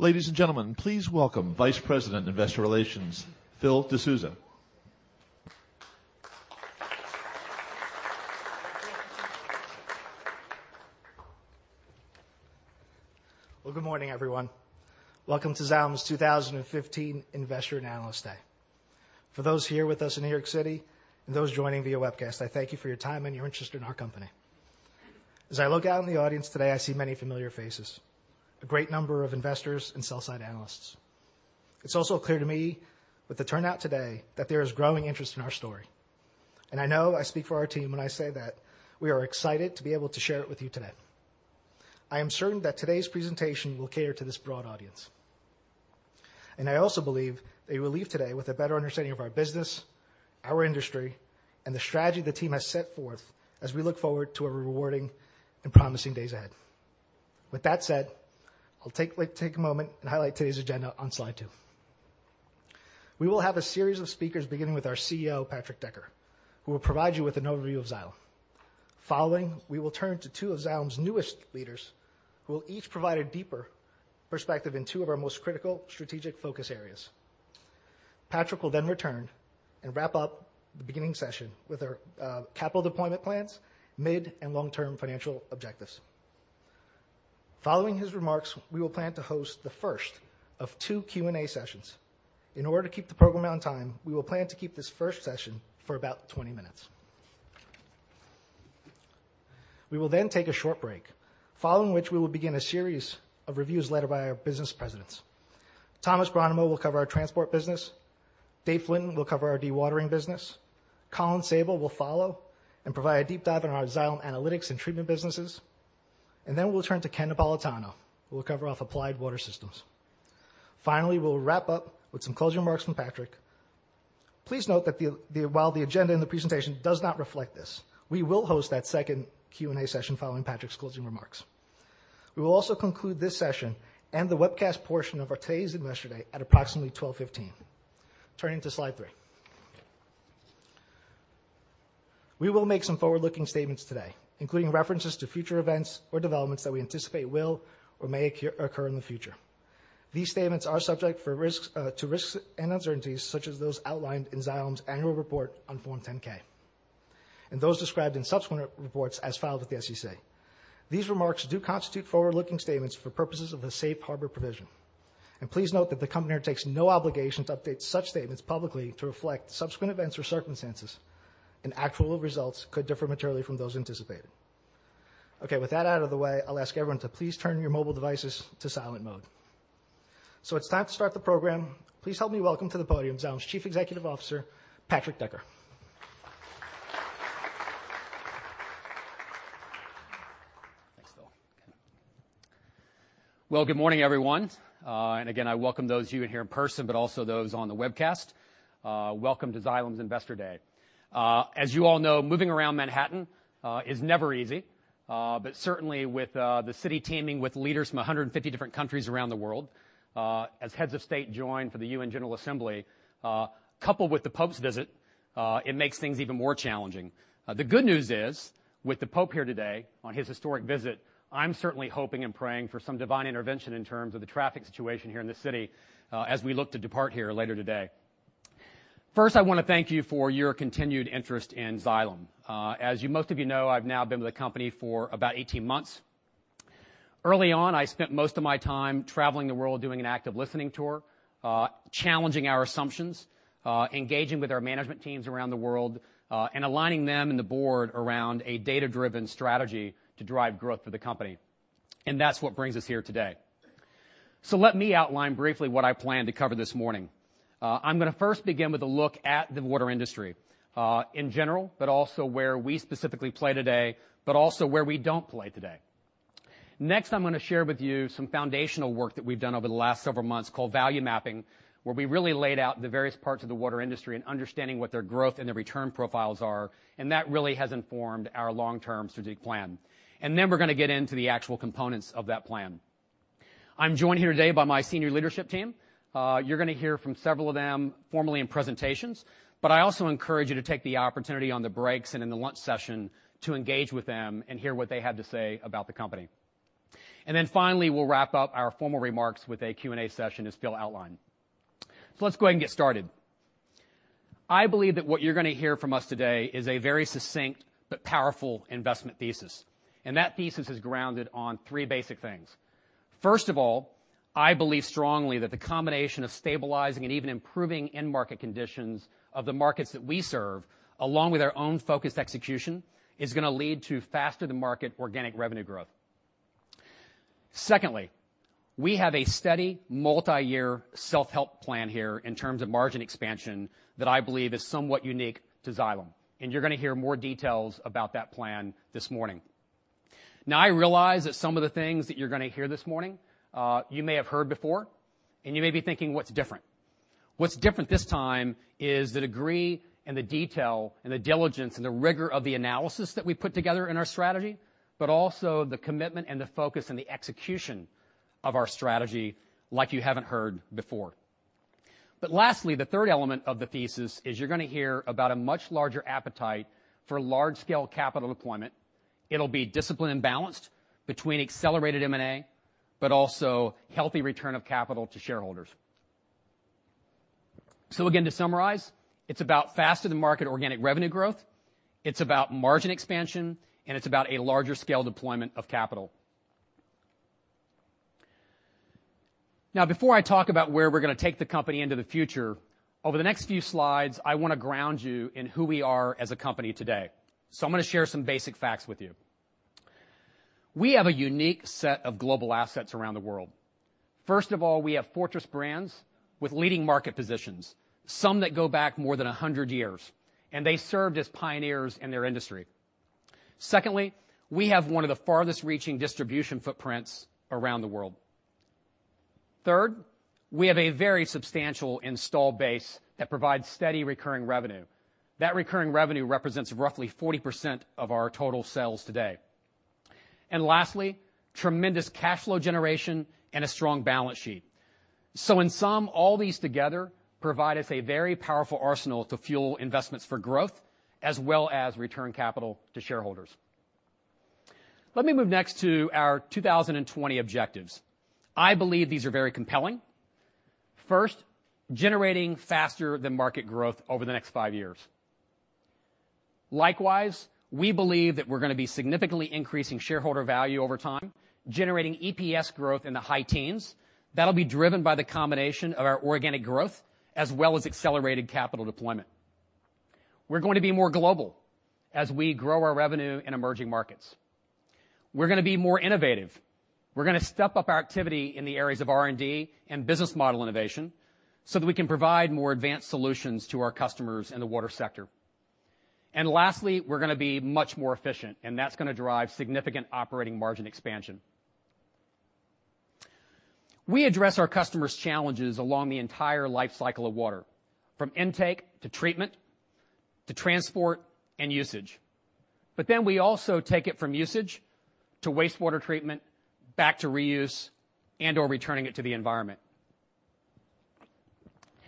Ladies and gentlemen, please welcome Vice President Investor Relations, Phil DeSousa. Good morning, everyone. Welcome to Xylem's 2015 Investor and Analyst Day. For those here with us in New York City and those joining via webcast, I thank you for your time and your interest in our company. As I look out in the audience today, I see many familiar faces, a great number of investors and sell-side analysts. It's also clear to me with the turnout today that there is growing interest in our story, and I know I speak for our team when I say that we are excited to be able to share it with you today. I am certain that today's presentation will cater to this broad audience, and I also believe that you will leave today with a better understanding of our business, our industry, and the strategy the team has set forth as we look forward to rewarding and promising days ahead. With that said, I'll take a moment and highlight today's agenda on slide two. We will have a series of speakers, beginning with our CEO, Patrick Decker, who will provide you with an overview of Xylem. Following, we will turn to two of Xylem's newest leaders, who will each provide a deeper perspective in two of our most critical strategic focus areas. Patrick will then return and wrap up the beginning session with our capital deployment plans, mid and long-term financial objectives. Following his remarks, we will plan to host the first of two Q&A sessions. In order to keep the program on time, we will plan to keep this first session for about 20 minutes. We will then take a short break, following which we will begin a series of reviews led by our business presidents. Tomas Brannemo will cover our transport business, Dave Flinton will cover our dewatering business, Colin Sabol will follow and provide a deep dive on our Xylem Analytics and treatment businesses, then we'll turn to Ken Napolitano, who will cover off Applied Water Systems. Finally, we'll wrap up with some closing remarks from Patrick. Please note that while the agenda in the presentation does not reflect this, we will host that second Q&A session following Patrick's closing remarks. We will also conclude this session and the webcast portion of our today's Investor Day at approximately 12:15 P.M. Turning to slide three. We will make some forward-looking statements today, including references to future events or developments that we anticipate will or may occur in the future. These statements are subject to risks and uncertainties such as those outlined in Xylem's annual report on Form 10-K and those described in subsequent reports as filed with the SEC. These remarks do constitute forward-looking statements for purposes of the safe harbor provision. Please note that the company undertakes no obligation to update such statements publicly to reflect subsequent events or circumstances. Actual results could differ materially from those anticipated. Okay. With that out of the way, I'll ask everyone to please turn your mobile devices to silent mode. It's time to start the program. Please help me welcome to the podium Xylem's Chief Executive Officer, Patrick Decker. Thanks, Phil. Well, good morning, everyone. Again, I welcome those of you in here in person, but also those on the webcast. Welcome to Xylem's Investor Day. As you all know, moving around Manhattan is never easy. Certainly, with the city teeming with leaders from 150 different countries around the world, as heads of state join for the UN General Assembly, coupled with the Pope's visit, it makes things even more challenging. The good news is, with the Pope here today on his historic visit, I'm certainly hoping and praying for some divine intervention in terms of the traffic situation here in the city as we look to depart here later today. First, I want to thank you for your continued interest in Xylem. As most of you know, I've now been with the company for about 18 months. Early on, I spent most of my time traveling the world doing an active listening tour, challenging our assumptions, engaging with our management teams around the world, aligning them and the board around a data-driven strategy to drive growth for the company. That's what brings us here today. Let me outline briefly what I plan to cover this morning. I'm going to first begin with a look at the water industry, in general, but also where we specifically play today, but also where we don't play today. Next, I'm going to share with you some foundational work that we've done over the last several months called value mapping, where we really laid out the various parts of the water industry and understanding what their growth and their return profiles are. That really has informed our long-term strategic plan. Then we're going to get into the actual components of that plan. I'm joined here today by my senior leadership team. You're going to hear from several of them formally in presentations, but I also encourage you to take the opportunity on the breaks and in the lunch session to engage with them and hear what they have to say about the company. Then finally, we'll wrap up our formal remarks with a Q&A session, as Phil outlined. Let's go ahead and get started. I believe that what you're going to hear from us today is a very succinct but powerful investment thesis. That thesis is grounded on three basic things. First of all, I believe strongly that the combination of stabilizing and even improving end-market conditions of the markets that we serve, along with our own focused execution, is going to lead to faster-than-market organic revenue growth. Secondly, we have a steady, multi-year self-help plan here in terms of margin expansion that I believe is somewhat unique to Xylem, and you're going to hear more details about that plan this morning. I realize that some of the things that you're going to hear this morning, you may have heard before, and you may be thinking, "What's different?" What's different this time is the degree and the detail and the diligence and the rigor of the analysis that we put together in our strategy, but also the commitment and the focus and the execution of our strategy like you haven't heard before. Lastly, the third element of the thesis is you're going to hear about a much larger appetite for large-scale capital deployment. It'll be disciplined and balanced between accelerated M&A, but also healthy return of capital to shareholders. Again, to summarize, it's about faster-than-market organic revenue growth. It's about margin expansion, and it's about a larger scale deployment of capital. Before I talk about where we're going to take the company into the future, over the next few slides, I want to ground you in who we are as a company today. I'm going to share some basic facts with you. We have a unique set of global assets around the world. First of all, we have fortress brands with leading market positions, some that go back more than 100 years, and they served as pioneers in their industry. Secondly, we have one of the farthest-reaching distribution footprints around the world. Third, we have a very substantial installed base that provides steady recurring revenue. That recurring revenue represents roughly 40% of our total sales today. Lastly, tremendous cash flow generation and a strong balance sheet. In sum, all these together provide us a very powerful arsenal to fuel investments for growth as well as return capital to shareholders. Let me move next to our 2020 objectives. I believe these are very compelling. First, generating faster-than-market growth over the next five years. Likewise, we believe that we're going to be significantly increasing shareholder value over time, generating EPS growth in the high teens. That'll be driven by the combination of our organic growth as well as accelerated capital deployment. We're going to be more global as we grow our revenue in emerging markets. We're going to be more innovative. We're going to step up our activity in the areas of R&D and business model innovation so that we can provide more advanced solutions to our customers in the water sector. Lastly, we're going to be much more efficient, and that's going to drive significant operating margin expansion. We address our customers' challenges along the entire life cycle of water, from intake to treatment to transport and usage. We also take it from usage to wastewater treatment back to reuse and/or returning it to the environment.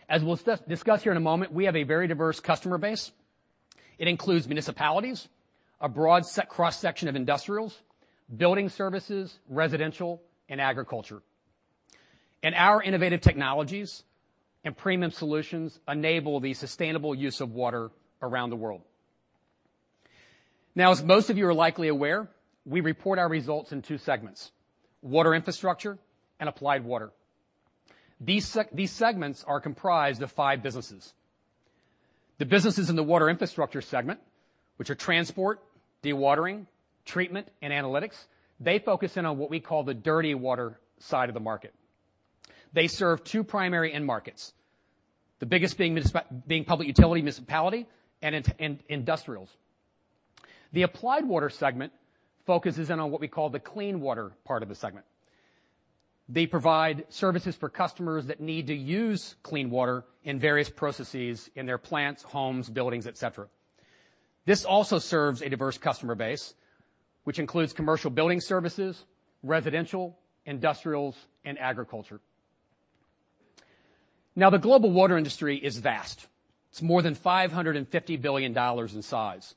As we'll discuss here in a moment, we have a very diverse customer base. It includes municipalities, a broad cross-section of industrials, building services, residential, and agriculture. Our innovative technologies and premium solutions enable the sustainable use of water around the world. As most of you are likely aware, we report our results in two segments: Water Infrastructure and Applied Water. These segments are comprised of five businesses. The businesses in the Water Infrastructure segment, which are Transport, Dewatering, Treatment, and Analytics. They focus in on what we call the dirty water side of the market. They serve two primary end markets, the biggest being public utility municipality and industrials. The Applied Water segment focuses in on what we call the clean water part of the segment. They provide services for customers that need to use clean water in various processes in their plants, homes, buildings, et cetera. This also serves a diverse customer base, which includes commercial building services, residential, industrials, and agriculture. The global water industry is vast. It is more than $550 billion in size.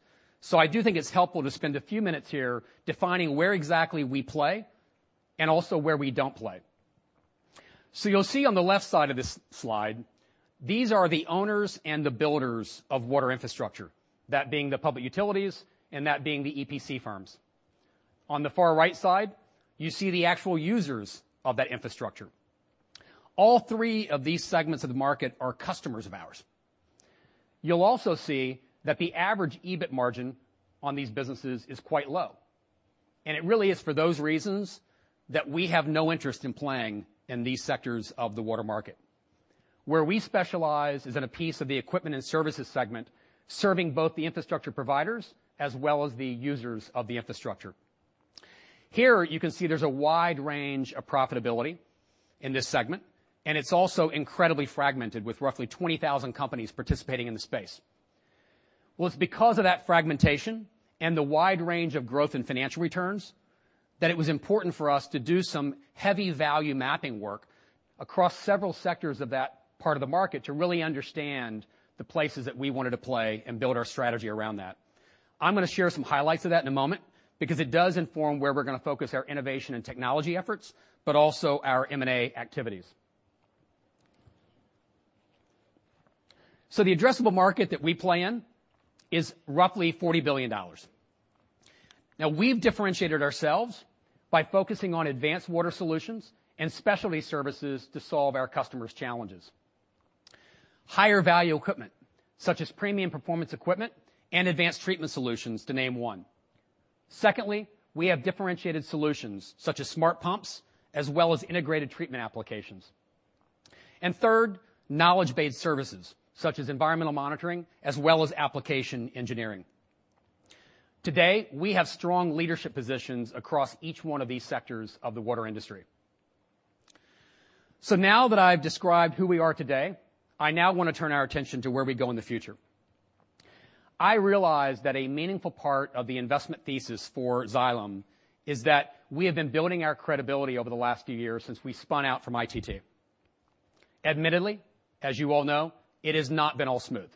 I do think it is helpful to spend a few minutes here defining where exactly we play and also where we do not play. You will see on the left side of this slide, these are the owners and the builders of water infrastructure, that being the public utilities, and that being the EPC firms. On the far right side, you see the actual users of that infrastructure. All three of these segments of the market are customers of ours. You will also see that the average EBIT margin on these businesses is quite low, and it really is for those reasons that we have no interest in playing in these sectors of the water market. Where we specialize is in a piece of the equipment and services segment, serving both the infrastructure providers as well as the users of the infrastructure. Here you can see there is a wide range of profitability in this segment, and it is also incredibly fragmented with roughly 20,000 companies participating in the space. Well, it is because of that fragmentation and the wide range of growth in financial returns that it was important for us to do some heavy value mapping work across several sectors of that part of the market to really understand the places that we wanted to play and build our strategy around that. I am going to share some highlights of that in a moment because it does inform where we are going to focus our innovation and technology efforts, but also our M&A activities. The addressable market that we play in is roughly $40 billion. We have differentiated ourselves by focusing on advanced water solutions and specialty services to solve our customers' challenges. Higher value equipment, such as premium performance equipment and advanced treatment solutions, to name one. Secondly, we have differentiated solutions such as smart pumps as well as integrated treatment applications. Third, knowledge-based services such as environmental monitoring as well as application engineering. Today, we have strong leadership positions across each one of these sectors of the water industry. Now that I have described who we are today, I now want to turn our attention to where we go in the future. I realize that a meaningful part of the investment thesis for Xylem is that we have been building our credibility over the last few years since we spun out from ITT. Admittedly, as you all know, it has not been all smooth.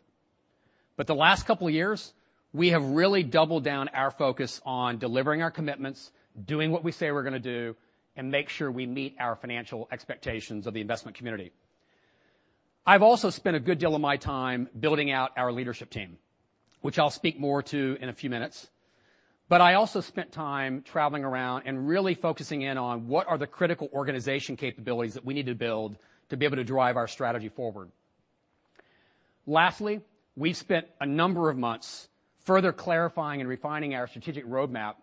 The last couple of years, we have really doubled down our focus on delivering our commitments, doing what we say we're going to do, and make sure we meet our financial expectations of the investment community. I've also spent a good deal of my time building out our leadership team, which I'll speak more to in a few minutes. I also spent time traveling around and really focusing in on what are the critical organization capabilities that we need to build to be able to drive our strategy forward. Lastly, we've spent a number of months further clarifying and refining our strategic roadmap,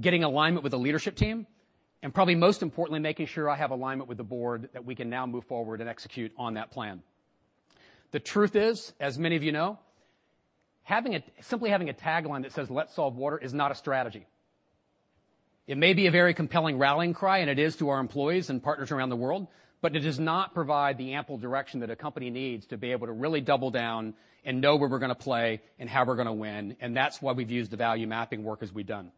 getting alignment with the leadership team, and probably most importantly, making sure I have alignment with the board that we can now move forward and execute on that plan. The truth is, as many of you know, simply having a tagline that says, "Let's solve water," is not a strategy. It may be a very compelling rallying cry, and it is to our employees and partners around the world, but it does not provide the ample direction that a company needs to be able to really double down and know where we're going to play and how we're going to win, and that's why we've used the value mapping work as we've done.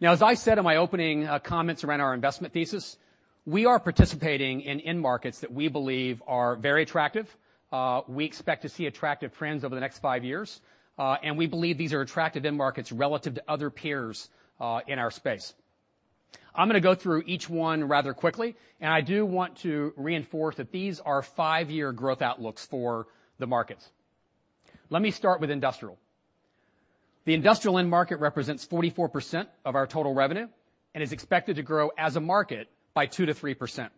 Now, as I said in my opening comments around our investment thesis, we are participating in end markets that we believe are very attractive. We expect to see attractive trends over the next five years, and we believe these are attractive end markets relative to other peers in our space. I'm going to go through each one rather quickly, and I do want to reinforce that these are five-year growth outlooks for the markets. Let me start with industrial. The industrial end market represents 44% of our total revenue and is expected to grow as a market by 2%-3%.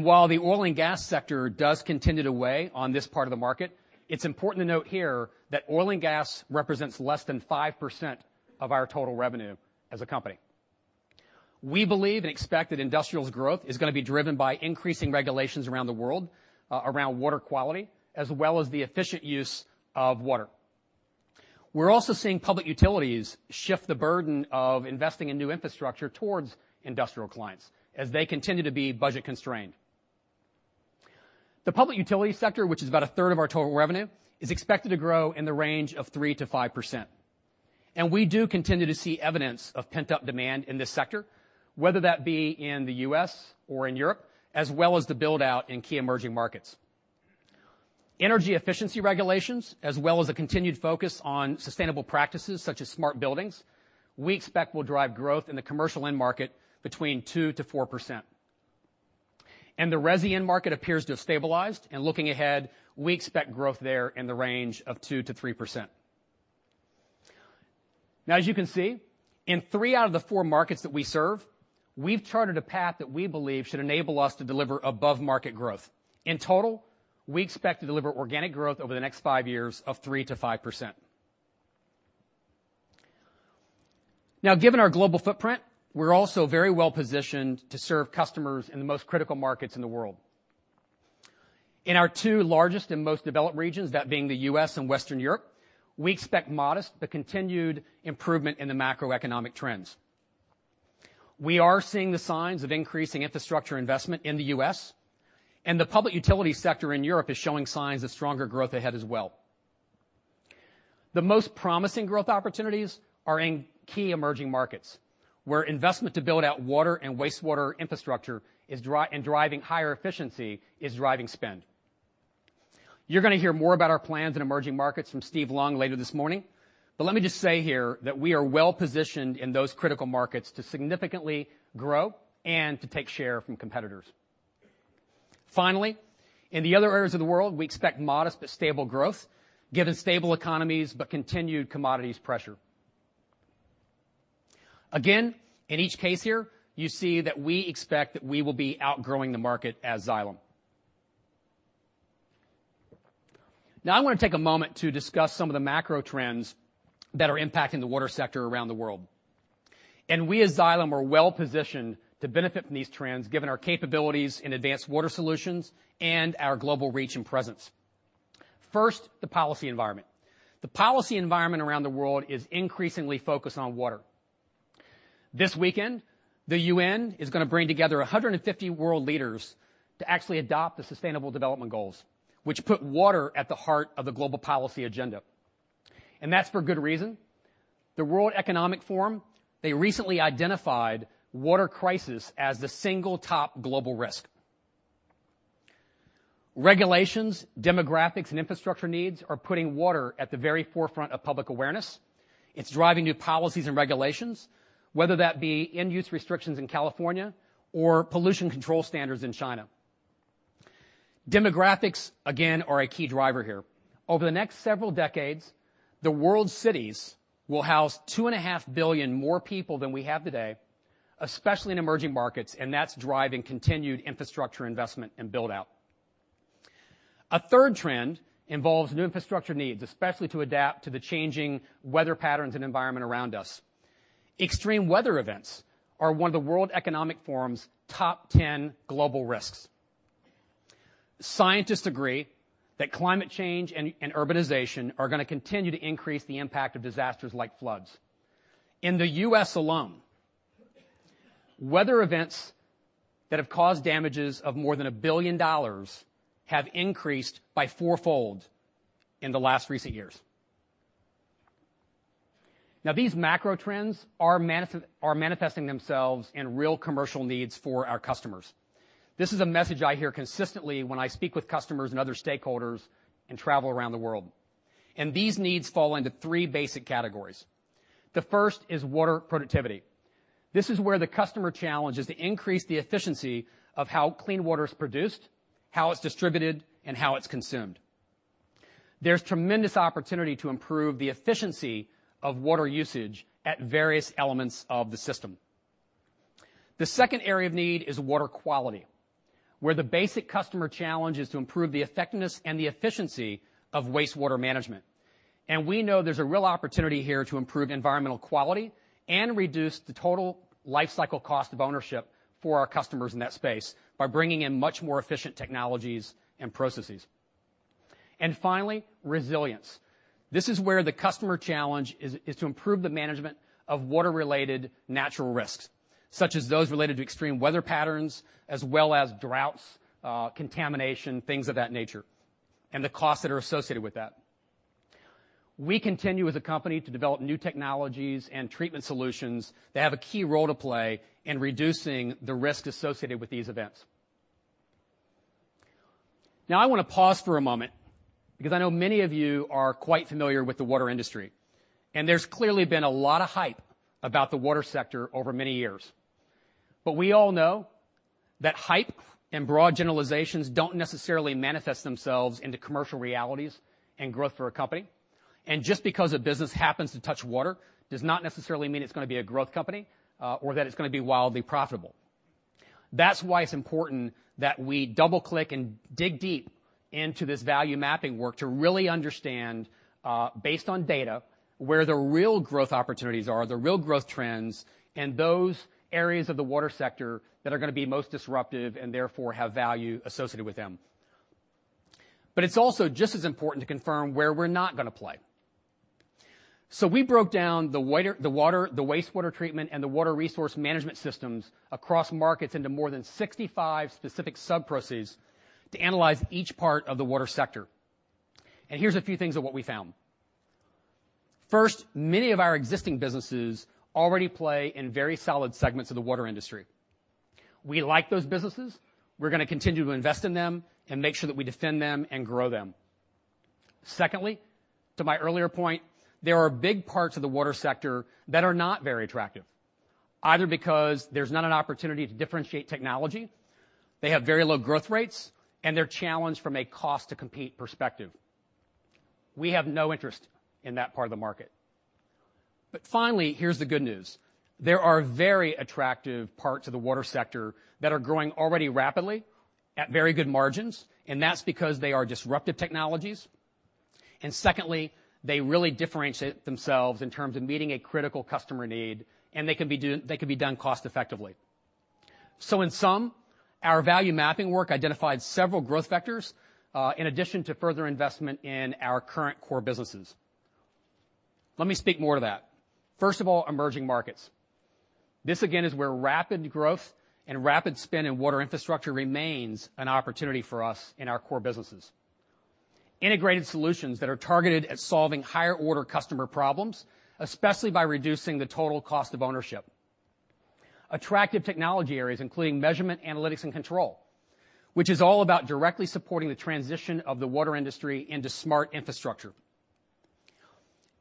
While the oil and gas sector does continue to weigh on this part of the market, it's important to note here that oil and gas represents less than 5% of our total revenue as a company. We believe and expect that industrial's growth is going to be driven by increasing regulations around the world, around water quality, as well as the efficient use of water. We're also seeing public utilities shift the burden of investing in new infrastructure towards industrial clients as they continue to be budget-constrained. The public utility sector, which is about a third of our total revenue, is expected to grow in the range of 3%-5%. We do continue to see evidence of pent-up demand in this sector, whether that be in the U.S. or in Europe, as well as the build-out in key emerging markets. Energy efficiency regulations, as well as a continued focus on sustainable practices such as smart buildings, we expect will drive growth in the commercial end market between 2%-4%. The resi end market appears to have stabilized, and looking ahead, we expect growth there in the range of 2%-3%. Now, as you can see, in three out of the four markets that we serve, we've charted a path that we believe should enable us to deliver above-market growth. In total, we expect to deliver organic growth over the next five years of 3%-5%. Given our global footprint, we're also very well-positioned to serve customers in the most critical markets in the world. In our two largest and most developed regions, that being the U.S. and Western Europe, we expect modest but continued improvement in the macroeconomic trends. We are seeing the signs of increasing infrastructure investment in the U.S., and the public utility sector in Europe is showing signs of stronger growth ahead as well. The most promising growth opportunities are in key emerging markets, where investment to build out water and wastewater infrastructure and driving higher efficiency is driving spend. You're going to hear more about our plans in emerging markets from Steve Leung later this morning. Let me just say here that we are well-positioned in those critical markets to significantly grow and to take share from competitors. Finally, in the other areas of the world, we expect modest but stable growth, given stable economies but continued commodities pressure. Again, in each case here, you see that we expect that we will be outgrowing the market as Xylem. I want to take a moment to discuss some of the macro trends that are impacting the water sector around the world. We as Xylem are well-positioned to benefit from these trends, given our capabilities in advanced water solutions and our global reach and presence. First, the policy environment. The policy environment around the world is increasingly focused on water. This weekend, the UN is going to bring together 150 world leaders to actually adopt the Sustainable Development Goals, which put water at the heart of the global policy agenda. That's for good reason. The World Economic Forum, they recently identified water crisis as the single top global risk. Regulations, demographics, and infrastructure needs are putting water at the very forefront of public awareness. It's driving new policies and regulations, whether that be end-use restrictions in California or pollution control standards in China. Demographics, again, are a key driver here. Over the next several decades, the world's cities will house two and a half billion more people than we have today, especially in emerging markets, and that's driving continued infrastructure investment and build-out. A third trend involves new infrastructure needs, especially to adapt to the changing weather patterns and environment around us. Extreme weather events are one of the World Economic Forum's top 10 global risks. Scientists agree that climate change and urbanization are going to continue to increase the impact of disasters like floods. In the U.S. alone, weather events that have caused damages of more than $1 billion have increased by fourfold in the last recent years. These macro trends are manifesting themselves in real commercial needs for our customers. This is a message I hear consistently when I speak with customers and other stakeholders and travel around the world, these needs fall into three basic categories. The first is water productivity. This is where the customer challenge is to increase the efficiency of how clean water is produced, how it's distributed, and how it's consumed. There's tremendous opportunity to improve the efficiency of water usage at various elements of the system. The second area of need is water quality, where the basic customer challenge is to improve the effectiveness and the efficiency of wastewater management. We know there's a real opportunity here to improve environmental quality and reduce the total lifecycle cost of ownership for our customers in that space by bringing in much more efficient technologies and processes. Finally, resilience. This is where the customer challenge is to improve the management of water-related natural risks, such as those related to extreme weather patterns, as well as droughts, contamination, things of that nature, and the costs that are associated with that. We continue, as a company, to develop new technologies and treatment solutions that have a key role to play in reducing the risk associated with these events. Now, I want to pause for a moment because I know many of you are quite familiar with the water industry. There's clearly been a lot of hype about the water sector over many years. We all know that hype and broad generalizations don't necessarily manifest themselves into commercial realities and growth for a company. Just because a business happens to touch water does not necessarily mean it's going to be a growth company, or that it's going to be wildly profitable. That's why it's important that we double-click and dig deep into this value mapping work to really understand, based on data, where the real growth opportunities are, the real growth trends, and those areas of the water sector that are going to be most disruptive and therefore have value associated with them. It's also just as important to confirm where we're not going to play. We broke down the wastewater treatment and the water resource management systems across markets into more than 65 specific sub-processes to analyze each part of the water sector. Here's a few things of what we found. First, many of our existing businesses already play in very solid segments of the water industry. We like those businesses. We're going to continue to invest in them and make sure that we defend them and grow them. Secondly, to my earlier point, there are big parts of the water sector that are not very attractive, either because there's not an opportunity to differentiate technology, they have very low growth rates, and they're challenged from a cost to compete perspective. We have no interest in that part of the market. Finally, here's the good news. There are very attractive parts of the water sector that are growing already rapidly at very good margins. That's because they are disruptive technologies. Secondly, they really differentiate themselves in terms of meeting a critical customer need. They can be done cost effectively. In sum, our value mapping work identified several growth vectors, in addition to further investment in our current core businesses. Let me speak more to that. First of all, emerging markets. This again is where rapid growth and rapid spend in water infrastructure remains an opportunity for us in our core businesses. Integrated solutions that are targeted at solving higher-order customer problems, especially by reducing the total cost of ownership. Attractive technology areas including measurement, analytics, and control, which is all about directly supporting the transition of the water industry into smart infrastructure.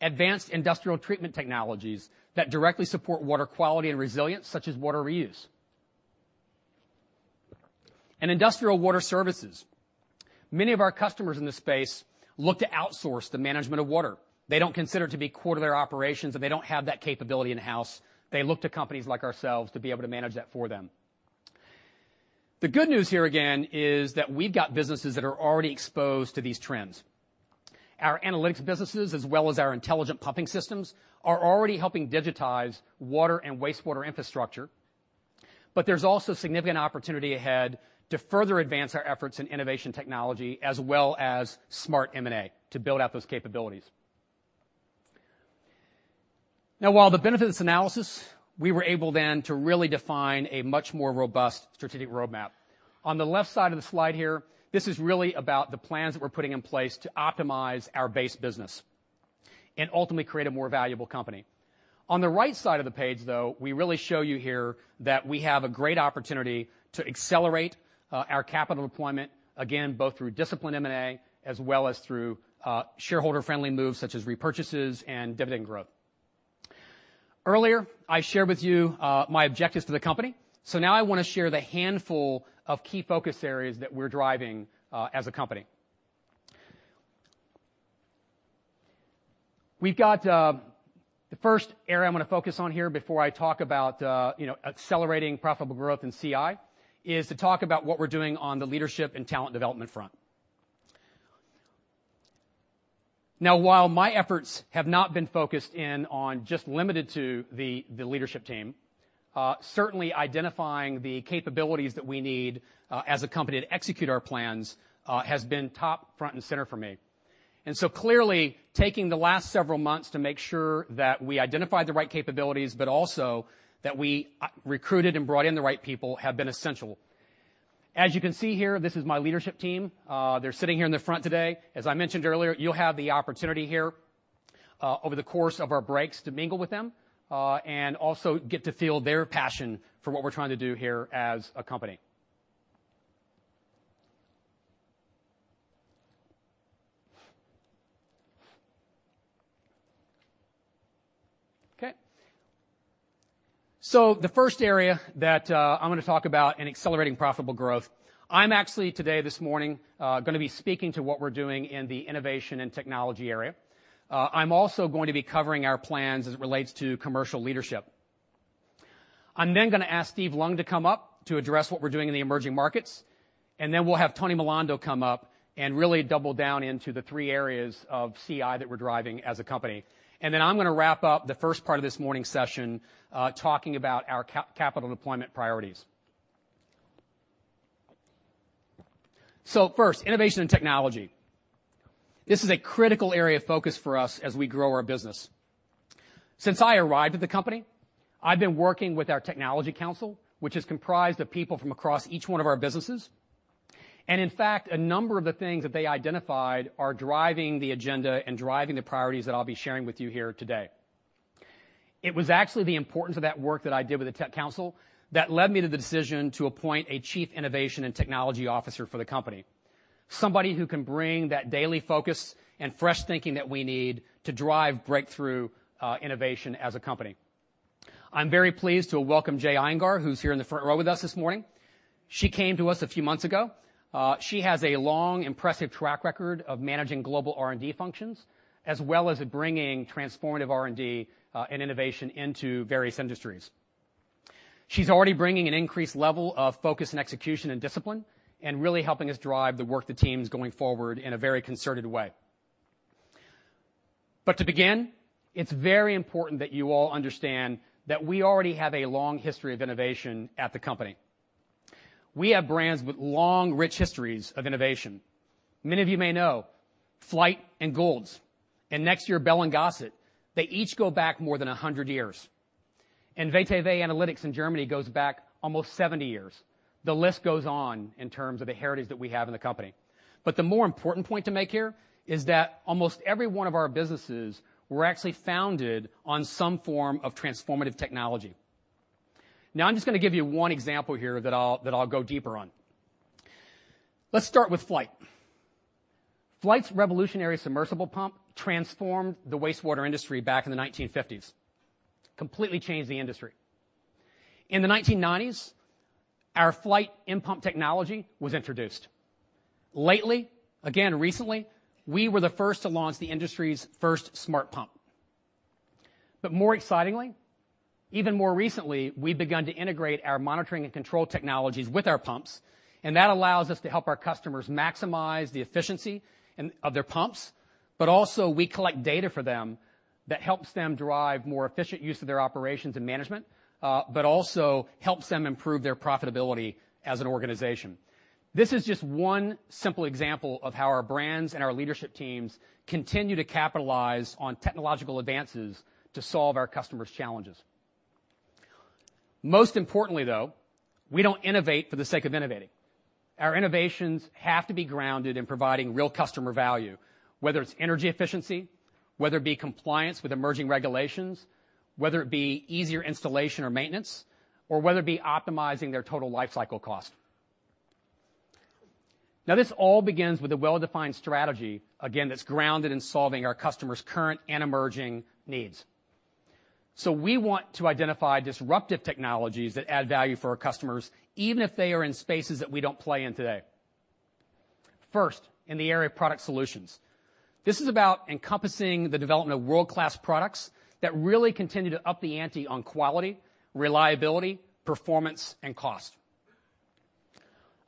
Advanced industrial treatment technologies that directly support water quality and resilience, such as water reuse. Industrial water services. Many of our customers in this space look to outsource the management of water. They don't consider it to be core to their operations, and they don't have that capability in-house. They look to companies like ourselves to be able to manage that for them. The good news here, again, is that we've got businesses that are already exposed to these trends. Our analytics businesses, as well as our intelligent pumping systems, are already helping digitize water and wastewater infrastructure. There's also significant opportunity ahead to further advance our efforts in innovation technology as well as smart M&A to build out those capabilities. While the benefits analysis, we were able then to really define a much more robust strategic roadmap. On the left side of the slide here, this is really about the plans that we're putting in place to optimize our base business and ultimately create a more valuable company. On the right side of the page, though, we really show you here that we have a great opportunity to accelerate our capital deployment, again, both through disciplined M&A as well as through shareholder-friendly moves such as repurchases and dividend growth. Earlier, I shared with you my objectives for the company. Now I want to share the handful of key focus areas that we're driving as a company. The first area I'm going to focus on here before I talk about accelerating profitable growth in CI is to talk about what we're doing on the leadership and talent development front. While my efforts have not been focused in on just limited to the leadership team, certainly identifying the capabilities that we need as a company to execute our plans has been top front and center for me. Clearly, taking the last several months to make sure that we identified the right capabilities, but also that we recruited and brought in the right people, have been essential. As you can see here, this is my leadership team. They're sitting here in the front today. As I mentioned earlier, you'll have the opportunity here over the course of our breaks to mingle with them, and also get to feel their passion for what we're trying to do here as a company. Okay. The first area that I'm going to talk about in accelerating profitable growth, I'm actually today, this morning, going to be speaking to what we're doing in the innovation and technology area. I'm also going to be covering our plans as it relates to commercial leadership. I'm then going to ask Steven Leung to come up to address what we're doing in the emerging markets, and then we'll have Tony Milando come up and really double down into the three areas of CI that we're driving as a company. I'm going to wrap up the first part of this morning's session talking about our capital deployment priorities. First, innovation and technology. This is a critical area of focus for us as we grow our business. Since I arrived at the company, I've been working with our technology council, which is comprised of people from across each one of our businesses. In fact, a number of the things that they identified are driving the agenda and driving the priorities that I'll be sharing with you here today. It was actually the importance of that work that I did with the tech council that led me to the decision to appoint a Chief Innovation and Technology Officer for the company, somebody who can bring that daily focus and fresh thinking that we need to drive breakthrough innovation as a company. I'm very pleased to welcome Jay Iyengar, who's here in the front row with us this morning. She came to us a few months ago. She has a long, impressive track record of managing global R&D functions, as well as bringing transformative R&D and innovation into various industries. She's already bringing an increased level of focus and execution and discipline, really helping us drive the work the team's going forward in a very concerted way. To begin, it's very important that you all understand that we already have a long history of innovation at the company. We have brands with long, rich histories of innovation. Many of you may know Flygt and Goulds, next year, Bell & Gossett. They each go back more than 100 years. Xylem Analytics in Germany goes back almost 70 years. The list goes on in terms of the heritage that we have in the company. The more important point to make here is that almost every one of our businesses were actually founded on some form of transformative technology. I'm just going to give you one example here that I'll go deeper on. Let's start with Flygt. Flygt's revolutionary submersible pump transformed the wastewater industry back in the 1950s. Completely changed the industry. In the 1990s, our Flygt N-pump technology was introduced. Lately, again, recently, we were the first to launch the industry's first smart pump. More excitingly, even more recently, we've begun to integrate our monitoring and control technologies with our pumps, and that allows us to help our customers maximize the efficiency of their pumps. We collect data for them that helps them drive more efficient use of their operations and management, helps them improve their profitability as an organization. This is just one simple example of how our brands and our leadership teams continue to capitalize on technological advances to solve our customers' challenges. Most importantly, though, we don't innovate for the sake of innovating. Our innovations have to be grounded in providing real customer value, whether it's energy efficiency, whether it be compliance with emerging regulations, whether it be easier installation or maintenance, or whether it be optimizing their total lifecycle cost. This all begins with a well-defined strategy, again, that's grounded in solving our customers' current and emerging needs. We want to identify disruptive technologies that add value for our customers, even if they are in spaces that we don't play in today. First, in the area of product solutions. This is about encompassing the development of world-class products that really continue to up the ante on quality, reliability, performance, and cost.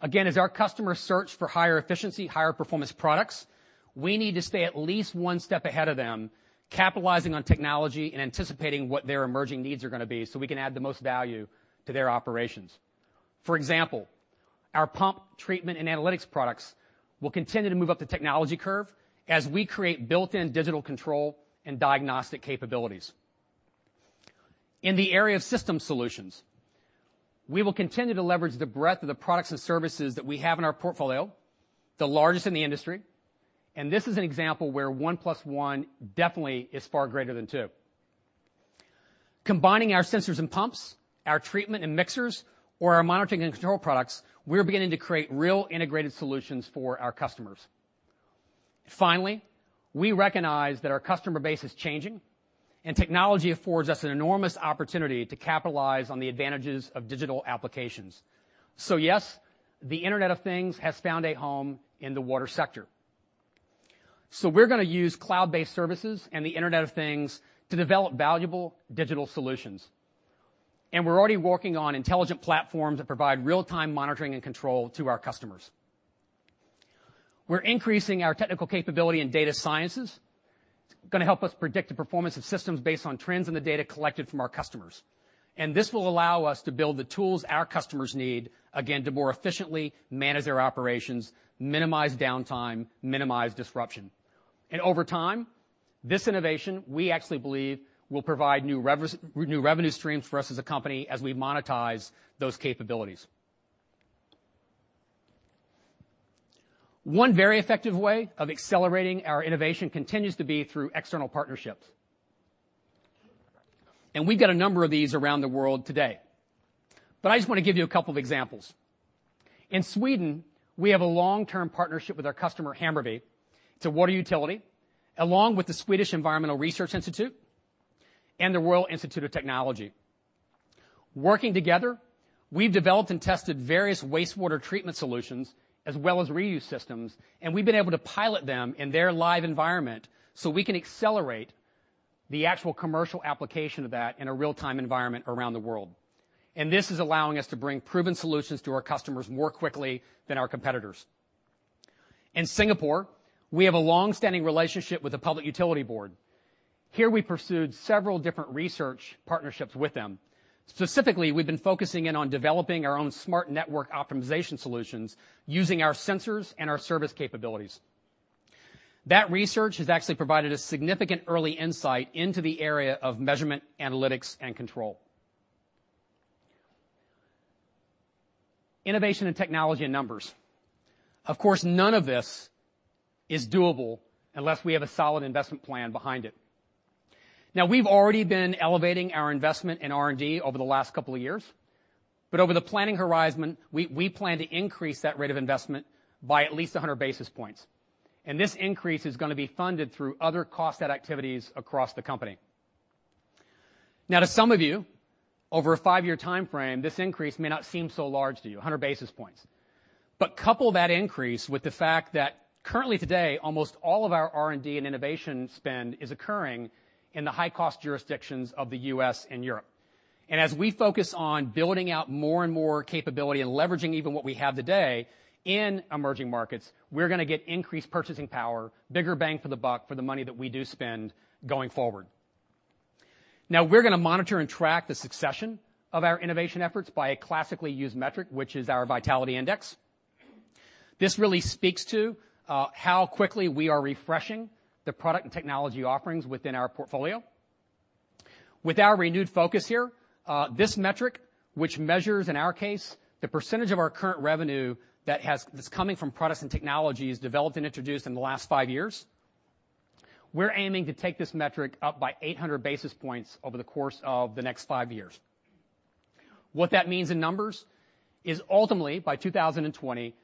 As our customers search for higher efficiency, higher performance products, we need to stay at least one step ahead of them, capitalizing on technology and anticipating what their emerging needs are going to be so we can add the most value to their operations. For example, our pump treatment and analytics products will continue to move up the technology curve as we create built-in digital control and diagnostic capabilities. In the area of system solutions, we will continue to leverage the breadth of the products and services that we have in our portfolio, the largest in the industry, this is an example where one plus one definitely is far greater than two. Combining our sensors and pumps, our treatment and mixers, or our monitoring and control products, we're beginning to create real integrated solutions for our customers. Finally, we recognize that our customer base is changing, technology affords us an enormous opportunity to capitalize on the advantages of digital applications. Yes, the Internet of Things has found a home in the water sector. We're going to use cloud-based services and the Internet of Things to develop valuable digital solutions. We're already working on intelligent platforms that provide real-time monitoring and control to our customers. We're increasing our technical capability in data sciences. This is going to help us predict the performance of systems based on trends in the data collected from our customers. This will allow us to build the tools our customers need, again, to more efficiently manage their operations, minimize downtime, minimize disruption. Over time, this innovation, we actually believe, will provide new revenue streams for us as a company as we monetize those capabilities. One very effective way of accelerating our innovation continues to be through external partnerships, we've got a number of these around the world today. I just want to give you a couple of examples. In Sweden, we have a long-term partnership with our customer, Hammarby. It's a water utility, along with the Swedish Environmental Research Institute and the Royal Institute of Technology. Working together, we've developed and tested various wastewater treatment solutions as well as reuse systems, we've been able to pilot them in their live environment so we can accelerate the actual commercial application of that in a real-time environment around the world. This is allowing us to bring proven solutions to our customers more quickly than our competitors. In Singapore, we have a long-standing relationship with the Public Utilities Board. Here, we pursued several different research partnerships with them. Specifically, we've been focusing in on developing our own smart network optimization solutions using our sensors and our service capabilities. That research has actually provided a significant early insight into the area of measurement, analytics, and control. Innovation and technology in numbers. Of course, none of this is doable unless we have a solid investment plan behind it. Now, we've already been elevating our investment in R&D over the last couple of years, over the planning horizon, we plan to increase that rate of investment by at least 100 basis points, this increase is going to be funded through other cost-out activities across the company. Now, to some of you, over a five-year timeframe, this increase may not seem so large to you, 100 basis points. Couple that increase with the fact that currently today, almost all of our R&D and innovation spend is occurring in the high-cost jurisdictions of the U.S. and Europe. As we focus on building out more and more capability and leveraging even what we have today in emerging markets, we're going to get increased purchasing power, bigger bang for the buck for the money that we do spend going forward. We're going to monitor and track the succession of our innovation efforts by a classically used metric, which is our vitality index. This really speaks to how quickly we are refreshing the product and technology offerings within our portfolio. With our renewed focus here, this metric, which measures, in our case, the percentage of our current revenue that's coming from products and technologies developed and introduced in the last five years, we're aiming to take this metric up by 800 basis points over the course of the next five years. What that means in numbers is ultimately, by 2020,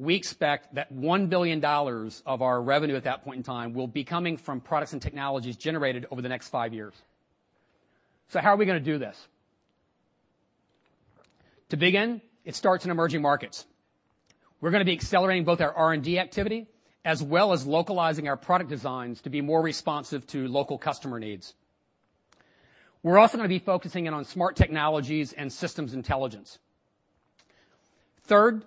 we expect that $1 billion of our revenue at that point in time will be coming from products and technologies generated over the next five years. How are we going to do this? To begin, it starts in emerging markets. We're going to be accelerating both our R&D activity as well as localizing our product designs to be more responsive to local customer needs. We're also going to be focusing in on smart technologies and systems intelligence. Third,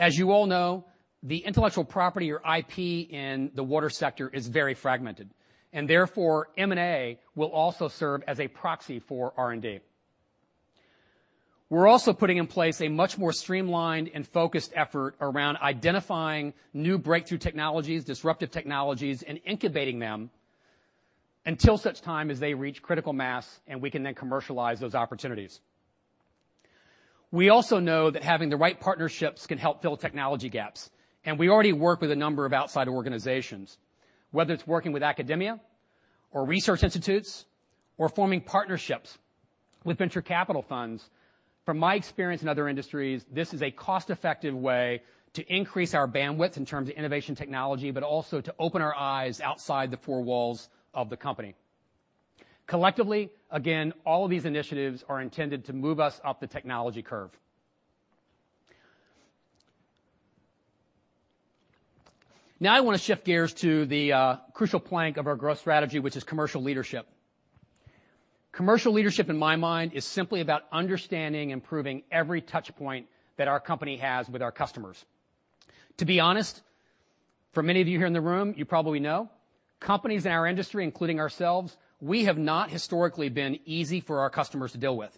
as you all know, the intellectual property or IP in the water sector is very fragmented. Therefore, M&A will also serve as a proxy for R&D. We're also putting in place a much more streamlined and focused effort around identifying new breakthrough technologies, disruptive technologies, and incubating them until such time as they reach critical mass and we can then commercialize those opportunities. We also know that having the right partnerships can help fill technology gaps. We already work with a number of outside organizations. Whether it's working with academia or research institutes or forming partnerships with venture capital funds, from my experience in other industries, this is a cost-effective way to increase our bandwidth in terms of innovation technology, but also to open our eyes outside the four walls of the company. Collectively, again, all of these initiatives are intended to move us up the technology curve. I want to shift gears to the crucial plank of our growth strategy, which is commercial leadership. Commercial leadership, in my mind, is simply about understanding and improving every touchpoint that our company has with our customers. To be honest, for many of you here in the room, you probably know, companies in our industry, including ourselves, we have not historically been easy for our customers to deal with.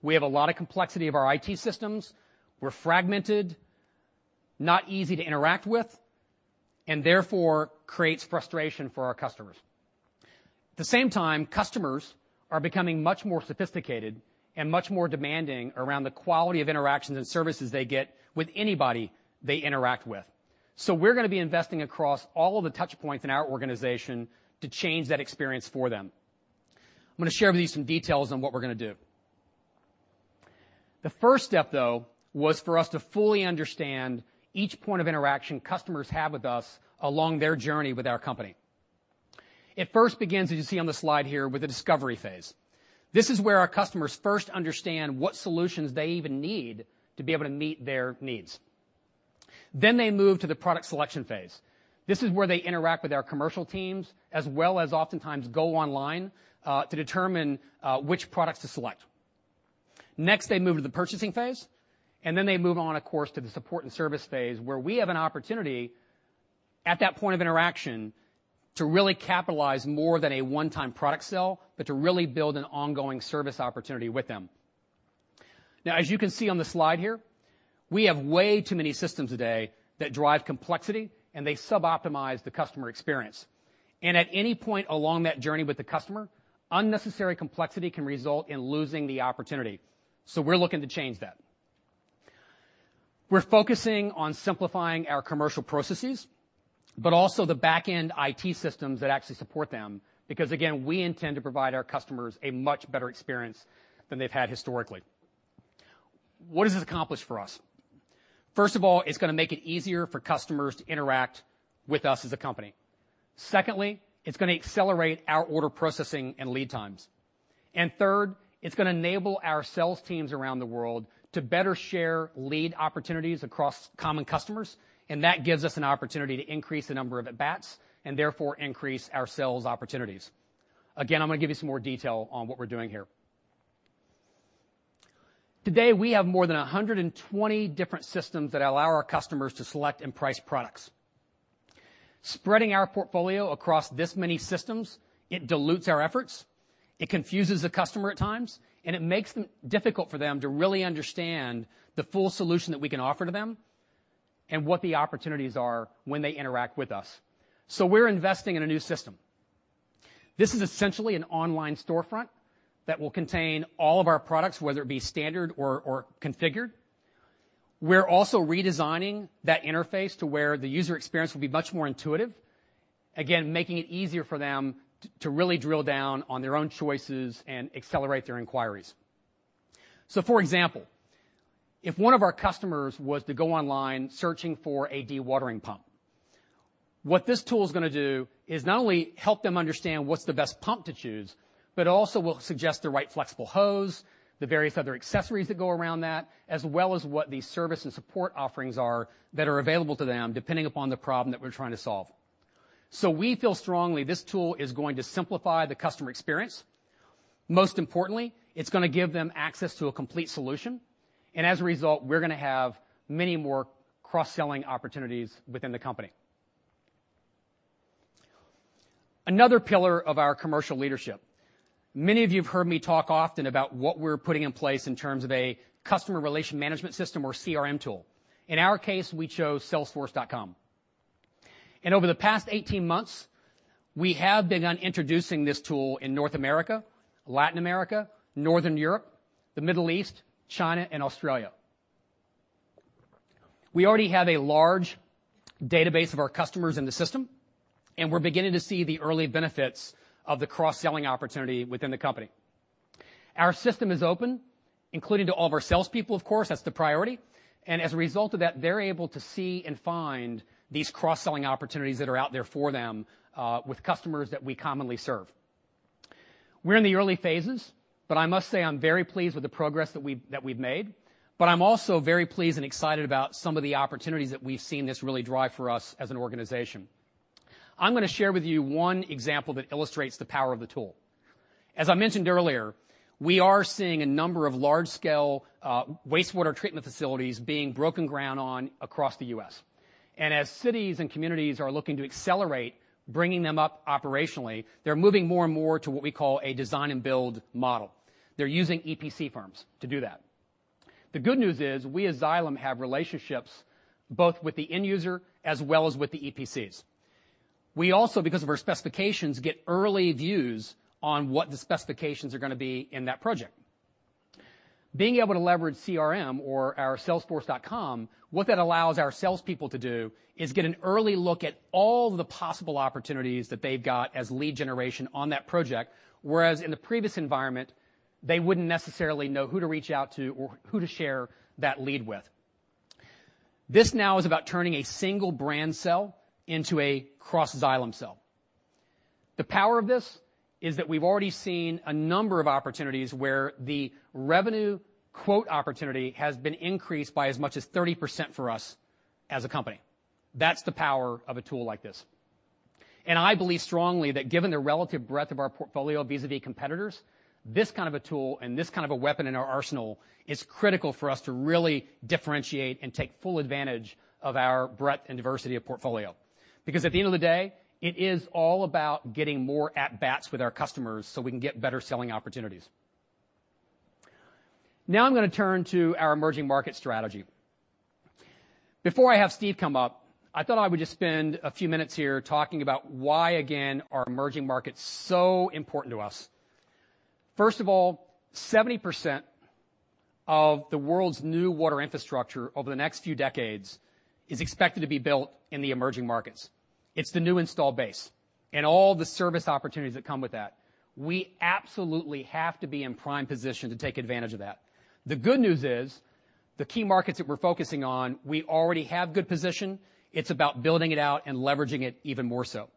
We have a lot of complexity of our IT systems. We're fragmented, not easy to interact with. Therefore, creates frustration for our customers. At the same time, customers are becoming much more sophisticated and much more demanding around the quality of interactions and services they get with anybody they interact with. We're going to be investing across all of the touchpoints in our organization to change that experience for them. I'm going to share with you some details on what we're going to do. The first step, though, was for us to fully understand each point of interaction customers have with us along their journey with our company. It first begins, as you see on the slide here, with the discovery phase. This is where our customers first understand what solutions they even need to be able to meet their needs. They move to the product selection phase. This is where they interact with our commercial teams, as well as oftentimes go online to determine which products to select. They move to the purchasing phase, and then they move on, of course, to the support and service phase, where we have an opportunity at that point of interaction to really capitalize more than a one-time product sale, but to really build an ongoing service opportunity with them. As you can see on the slide here, we have way too many systems today that drive complexity and they sub-optimize the customer experience. At any point along that journey with the customer, unnecessary complexity can result in losing the opportunity. We're looking to change that. We're focusing on simplifying our commercial processes, but also the back-end IT systems that actually support them, because again, we intend to provide our customers a much better experience than they've had historically. What does this accomplish for us? First of all, it's going to make it easier for customers to interact with us as a company. Secondly, it's going to accelerate our order processing and lead times. Third, it's going to enable our sales teams around the world to better share lead opportunities across common customers, and that gives us an opportunity to increase the number of at-bats, and therefore increase our sales opportunities. Again, I'm going to give you some more detail on what we're doing here. Today, we have more than 120 different systems that allow our customers to select and price products. Spreading our portfolio across this many systems, it dilutes our efforts, it confuses the customer at times, and it makes it difficult for them to really understand the full solution that we can offer to them and what the opportunities are when they interact with us. We're investing in a new system. This is essentially an online storefront that will contain all of our products, whether it be standard or configured. We're also redesigning that interface to where the user experience will be much more intuitive, again, making it easier for them to really drill down on their own choices and accelerate their inquiries. For example, if one of our customers was to go online searching for a dewatering pump, what this tool is going to do is not only help them understand what's the best pump to choose, but also will suggest the right flexible hose, the various other accessories that go around that, as well as what the service and support offerings are that are available to them, depending upon the problem that we're trying to solve. We feel strongly this tool is going to simplify the customer experience. Most importantly, it's going to give them access to a complete solution. As a result, we're going to have many more cross-selling opportunities within the company. Another pillar of our commercial leadership. Many of you have heard me talk often about what we're putting in place in terms of a customer relation management system or CRM tool. In our case, we chose salesforce.com. Over the past 18 months, we have begun introducing this tool in North America, Latin America, Northern Europe, the Middle East, China, and Australia. We already have a large database of our customers in the system. We're beginning to see the early benefits of the cross-selling opportunity within the company. Our system is open, including to all of our salespeople, of course, that's the priority. As a result of that, they're able to see and find these cross-selling opportunities that are out there for them, with customers that we commonly serve. We're in the early phases. I must say I'm very pleased with the progress that we've made. I'm also very pleased and excited about some of the opportunities that we've seen this really drive for us as an organization. I'm going to share with you one example that illustrates the power of the tool. As I mentioned earlier, we are seeing a number of large-scale wastewater treatment facilities being broken ground on across the U.S. As cities and communities are looking to accelerate bringing them up operationally, they're moving more and more to what we call a design and build model. They're using EPC firms to do that. The good news is we as Xylem have relationships both with the end user as well as with the EPCs. We also, because of our specifications, get early views on what the specifications are going to be in that project. Being able to leverage CRM or our salesforce.com, what that allows our salespeople to do is get an early look at all the possible opportunities that they've got as lead generation on that project, whereas in the previous environment, they wouldn't necessarily know who to reach out to or who to share that lead with. This now is about turning a single brand sell into a cross-Xylem sell. The power of this is that we've already seen a number of opportunities where the revenue quote opportunity has been increased by as much as 30% for us as a company. That's the power of a tool like this. I believe strongly that given the relative breadth of our portfolio vis-a-vis competitors, this kind of a tool and this kind of a weapon in our arsenal is critical for us to really differentiate and take full advantage of our breadth and diversity of portfolio. At the end of the day, it is all about getting more at-bats with our customers so we can get better selling opportunities. Now I'm going to turn to our emerging market strategy. Before I have Steve come up, I thought I would just spend a few minutes here talking about why, again, are emerging markets so important to us. First of all, 70% of the world's new water infrastructure over the next few decades is expected to be built in the emerging markets. It's the new install base and all the service opportunities that come with that. We absolutely have to be in prime position to take advantage of that. The good news is, the key markets that we're focusing on, we already have good position. It's about building it out and leveraging it even more so.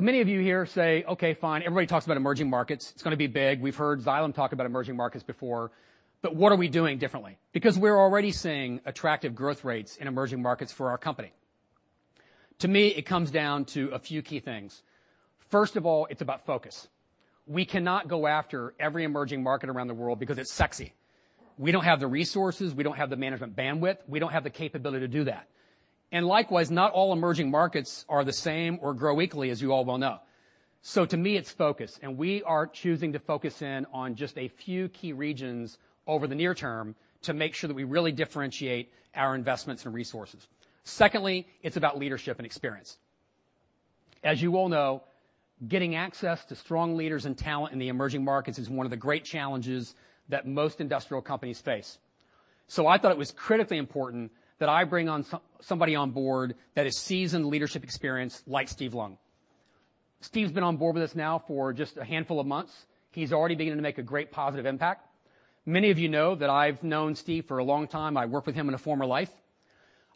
Many of you here say, "Okay, fine. Everybody talks about emerging markets. It's going to be big. We've heard Xylem talk about emerging markets before." What are we doing differently? Because we're already seeing attractive growth rates in emerging markets for our company. To me, it comes down to a few key things. First of all, it's about focus. We cannot go after every emerging market around the world because it's sexy. We don't have the resources. We don't have the management bandwidth. We don't have the capability to do that. And likewise, not all emerging markets are the same or grow equally, as you all well know. To me, it's focus, and we are choosing to focus in on just a few key regions over the near term to make sure that we really differentiate our investments and resources. Secondly, it's about leadership and experience. As you all know, getting access to strong leaders and talent in the emerging markets is one of the great challenges that most industrial companies face. I thought it was critically important that I bring on somebody on board that is seasoned leadership experience, like Steve Leung. Steve's been on board with us now for just a handful of months. He's already beginning to make a great positive impact. Many of you know that I've known Steve for a long time. I worked with him in a former life.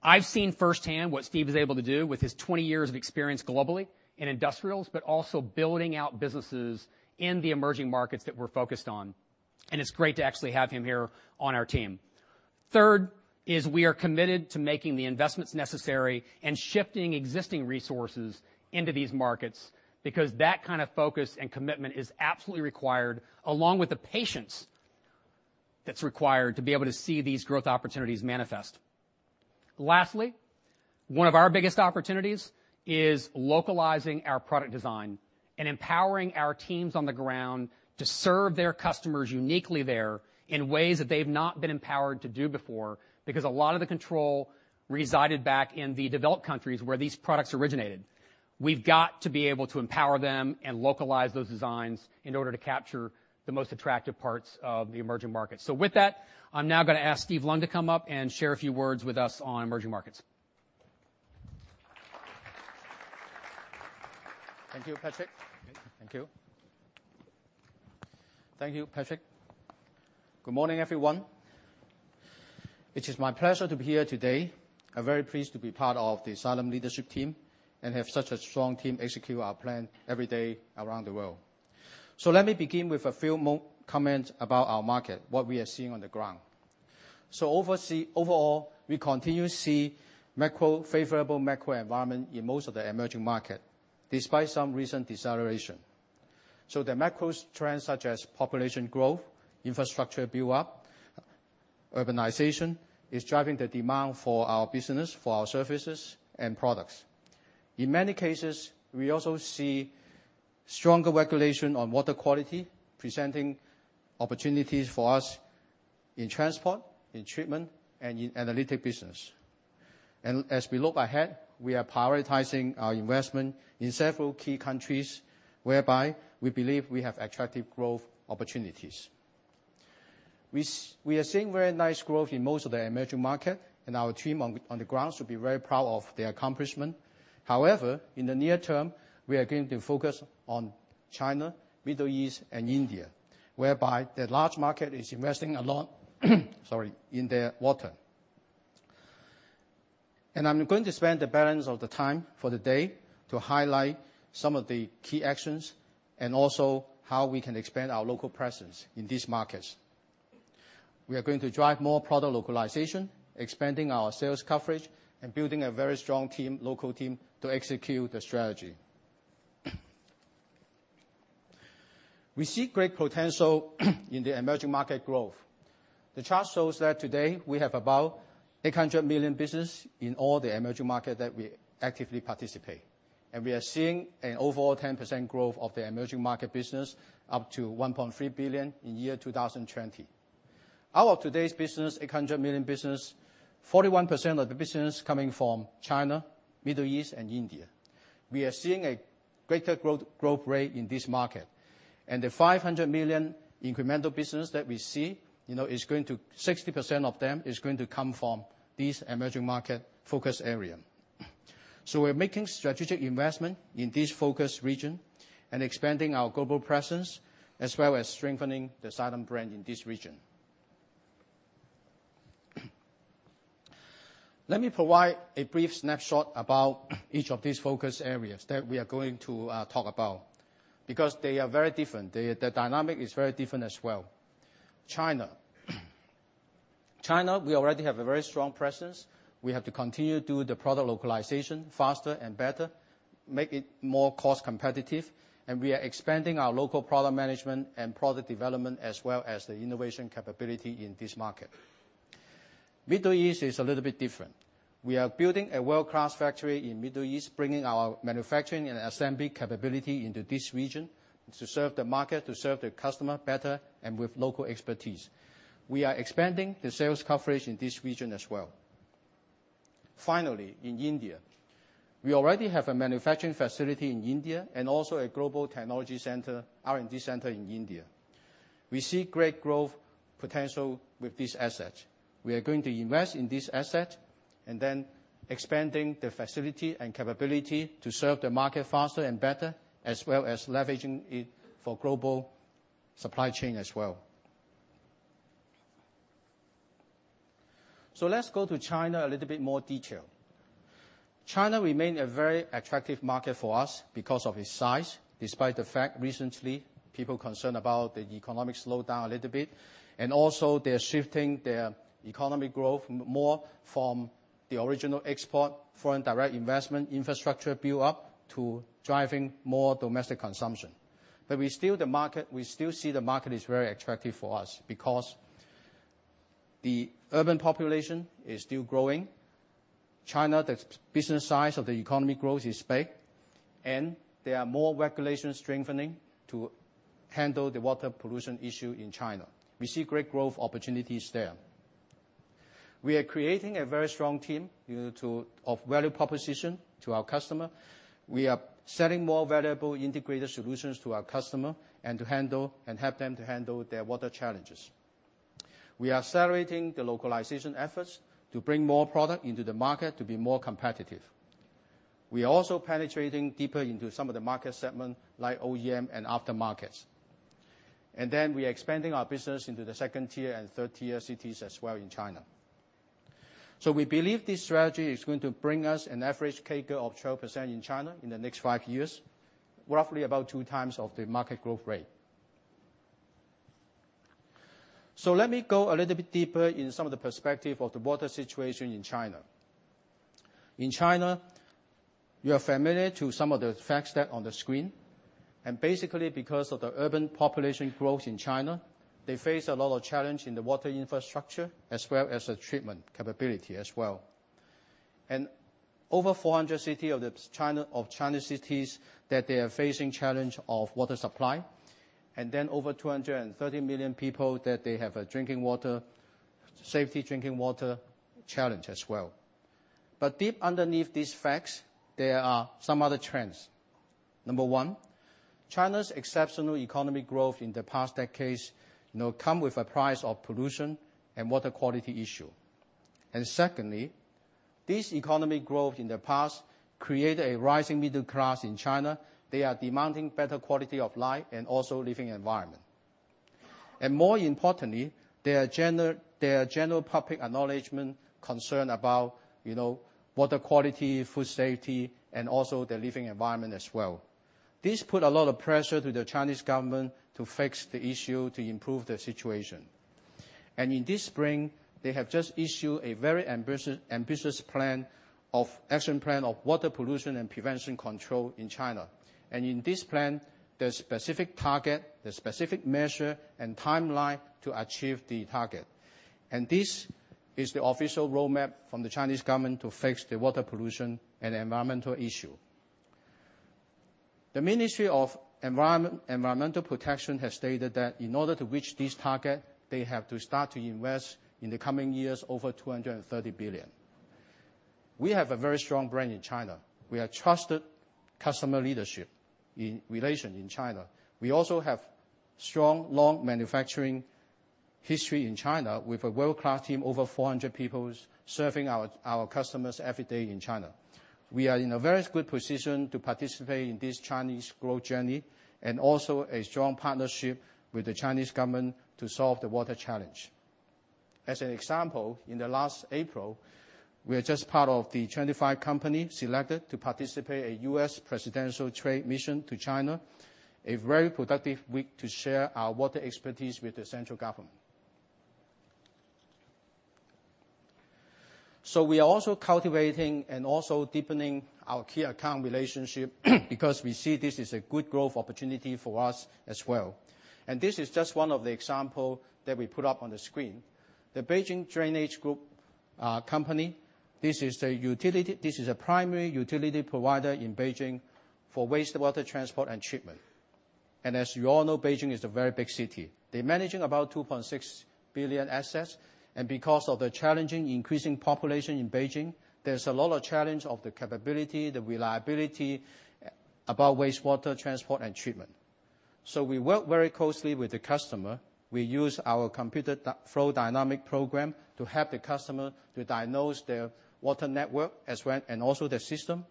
I've seen firsthand what Steve is able to do with his 20 years of experience globally in industrials, but also building out businesses in the emerging markets that we're focused on. It's great to actually have him here on our team. Third is we are committed to making the investments necessary and shifting existing resources into these markets, because that kind of focus and commitment is absolutely required, along with the patience that's required to be able to see these growth opportunities manifest. Lastly, one of our biggest opportunities is localizing our product design and empowering our teams on the ground to serve their customers uniquely there in ways that they've not been empowered to do before. Because a lot of the control resided back in the developed countries where these products originated. We've got to be able to empower them and localize those designs in order to capture the most attractive parts of the emerging markets. With that, I'm now going to ask Steve Leung to come up and share a few words with us on emerging markets. Thank you, Patrick. Thank you. Thank you, Patrick. Good morning, everyone. It is my pleasure to be here today. I am very pleased to be part of the Xylem leadership team and have such a strong team execute our plan every day around the world. Let me begin with a few more comments about our market, what we are seeing on the ground. Overall, we continue to see favorable macro environment in most of the emerging market, despite some recent deceleration. The macro trends such as population growth, infrastructure build-up, urbanization is driving the demand for our business, for our services and products. In many cases, we also see stronger regulation on water quality, presenting opportunities for us in transport, in treatment, and in analytic business. As we look ahead, we are prioritizing our investment in several key countries whereby we believe we have attractive growth opportunities. We are seeing very nice growth in most of the emerging market, and our team on the ground should be very proud of their accomplishment. However, in the near term, we are going to focus on China, Middle East, and India, whereby the large market is investing a lot in their water. I am going to spend the balance of the time for the day to highlight some of the key actions and also how we can expand our local presence in these markets. We are going to drive more product localization, expanding our sales coverage, and building a very strong local team to execute the strategy. We see great potential in the emerging market growth. The chart shows that today we have about $800 million business in all the emerging market that we actively participate, and we are seeing an overall 10% growth of the emerging market business up to $1.3 billion in 2020. Out of today's business, $800 million business, 41% of the business coming from China, Middle East, and India. We are seeing a greater growth rate in this market. The $500 million incremental business that we see, 60% of them is going to come from these emerging market focus area. We are making strategic investment in this focus region and expanding our global presence, as well as strengthening the Xylem brand in this region. Let me provide a brief snapshot about each of these focus areas that we are going to talk about, because they are very different. The dynamic is very different as well. China. China, we already have a very strong presence. We have to continue to do the product localization faster and better, make it more cost competitive, and we are expanding our local product management and product development, as well as the innovation capability in this market. Middle East is a little bit different. We are building a world-class factory in Middle East, bringing our manufacturing and assembly capability into this region to serve the market, to serve the customer better and with local expertise. We are expanding the sales coverage in this region as well. Finally, in India. We already have a manufacturing facility in India and also a global technology R&D center in India. We see great growth potential with this asset. We are going to invest in this asset and then expanding the facility and capability to serve the market faster and better, as well as leveraging it for global supply chain as well. Let's go to China a little bit more detail. China remains a very attractive market for us because of its size, despite the fact recently people concerned about the economic slowdown a little bit, and also they're shifting their economy growth more from the original export, foreign direct investment infrastructure build-up to driving more domestic consumption. We still see the market is very attractive for us because the urban population is still growing. China, the business size of the economy growth is big, and there are more regulations strengthening to handle the water pollution issue in China. We see great growth opportunities there. We are creating a very strong team of value proposition to our customer. We are selling more valuable integrated solutions to our customer and help them to handle their water challenges. We are accelerating the localization efforts to bring more product into the market to be more competitive. We are also penetrating deeper into some of the market segments like OEM and aftermarkets. We are expanding our business into the second-tier and third-tier cities as well in China. We believe this strategy is going to bring us an average CAGR of 12% in China in the next five years, roughly about two times of the market growth rate. Let me go a little bit deeper in some of the perspective of the water situation in China. In China, you are familiar to some of the facts that on the screen, basically because of the urban population growth in China, they face a lot of challenge in the water infrastructure as well as the treatment capability as well. Over 400 cities of China's cities that they are facing challenge of water supply. Over 230 million people that they have a safety drinking water challenge as well. Deep underneath these facts, there are some other trends. Number one, China's exceptional economic growth in the past decades now come with a price of pollution and water quality issue. Secondly, this economic growth in the past created a rising middle class in China. They are demanding better quality of life and also living environment. More importantly, there are general public acknowledgment concern about water quality, food safety, and also the living environment as well. This puts a lot of pressure to the Chinese government to fix the issue, to improve the situation. In this spring, they have just issued a very ambitious action plan of water pollution and prevention control in China. In this plan, there is specific target, there is specific measure and timeline to achieve the target. This is the official roadmap from the Chinese government to fix the water pollution and environmental issue. The Ministry of Environmental Protection has stated that in order to reach this target, they have to start to invest in the coming years over $230 billion. We have a very strong brand in China. We are trusted customer leadership relation in China. We also have strong, long manufacturing history in China with a world-class team, over 400 people, serving our customers every day in China. We are in a very good position to participate in this Chinese growth journey and also a strong partnership with the Chinese government to solve the water challenge. As an example, in the last April, we are just part of the 25 companies selected to participate a U.S. presidential trade mission to China, a very productive week to share our water expertise with the central government. We are also cultivating and also deepening our key account relationship because we see this as a good growth opportunity for us as well. This is just one of the example that we put up on the screen. The Beijing Drainage Group, this is a primary utility provider in Beijing for wastewater transport and treatment. As you all know, Beijing is a very big city. They're managing about 2.6 billion assets. Because of the challenging, increasing population in Beijing, there's a lot of challenge of the capability, the reliability about wastewater transport and treatment. We work very closely with the customer. We use our computational fluid dynamics program to help the customer to diagnose their water network, and also their system.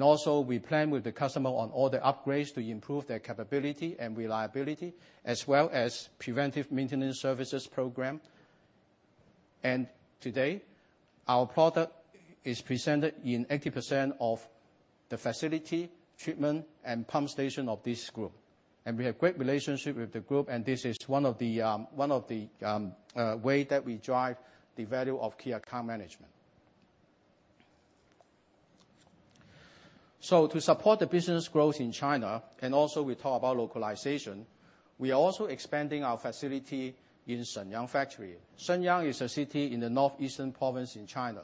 Also we plan with the customer on all the upgrades to improve their capability and reliability, as well as preventive maintenance services program. Today, our product is presented in 80% of the facility, treatment, and pump station of this group. We have great relationship with the group, and this is one of the way that we drive the value of key account management. To support the business growth in China, and also we talk about localization, we are also expanding our facility in Shenyang factory. Shenyang is a city in the northeastern province in China.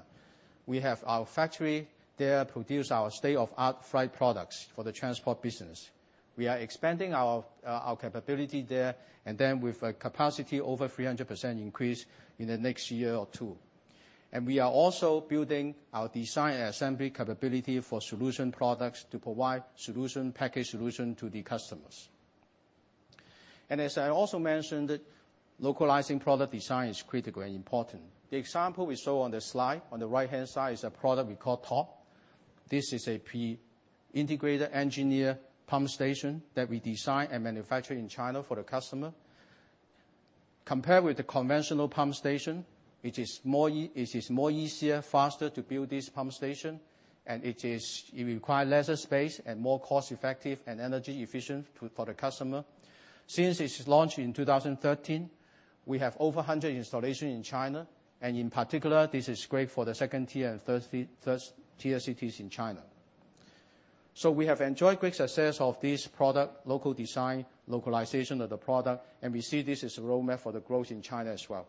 We have our factory there produce our state-of-art Flygt products for the transport business. We are expanding our capability there, and then with a capacity over 300% increase in the next year or two. We are also building our design and assembly capability for solution products to provide packaged solution to the customers. As I also mentioned, localizing product design is critically important. The example we saw on the slide on the right-hand side is a product we call TOP. This is a pre-integrated engineered pump station that we design and manufacture in China for the customer. Compared with the conventional pump station, it is more easier, faster to build this pump station, and it require lesser space and more cost-effective and energy-efficient for the customer. Since its launch in 2013, we have over 100 installation in China. In particular, this is great for the second tier and first tier cities in China. We have enjoyed great success of this product, local design, localization of the product, and we see this as a roadmap for the growth in China as well.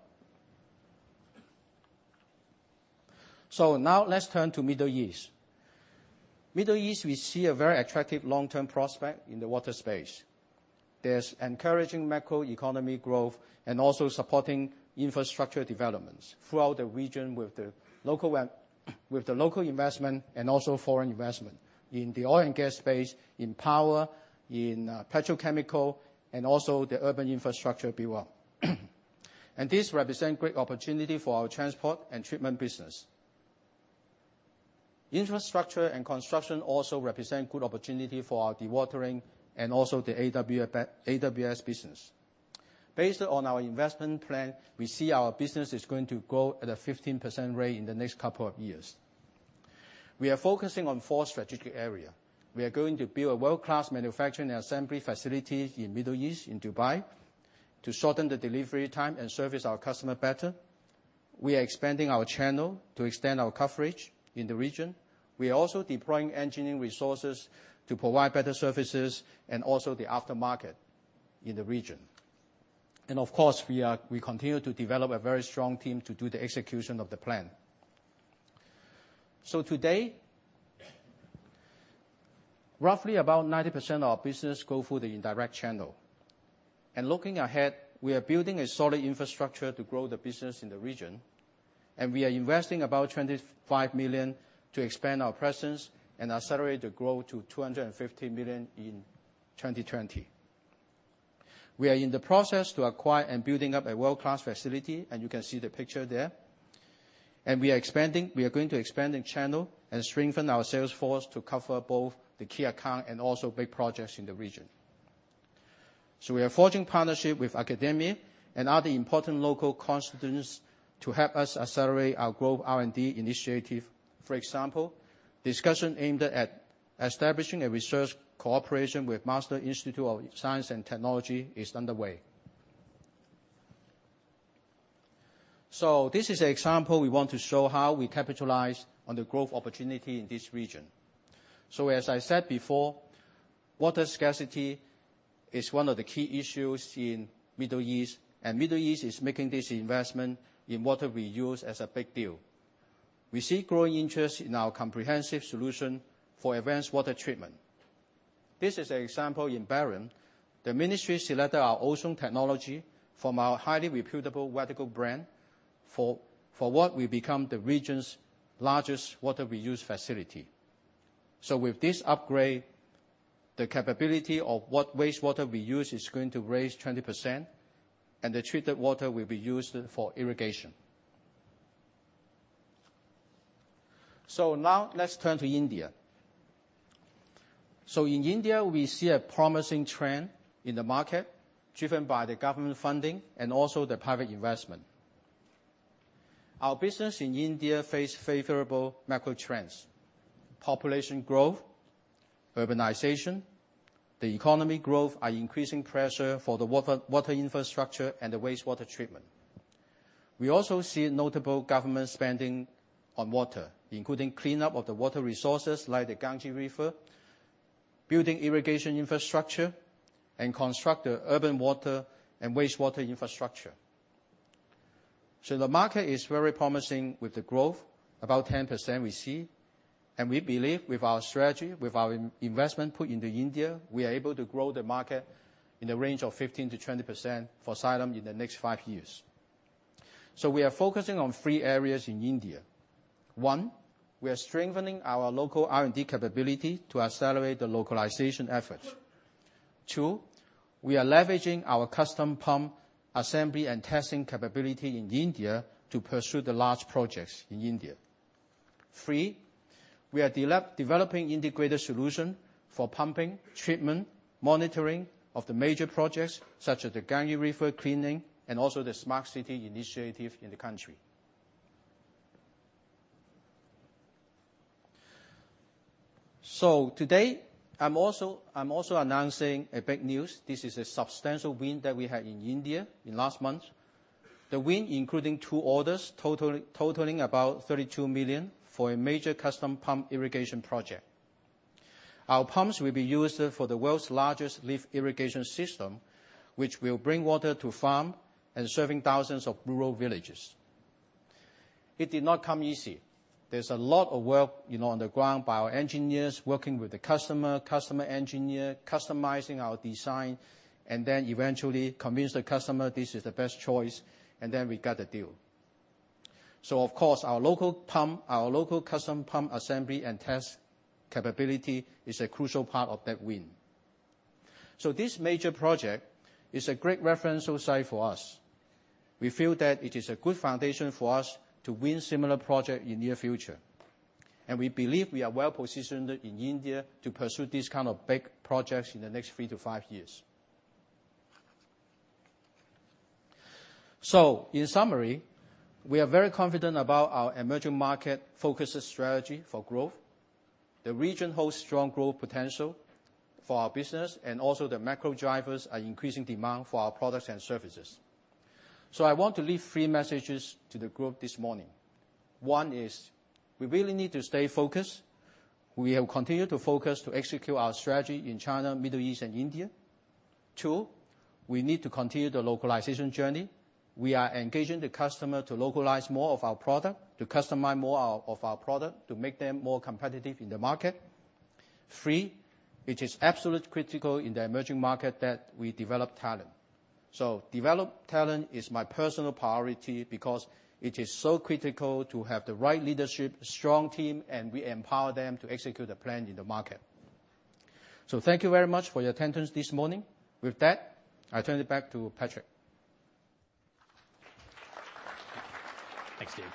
Now let's turn to Middle East. Middle East, we see a very attractive long-term prospect in the water space. There's encouraging macro economy growth and also supporting infrastructure developments throughout the region with the local investment and also foreign investment in the oil and gas space, in power, in petrochemical, and also the urban infrastructure build. This represent great opportunity for our Transport and Treatment business. Infrastructure and construction also represent good opportunity for our Dewatering and also the AWS business. Based on our investment plan, we see our business is going to grow at a 15% rate in the next couple of years. We are focusing on four strategic area. We are going to build a world-class manufacturing and assembly facility in Middle East, in Dubai to shorten the delivery time and service our customer better. We are expanding our channel to extend our coverage in the region. We are also deploying engineering resources to provide better services and also the aftermarket in the region. Of course, we continue to develop a very strong team to do the execution of the plan. Today, roughly about 90% of our business go through the indirect channel. Looking ahead, we are building a solid infrastructure to grow the business in the region, and we are investing about $25 million to expand our presence and accelerate the growth to $250 million in 2020. We are in the process to acquire and building up a world-class facility. You can see the picture there. We are going to expand the channel and strengthen our sales force to cover both the key account and also big projects in the region. We are forging partnership with academia and other important local constituents to help us accelerate our growth R&D initiative. For example, discussion aimed at establishing a research cooperation with Masdar Institute of Science and Technology is underway. This is an example we want to show how we capitalize on the growth opportunity in this region. As I said before, water scarcity is one of the key issues in Middle East, and Middle East is making this investment in water reuse as a big deal. We see growing interest in our comprehensive solution for advanced water treatment. This is an example in Bahrain. The ministry selected our ozone technology from our highly reputable Wedeco brand for what will become the region's largest water reuse facility. With this upgrade, the capability of what wastewater reuse is going to raise 20%, and the treated water will be used for irrigation. Now let's turn to India. In India, we see a promising trend in the market driven by the government funding and also the private investment. Our business in India face favorable macro trends. Population growth, urbanization, the economy growth are increasing pressure for the water infrastructure and the wastewater treatment. We also see notable government spending on water, including cleanup of the water resources like the Ganges River, building irrigation infrastructure, and construct the urban water and wastewater infrastructure. The market is very promising with the growth, about 10% we see. We believe with our strategy, with our investment put into India, we are able to grow the market in the range of 15%-20% for Xylem in the next five years. We are focusing on three areas in India. One, we are strengthening our local R&D capability to accelerate the localization efforts. Two, we are leveraging our custom pump assembly and testing capability in India to pursue the large projects in India. Three, we are developing integrated solution for pumping, treatment, monitoring of the major projects such as the Ganges River cleaning and also the Smart City Initiative in the country. Today, I'm also announcing a big news. This is a substantial win that we had in India in last month. The win included two orders totaling about $32 million for a major custom pump irrigation project. Our pumps will be used for the world's largest lift irrigation system, which will bring water to farm and serving thousands of rural villages. It did not come easy. There's a lot of work on the ground by our engineers, working with the customer engineer, customizing our design, and eventually convinced the customer this is the best choice, and we got the deal. Of course, our local custom pump assembly and test capability is a crucial part of that win. This major project is a great reference also for us. We feel that it is a good foundation for us to win similar project in near future. We believe we are well-positioned in India to pursue this kind of big projects in the next 3 to 5 years. In summary, we are very confident about our emerging market-focused strategy for growth. The region holds strong growth potential for our business, and also the macro drivers are increasing demand for our product and services. I want to leave three messages to the group this morning. One is we really need to stay focused. We have continued to focus to execute our strategy in China, Middle East, and India. Two, we need to continue the localization journey. We are engaging the customer to localize more of our product, to customize more of our product to make them more competitive in the market. Three, it is absolutely critical in the emerging market that we develop talent. Develop talent is my personal priority because it is so critical to have the right leadership, strong team, and we empower them to execute the plan in the market. Thank you very much for your attendance this morning. With that, I turn it back to Patrick. Thanks, Dave.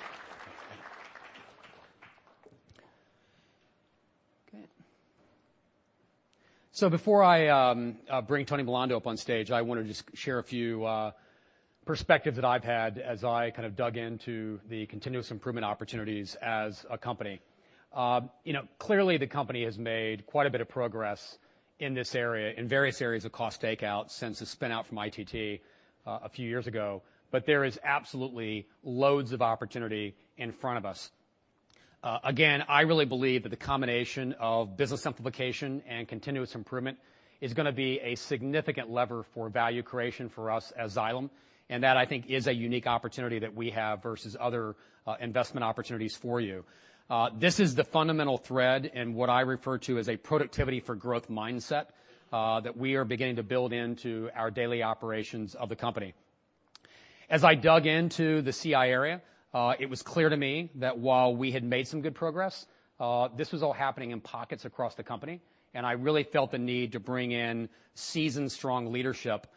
Okay. Before I bring Tony Milando up on stage, I want to just share a few perspectives that I've had as I kind of dug into the continuous improvement opportunities as a company. Clearly, the company has made quite a bit of progress in this area, in various areas of cost takeout since the spin-out from ITT a few years ago. There is absolutely loads of opportunity in front of us. Again, I really believe that the combination of business simplification and continuous improvement is going to be a significant lever for value creation for us as Xylem, and that, I think, is a unique opportunity that we have versus other investment opportunities for you. This is the fundamental thread in what I refer to as a productivity for growth mindset that we are beginning to build into our daily operations of the company. As I dug into the CI area, it was clear to me that while we had made some good progress, this was all happening in pockets across the company. I really felt the need to bring in seasoned, strong leadership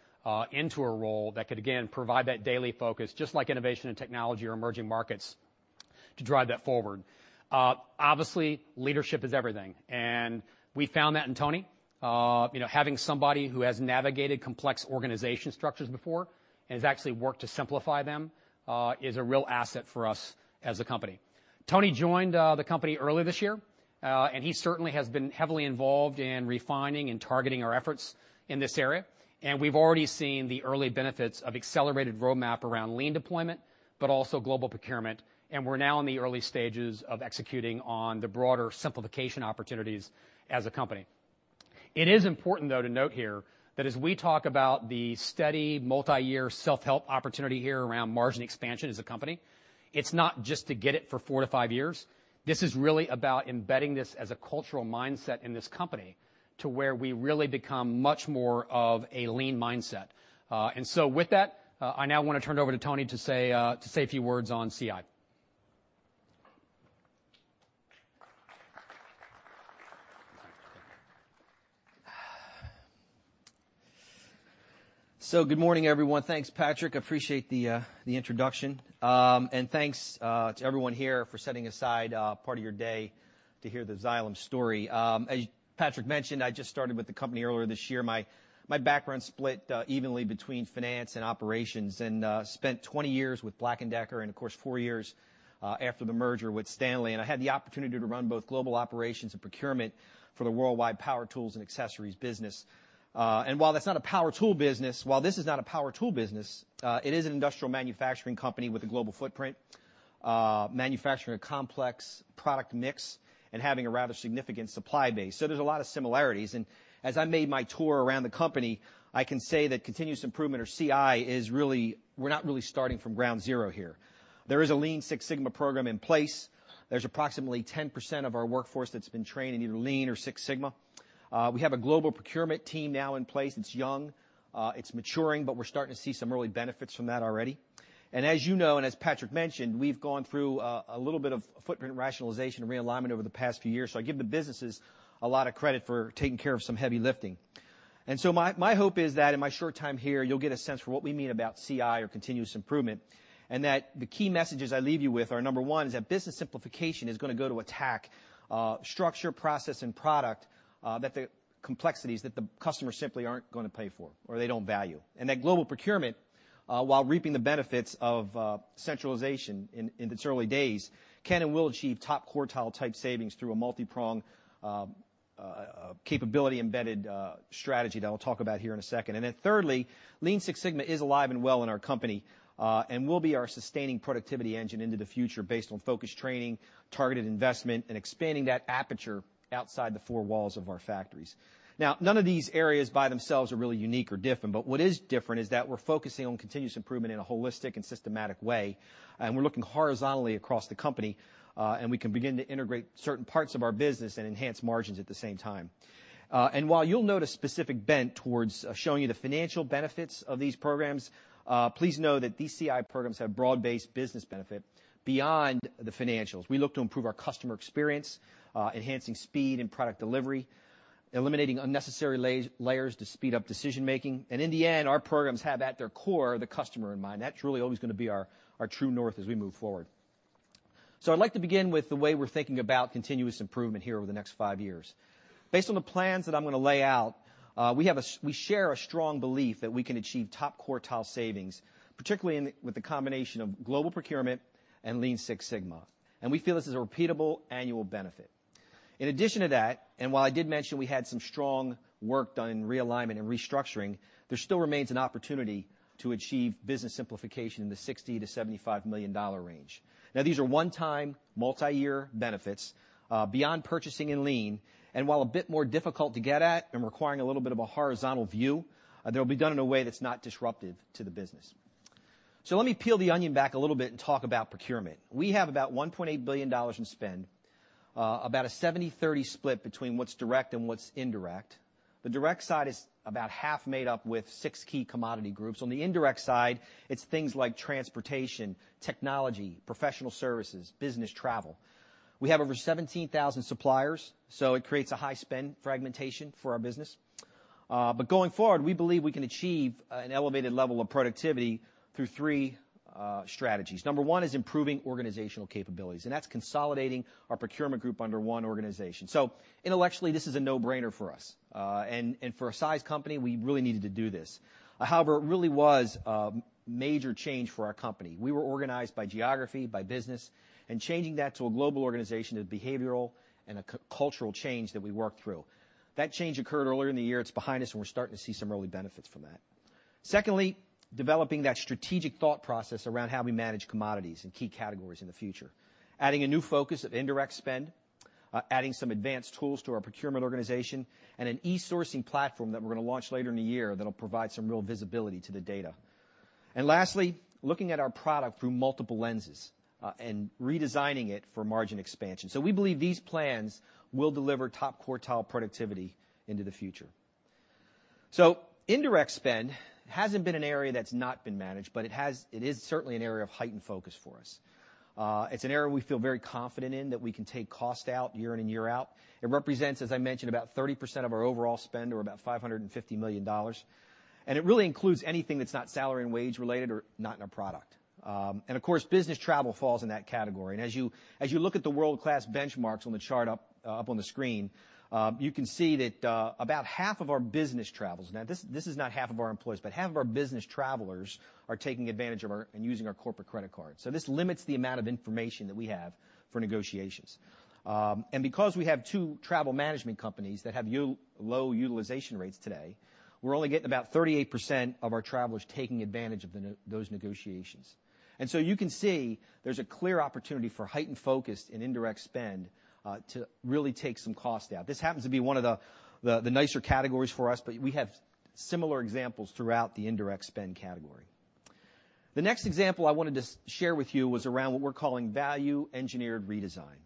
into a role that could, again, provide that daily focus, just like innovation and technology or emerging markets, to drive that forward. Obviously, leadership is everything, and we found that in Tony. Having somebody who has navigated complex organization structures before and has actually worked to simplify them is a real asset for us as a company. Tony joined the company earlier this year, and he certainly has been heavily involved in refining and targeting our efforts in this area. We've already seen the early benefits of accelerated roadmap around Lean deployment, also global procurement. We're now in the early stages of executing on the broader simplification opportunities as a company. It is important, though, to note here that as we talk about the steady multi-year self-help opportunity here around margin expansion as a company, it's not just to get it for four to five years. This is really about embedding this as a cultural mindset in this company to where we really become much more of a Lean mindset. With that, I now want to turn it over to Tony to say a few words on CI. Good morning, everyone. Thanks, Patrick. Appreciate the introduction. Thanks to everyone here for setting aside part of your day to hear the Xylem story. As Patrick mentioned, I just started with the company earlier this year. My background's split evenly between finance and operations, spent 20 years with Black & Decker, and of course, four years after the merger with Stanley. I had the opportunity to run both global operations and procurement for the worldwide power tools and accessories business. While this is not a power tool business, it is an industrial manufacturing company with a global footprint, manufacturing a complex product mix and having a rather significant supply base. There's a lot of similarities. As I made my tour around the company, I can say that continuous improvement, or CI, is, we're not really starting from ground zero here. There is a Lean Six Sigma program in place. There's approximately 10% of our workforce that's been trained in either Lean or Six Sigma. We have a global procurement team now in place. It's young, it's maturing. We're starting to see some early benefits from that already. As you know, as Patrick mentioned, we've gone through a little bit of footprint rationalization and realignment over the past few years, so I give the businesses a lot of credit for taking care of some heavy lifting. My hope is that in my short time here, you'll get a sense for what we mean about CI or continuous improvement, and that the key messages I leave you with are, number 1, is that business simplification is going to go to attack structure, process, and product, that the complexities that the customers simply aren't going to pay for or they don't value. Global procurement, while reaping the benefits of centralization in its early days, can and will achieve top quartile type savings through a multi-pronged capability embedded strategy that I'll talk about here in a second. Thirdly, Lean Six Sigma is alive and well in our company, and will be our sustaining productivity engine into the future based on focused training, targeted investment, and expanding that aperture outside the four walls of our factories. None of these areas by themselves are really unique or different, what is different is that we're focusing on continuous improvement in a holistic and systematic way, we're looking horizontally across the company, we can begin to integrate certain parts of our business and enhance margins at the same time. While you'll note a specific bent towards showing you the financial benefits of these programs, please know that these CI programs have broad-based business benefit beyond the financials. We look to improve our customer experience, enhancing speed and product delivery, eliminating unnecessary layers to speed up decision-making. In the end, our programs have, at their core, the customer in mind. That's really always going to be our true north as we move forward. I'd like to begin with the way we're thinking about continuous improvement here over the next five years. Based on the plans that I'm going to lay out, we share a strong belief that we can achieve top quartile savings, particularly with the combination of global procurement and Lean Six Sigma. We feel this is a repeatable annual benefit. In addition to that, while I did mention we had some strong work done in realignment and restructuring, there still remains an opportunity to achieve business simplification in the $60 million-$75 million range. These are one-time, multi-year benefits, beyond purchasing and Lean, while a bit more difficult to get at and requiring a little bit of a horizontal view, they'll be done in a way that's not disruptive to the business. Let me peel the onion back a little bit and talk about procurement. We have about $1.8 billion in spend, about a 70/30 split between what's direct and what's indirect. On the indirect side, it's things like transportation, technology, professional services, business travel. We have over 17,000 suppliers, it creates a high spend fragmentation for our business. Going forward, we believe we can achieve an elevated level of productivity through three strategies. Number 1 is improving organizational capabilities, that's consolidating our procurement group under one organization. Intellectually, this is a no-brainer for us. For a size company, we really needed to do this. However, it really was a major change for our company. We were organized by geography, by business, changing that to a global organization is a behavioral and a cultural change that we worked through. That change occurred earlier in the year. It's behind us, we're starting to see some early benefits from that. Secondly, developing that strategic thought process around how we manage commodities and key categories in the future, adding a new focus of indirect spend, adding some advanced tools to our procurement organization, and an e-sourcing platform that we're going to launch later in the year that will provide some real visibility to the data. Lastly, looking at our product through multiple lenses, and redesigning it for margin expansion. We believe these plans will deliver top quartile productivity into the future. Indirect spend hasn't been an area that's not been managed, but it is certainly an area of heightened focus for us. It's an area we feel very confident in that we can take cost out year in and year out. It represents, as I mentioned, about 30% of our overall spend or about $550 million. It really includes anything that's not salary and wage related or not in our product. Of course, business travel falls in that category. As you look at the world-class benchmarks on the chart up on the screen, you can see that about half of our business travels, now this is not half of our employees, but half of our business travelers are taking advantage of and using our corporate credit card. This limits the amount of information that we have for negotiations. Because we have two travel management companies that have low utilization rates today, we're only getting about 38% of our travelers taking advantage of those negotiations. You can see there's a clear opportunity for heightened focus in indirect spend to really take some cost out. This happens to be one of the nicer categories for us, but we have similar examples throughout the indirect spend category. The next example I wanted to share with you was around what we're calling value-engineered redesign.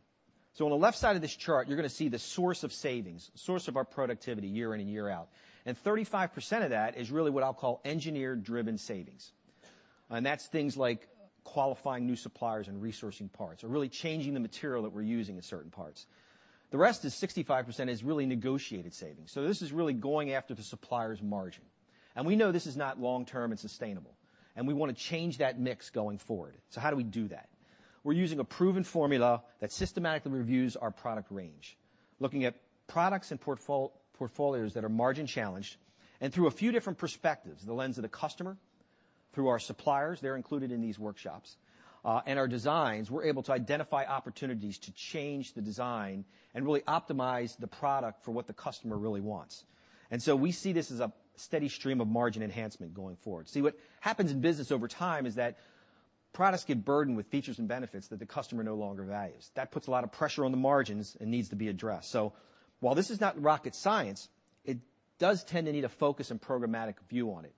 On the left side of this chart, you're going to see the source of savings, source of our productivity year in and year out, 35% of that is really what I'll call engineer-driven savings. That's things like qualifying new suppliers and resourcing parts, or really changing the material that we're using in certain parts. The rest is 65%, is really negotiated savings. This is really going after the supplier's margin. We know this is not long-term and sustainable, and we want to change that mix going forward. How do we do that? We're using a proven formula that systematically reviews our product range, looking at products and portfolios that are margin-challenged, through a few different perspectives, the lens of the customer, through our suppliers, they're included in these workshops, our designs, we're able to identify opportunities to change the design and really optimize the product for what the customer really wants. We see this as a steady stream of margin enhancement going forward. See, what happens in business over time is that products get burdened with features and benefits that the customer no longer values. That puts a lot of pressure on the margins and needs to be addressed. While this is not rocket science, it does tend to need a focus and programmatic view on it.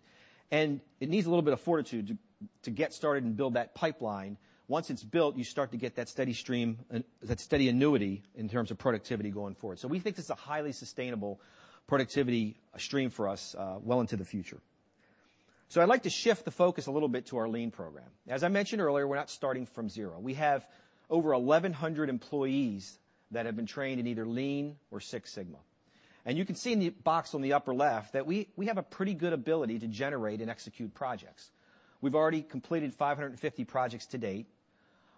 It needs a little bit of fortitude to get started and build that pipeline. Once it's built, you start to get that steady stream, that steady annuity in terms of productivity going forward. We think this is a highly sustainable productivity stream for us well into the future. I'd like to shift the focus a little bit to our Lean program. As I mentioned earlier, we're not starting from zero. We have over 1,100 employees that have been trained in either Lean or Six Sigma. You can see in the box on the upper left that we have a pretty good ability to generate and execute projects. We've already completed 550 projects to date.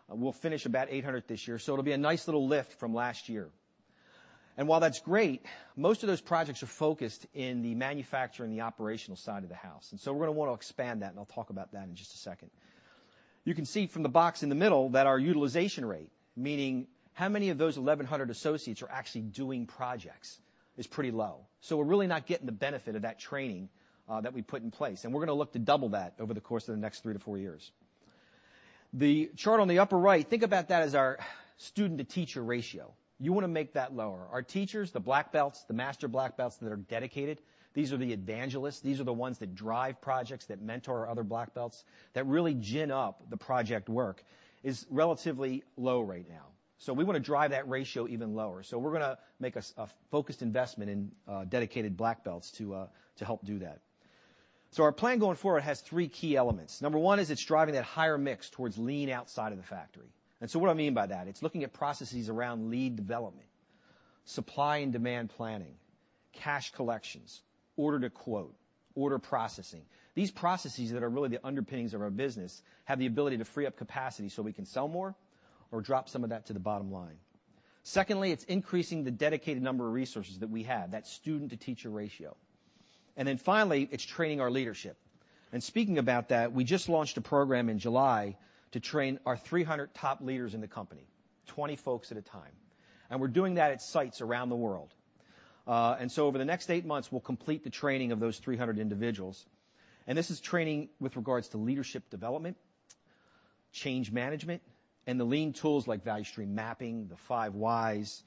We'll finish about 800 this year, it'll be a nice little lift from last year. While that's great, most of those projects are focused in the manufacturing, the operational side of the house, we're going to want to expand that, and I'll talk about that in just a second. You can see from the box in the middle that our utilization rate, meaning how many of those 1,100 associates are actually doing projects, is pretty low. We're really not getting the benefit of that training that we put in place, and we're going to look to double that over the course of the next three to four years. The chart on the upper right, think about that as our student-to-teacher ratio. You want to make that lower. Our teachers, the Black Belts, the Master Black Belts that are dedicated, these are the evangelists, these are the ones that drive projects, that mentor our other Black Belts, that really gin up the project work, is relatively low right now. We want to drive that ratio even lower. We're going to make a focused investment in dedicated Black Belts to help do that. Our plan going forward has three key elements. Number one is it's driving that higher mix towards Lean outside of the factory. What do I mean by that? It's looking at processes around lead development. Supply and demand planning, cash collections, order to quote, order processing. These processes that are really the underpinnings of our business have the ability to free up capacity so we can sell more or drop some of that to the bottom line. Secondly, it's increasing the dedicated number of resources that we have, that student to teacher ratio. Finally, it's training our leadership. Speaking about that, we just launched a program in July to train our 300 top leaders in the company, 20 folks at a time. We're doing that at sites around the world. Over the next eight months, we'll complete the training of those 300 individuals. This is training with regards to leadership development, change management, and the Lean tools like value stream mapping, the five whys,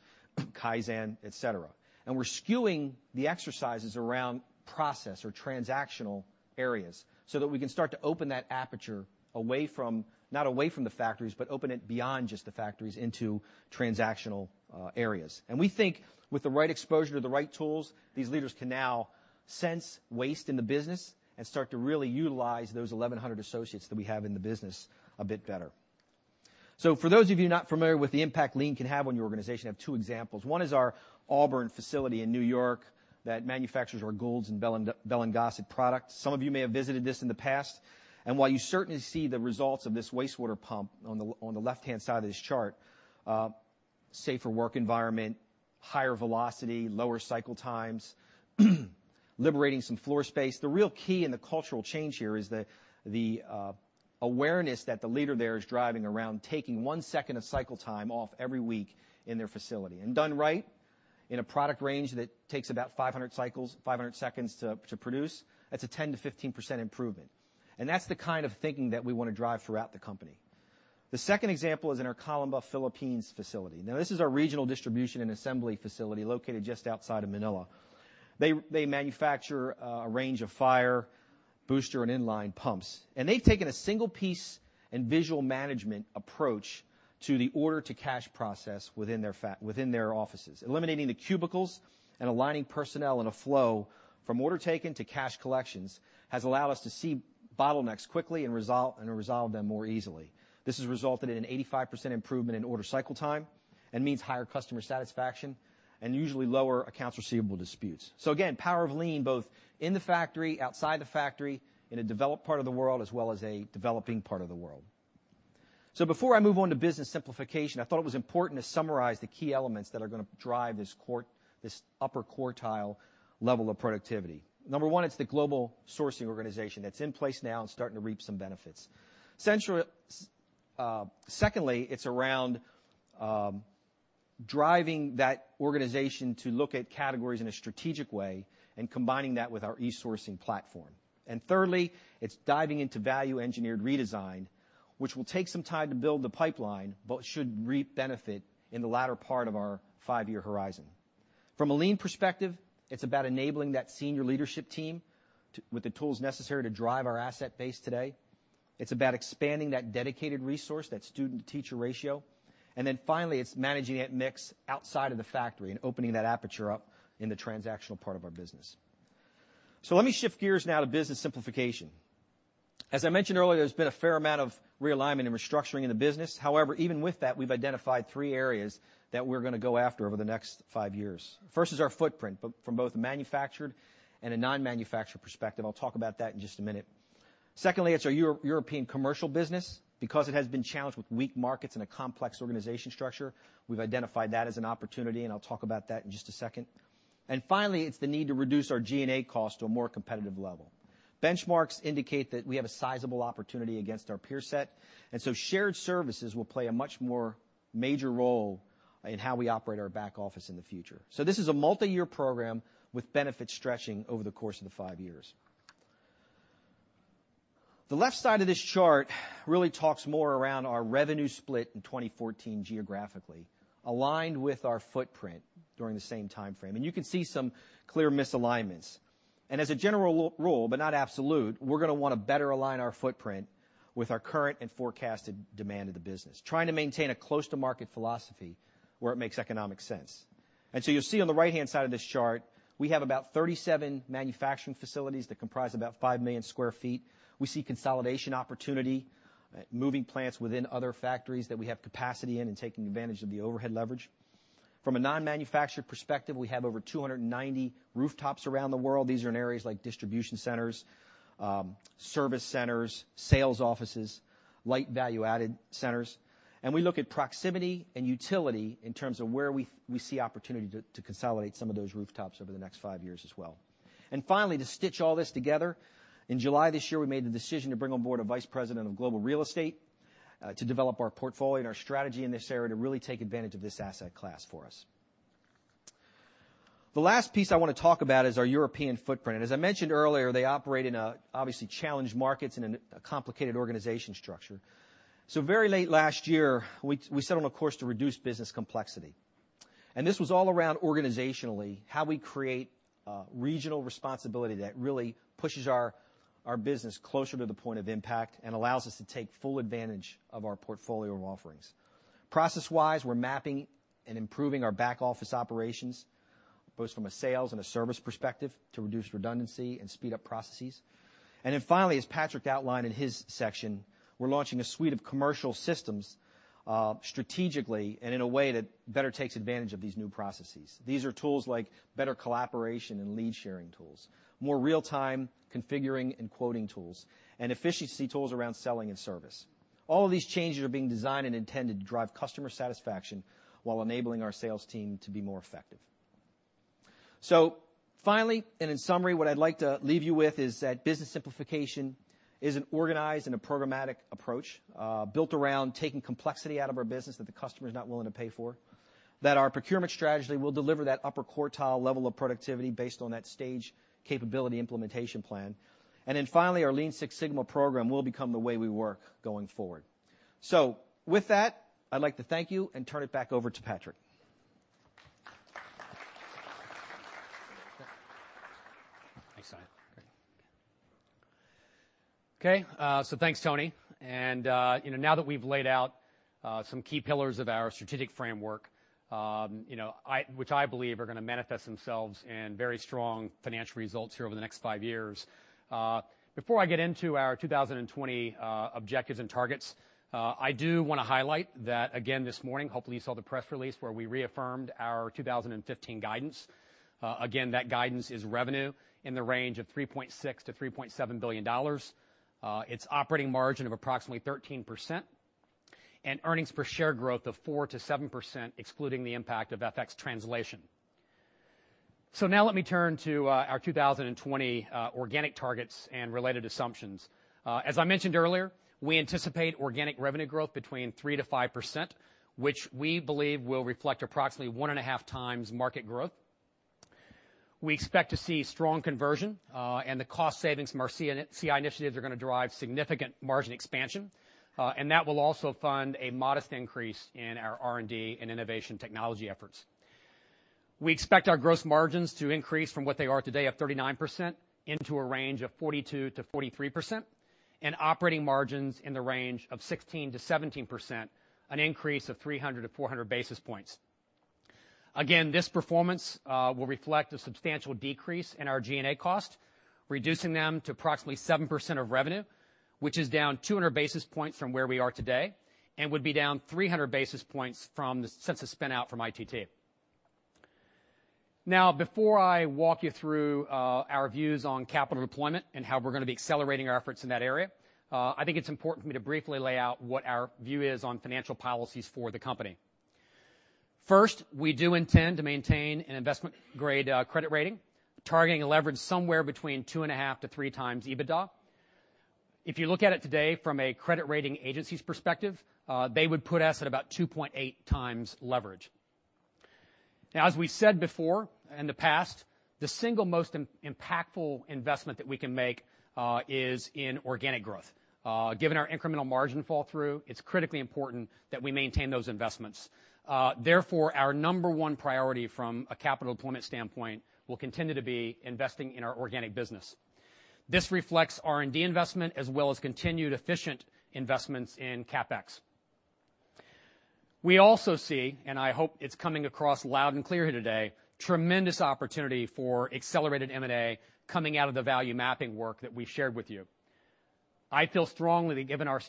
Kaizen, et cetera. We're skewing the exercises around process or transactional areas so that we can start to open that aperture not away from the factories, but open it beyond just the factories into transactional areas. We think with the right exposure to the right tools, these leaders can now sense waste in the business and start to really utilize those 1,100 associates that we have in the business a bit better. For those of you not familiar with the impact lean can have on your organization, I have two examples. One is our Auburn facility in New York that manufactures our Goulds and Bell & Gossett products. Some of you may have visited this in the past. While you certainly see the results of this wastewater pump on the left-hand side of this chart, safer work environment, higher velocity, lower cycle times, liberating some floor space, the real key in the cultural change here is the awareness that the leader there is driving around taking one second of cycle time off every week in their facility. Done right, in a product range that takes about 500 seconds to produce, that's a 10%-15% improvement. That's the kind of thinking that we want to drive throughout the company. The second example is in our Calamba, Philippines facility. Now, this is our regional distribution and assembly facility located just outside of Manila. They manufacture a range of fire booster and in-line pumps, and they've taken a single piece and visual management approach to the order to cash process within their offices. Eliminating the cubicles and aligning personnel in a flow from order taken to cash collections has allowed us to see bottlenecks quickly and resolve them more easily. This has resulted in an 85% improvement in order cycle time and means higher customer satisfaction and usually lower accounts receivable disputes. Again, power of lean both in the factory, outside the factory, in a developed part of the world, as well as a developing part of the world. Before I move on to business simplification, I thought it was important to summarize the key elements that are going to drive this upper quartile level of productivity. Number one, it's the global sourcing organization that's in place now and starting to reap some benefits. Secondly, it's around driving that organization to look at categories in a strategic way and combining that with our e-sourcing platform. Thirdly, it's diving into value engineered redesign, which will take some time to build the pipeline but should reap benefit in the latter part of our five-year horizon. From a lean perspective, it's about enabling that senior leadership team with the tools necessary to drive our asset base today. It's about expanding that dedicated resource, that student to teacher ratio. Then finally, it's managing that mix outside of the factory and opening that aperture up in the transactional part of our business. Let me shift gears now to business simplification. As I mentioned earlier, there's been a fair amount of realignment and restructuring in the business. However, even with that, we've identified three areas that we're going to go after over the next five years. First is our footprint from both a manufactured and a non-manufactured perspective. I'll talk about that in just a minute. Secondly, it's our European commercial business. Because it has been challenged with weak markets and a complex organization structure, we've identified that as an opportunity, and I'll talk about that in just a second. Finally, it's the need to reduce our G&A cost to a more competitive level. Benchmarks indicate that we have a sizable opportunity against our peer set. Shared services will play a much more major role in how we operate our back office in the future. This is a multi-year program with benefits stretching over the course of the 5 years. The left side of this chart really talks more around our revenue split in 2014 geographically, aligned with our footprint during the same timeframe. You can see some clear misalignments. As a general rule, but not absolute, we're going to want to better align our footprint with our current and forecasted demand of the business, trying to maintain a close to market philosophy where it makes economic sense. You'll see on the right-hand side of this chart, we have about 37 manufacturing facilities that comprise about 5 million sq ft. We see consolidation opportunity, moving plants within other factories that we have capacity in and taking advantage of the overhead leverage. From a non-manufactured perspective, we have over 290 rooftops around the world. These are in areas like distribution centers, service centers, sales offices, light value-added centers. We look at proximity and utility in terms of where we see opportunity to consolidate some of those rooftops over the next 5 years as well. Finally, to stitch all this together, in July this year, we made the decision to bring on board a vice president of global real estate, to develop our portfolio and our strategy in this area to really take advantage of this asset class for us. The last piece I want to talk about is our European footprint. As I mentioned earlier, they operate in obviously challenged markets and a complicated organization structure. Very late last year, we set on a course to reduce business complexity. This was all around organizationally, how we create regional responsibility that really pushes our business closer to the point of impact and allows us to take full advantage of our portfolio offerings. Process-wise, we're mapping and improving our back office operations. Both from a sales and a service perspective to reduce redundancy and speed up processes. Finally, as Patrick outlined in his section, we're launching a suite of commercial systems strategically and in a way that better takes advantage of these new processes. These are tools like better collaboration and lead sharing tools, more real-time configuring and quoting tools, and efficiency tools around selling and service. All of these changes are being designed and intended to drive customer satisfaction while enabling our sales team to be more effective. Finally, and in summary, what I'd like to leave you with is that business simplification is an organized and a programmatic approach, built around taking complexity out of our business that the customer's not willing to pay for, that our procurement strategy will deliver that upper quartile level of productivity based on that stage capability implementation plan. Finally, our Lean Six Sigma program will become the way we work going forward. With that, I'd like to thank you and turn it back over to Patrick. Thanks, Tony. Great. Okay, thanks, Tony. Now that we've laid out some key pillars of our strategic framework, which I believe are going to manifest themselves in very strong financial results here over the next five years. Before I get into our 2020 objectives and targets, I do want to highlight that this morning, hopefully, you saw the press release where we reaffirmed our 2015 guidance. That guidance is revenue in the range of $3.6 billion-$3.7 billion. Its operating margin of approximately 13%, earnings per share growth of 4%-7%, excluding the impact of FX translation. Let me turn to our 2020 organic targets and related assumptions. As I mentioned earlier, we anticipate organic revenue growth between 3%-5%, which we believe will reflect approximately one and a half times market growth. We expect to see strong conversion, the cost savings from our CI initiatives are going to drive significant margin expansion. That will also fund a modest increase in our R&D and innovation technology efforts. We expect our gross margins to increase from what they are today of 39% into a range of 42%-43%, and operating margins in the range of 16%-17%, an increase of 300-400 basis points. This performance will reflect a substantial decrease in our G&A cost, reducing them to approximately 7% of revenue, which is down 200 basis points from where we are today and would be down 300 basis points since the spin-out from ITT. Before I walk you through our views on capital deployment and how we're going to be accelerating our efforts in that area, I think it's important for me to briefly lay out what our view is on financial policies for the company. First, we do intend to maintain an investment-grade credit rating, targeting a leverage somewhere between two and a half to three times EBITDA. If you look at it today from a credit rating agency's perspective, they would put us at about 2.8 times leverage. As we said before, in the past, the single most impactful investment that we can make is in organic growth. Given our incremental margin fall-through, it's critically important that we maintain those investments. Therefore, our number 1 priority from a capital deployment standpoint will continue to be investing in our organic business. This reflects R&D investment as well as continued efficient investments in CapEx. We also see, I hope it's coming across loud and clear here today, tremendous opportunity for accelerated M&A coming out of the value mapping work that we've shared with you. I feel strongly that given our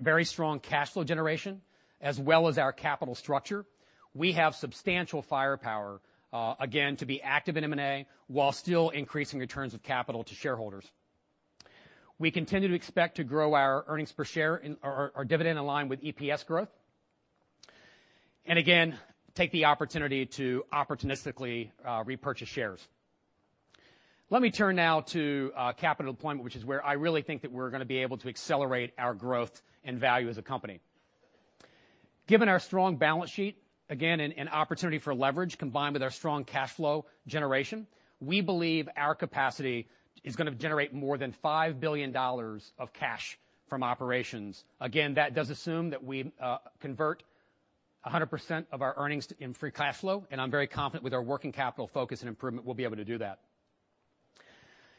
very strong cash flow generation, as well as our capital structure, we have substantial firepower, again, to be active in M&A while still increasing returns of capital to shareholders. We continue to expect to grow our earnings per share or our dividend in line with EPS growth. Again, take the opportunity to opportunistically repurchase shares. Let me turn now to capital deployment, which is where I really think that we're going to be able to accelerate our growth and value as a company. Given our strong balance sheet, an opportunity for leverage combined with our strong cash flow generation, we believe our capacity is going to generate more than $5 billion of cash from operations. That does assume that we convert 100% of our earnings in free cash flow, and I'm very confident with our working capital focus and improvement, we'll be able to do that.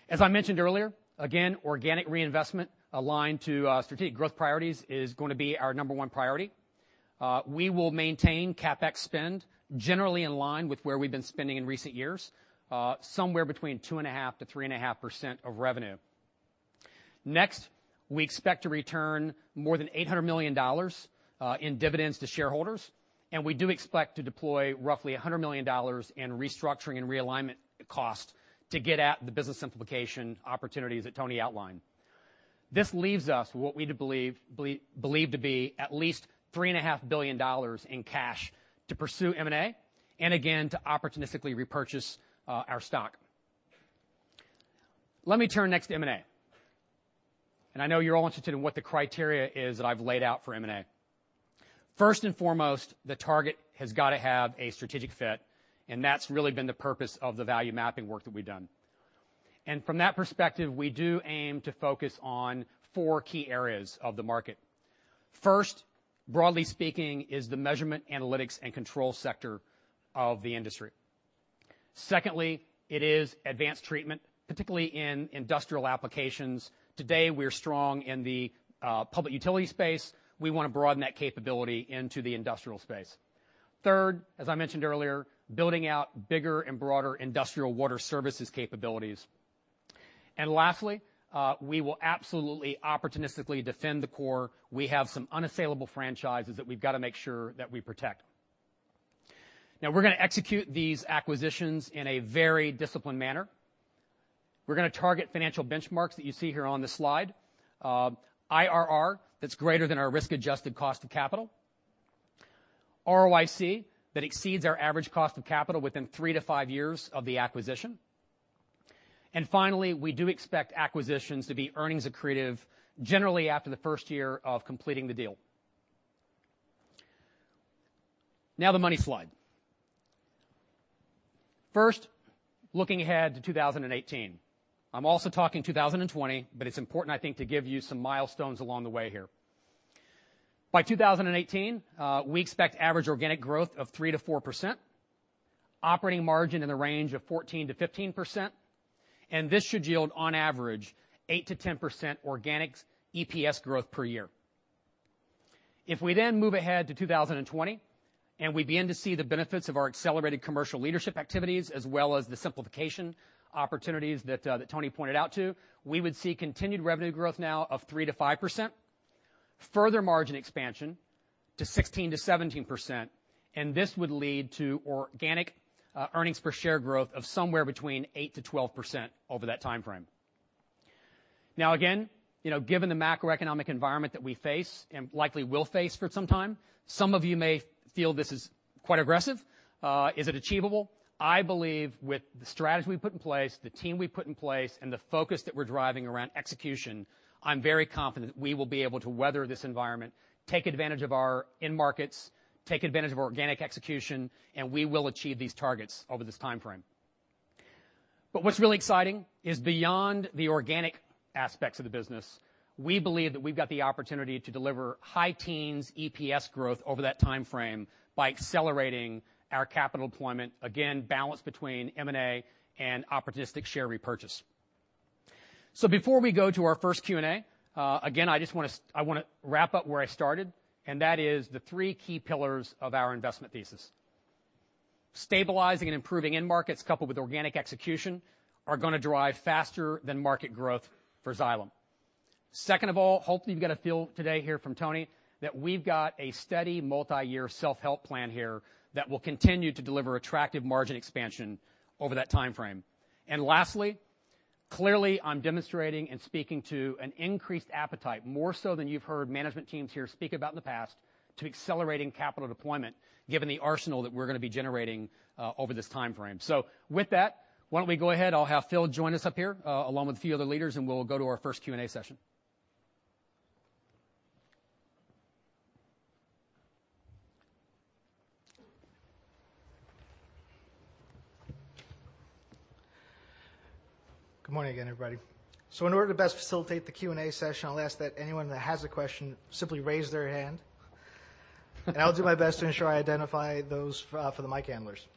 As I mentioned earlier, organic reinvestment aligned to strategic growth priorities is going to be our number one priority. We will maintain CapEx spend generally in line with where we've been spending in recent years, somewhere between 2.5%-3.5% of revenue. Next, we expect to return more than $800 million in dividends to shareholders, and we do expect to deploy roughly $100 million in restructuring and realignment cost to get at the business simplification opportunities that Tony outlined. This leaves us what we believe to be at least $3.5 billion in cash to pursue M&A, to opportunistically repurchase our stock. Let me turn next to M&A. I know you're all interested in what the criteria is that I've laid out for M&A. First and foremost, the target has got to have a strategic fit, and that's really been the purpose of the value mapping work that we've done. From that perspective, we do aim to focus on four key areas of the market. First, broadly speaking, is the measurement, analytics, and control sector of the industry. Secondly, it is advanced treatment, particularly in industrial applications. Today, we're strong in the public utility space. We want to broaden that capability into the industrial space. Third, as I mentioned earlier, building out bigger and broader industrial water services capabilities. Lastly, we will absolutely opportunistically defend the core. We have some unassailable franchises that we've got to make sure that we protect. We're going to execute these acquisitions in a very disciplined manner. We're going to target financial benchmarks that you see here on the slide. IRR, that's greater than our risk-adjusted cost of capital. ROIC, that exceeds our average cost of capital within 3-5 years of the acquisition. Finally, we do expect acquisitions to be earnings accretive generally after the first year of completing the deal. The money slide. First, looking ahead to 2018. I'm also talking 2020, but it's important, I think, to give you some milestones along the way here. By 2018, we expect average organic growth of 3%-4%, operating margin in the range of 14%-15%, and this should yield on average 8%-10% organic EPS growth per year. We then move ahead to 2020, and we begin to see the benefits of our accelerated commercial leadership activities as well as the simplification opportunities that Tony pointed out too, we would see continued revenue growth of 3%-5%, further margin expansion to 16%-17%, and this would lead to organic earnings per share growth of somewhere between 8%-12% over that timeframe. Again, given the macroeconomic environment that we face and likely will face for some time, some of you may feel this is quite aggressive. Is it achievable? I believe with the strategy we've put in place, the team we've put in place, and the focus that we're driving around execution, I'm very confident we will be able to weather this environment, take advantage of our end markets, take advantage of organic execution, and we will achieve these targets over this timeframe. What's really exciting is beyond the organic aspects of the business, we believe that we've got the opportunity to deliver high teens EPS growth over that timeframe by accelerating our capital deployment, again, balanced between M&A and opportunistic share repurchase. Before we go to our first Q&A, again, I want to wrap up where I started, and that is the three key pillars of our investment thesis. Stabilizing and improving end markets coupled with organic execution are going to drive faster than market growth for Xylem. Second of all, hopefully you've got a feel today, hear from Tony, that we've got a steady multi-year self-help plan here that will continue to deliver attractive margin expansion over that timeframe. Lastly, clearly, I'm demonstrating and speaking to an increased appetite, more so than you've heard management teams here speak about in the past, to accelerating capital deployment, given the arsenal that we're going to be generating over this timeframe. With that, why don't we go ahead? I'll have Phil join us up here, along with a few other leaders, and we'll go to our first Q&A session. Good morning again, everybody. In order to best facilitate the Q&A session, I'll ask that anyone that has a question simply raise their hand. I'll do my best to ensure I identify those for the mic handlers.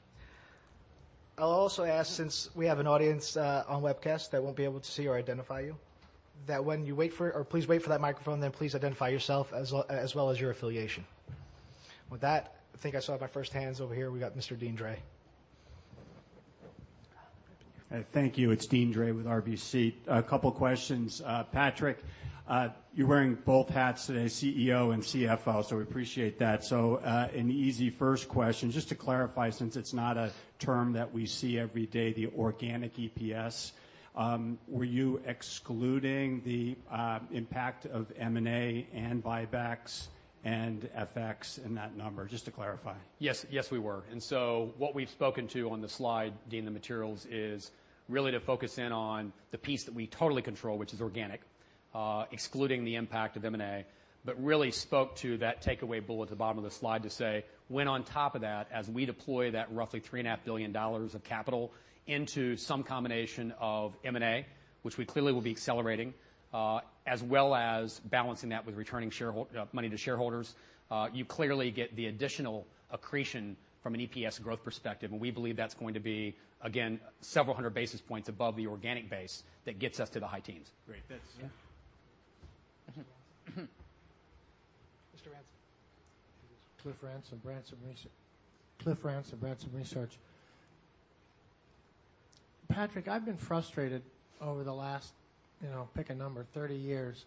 I'll also ask, since we have an audience on webcast that won't be able to see or identify you, please wait for that microphone, then please identify yourself, as well as your affiliation. With that, I think I saw my first hands over here. We got Mr. Deane Dray. Thank you. It's Deane Dray with RBC. A couple questions. Patrick, you're wearing both hats today, CEO and CFO, so we appreciate that. An easy first question, just to clarify, since it's not a term that we see every day, the organic EPS, were you excluding the impact of M&A and buybacks and FX in that number, just to clarify? Yes. Yes, we were. What we've spoken to on the slide, Deane, the materials, is really to focus in on the piece that we totally control, which is organic, excluding the impact of M&A, really spoke to that takeaway bullet at the bottom of the slide to say, when on top of that, as we deploy that roughly $3.5 billion of capital into some combination of M&A, which we clearly will be accelerating, as well as balancing that with returning money to shareholders, you clearly get the additional accretion from an EPS growth perspective. We believe that's going to be, again, several hundred basis points above the organic base that gets us to the high teens. Great. That's Yeah. Mr. Ransom. Cliff Ransom of Ransom Research. Patrick, I've been frustrated over the last, pick a number, 30 years,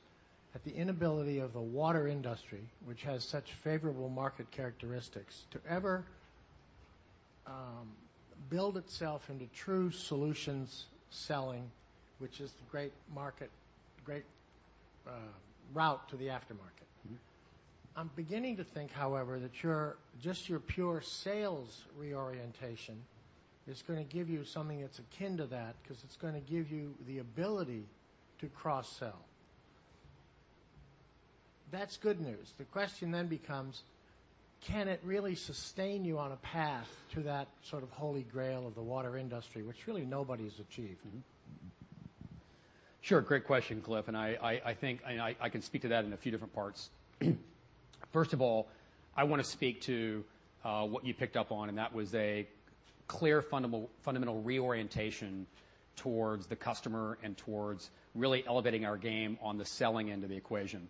at the inability of the water industry, which has such favorable market characteristics, to ever build itself into true solutions selling, which is the great route to the aftermarket. I'm beginning to think, however, that just your pure sales reorientation is going to give you something that's akin to that because it's going to give you the ability to cross-sell. That's good news. The question becomes, can it really sustain you on a path to that sort of holy grail of the water industry, which really nobody's achieved? Sure. Great question, Cliff, I think I can speak to that in a few different parts. First of all, I want to speak to what you picked up on, that was a clear fundamental reorientation towards the customer and towards really elevating our game on the selling end of the equation.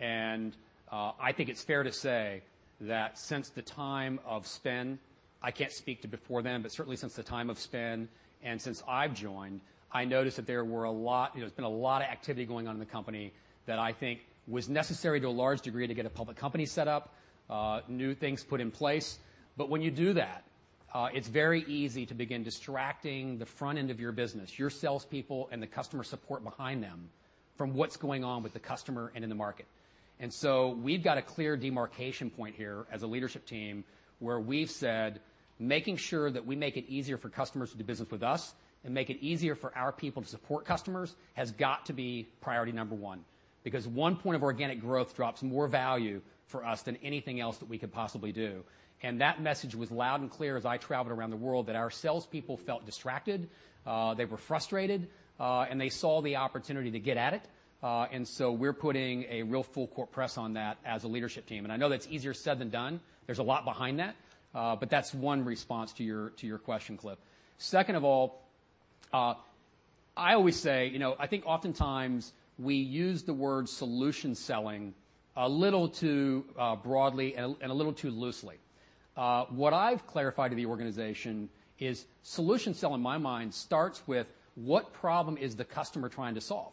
I think it's fair to say that since the time of Spin, I can't speak to before then, but certainly since the time of Spin and since I've joined, I noticed that there has been a lot of activity going on in the company that I think was necessary to a large degree to get a public company set up, new things put in place. When you do that, it's very easy to begin distracting the front end of your business, your salespeople and the customer support behind them, from what's going on with the customer and in the market. We've got a clear demarcation point here as a leadership team, where we've said making sure that we make it easier for customers to do business with us and make it easier for our people to support customers has got to be priority number 1, because one point of organic growth drops more value for us than anything else that we could possibly do. That message was loud and clear as I traveled around the world, that our salespeople felt distracted, they were frustrated, and they saw the opportunity to get at it. We're putting a real full-court press on that as a leadership team. I know that's easier said than done. There's a lot behind that, but that's one response to your question, Cliff. Second of all, I always say, I think oftentimes we use the word solution selling a little too broadly and a little too loosely. What I've clarified to the organization is solution selling, in my mind, starts with what problem is the customer trying to solve?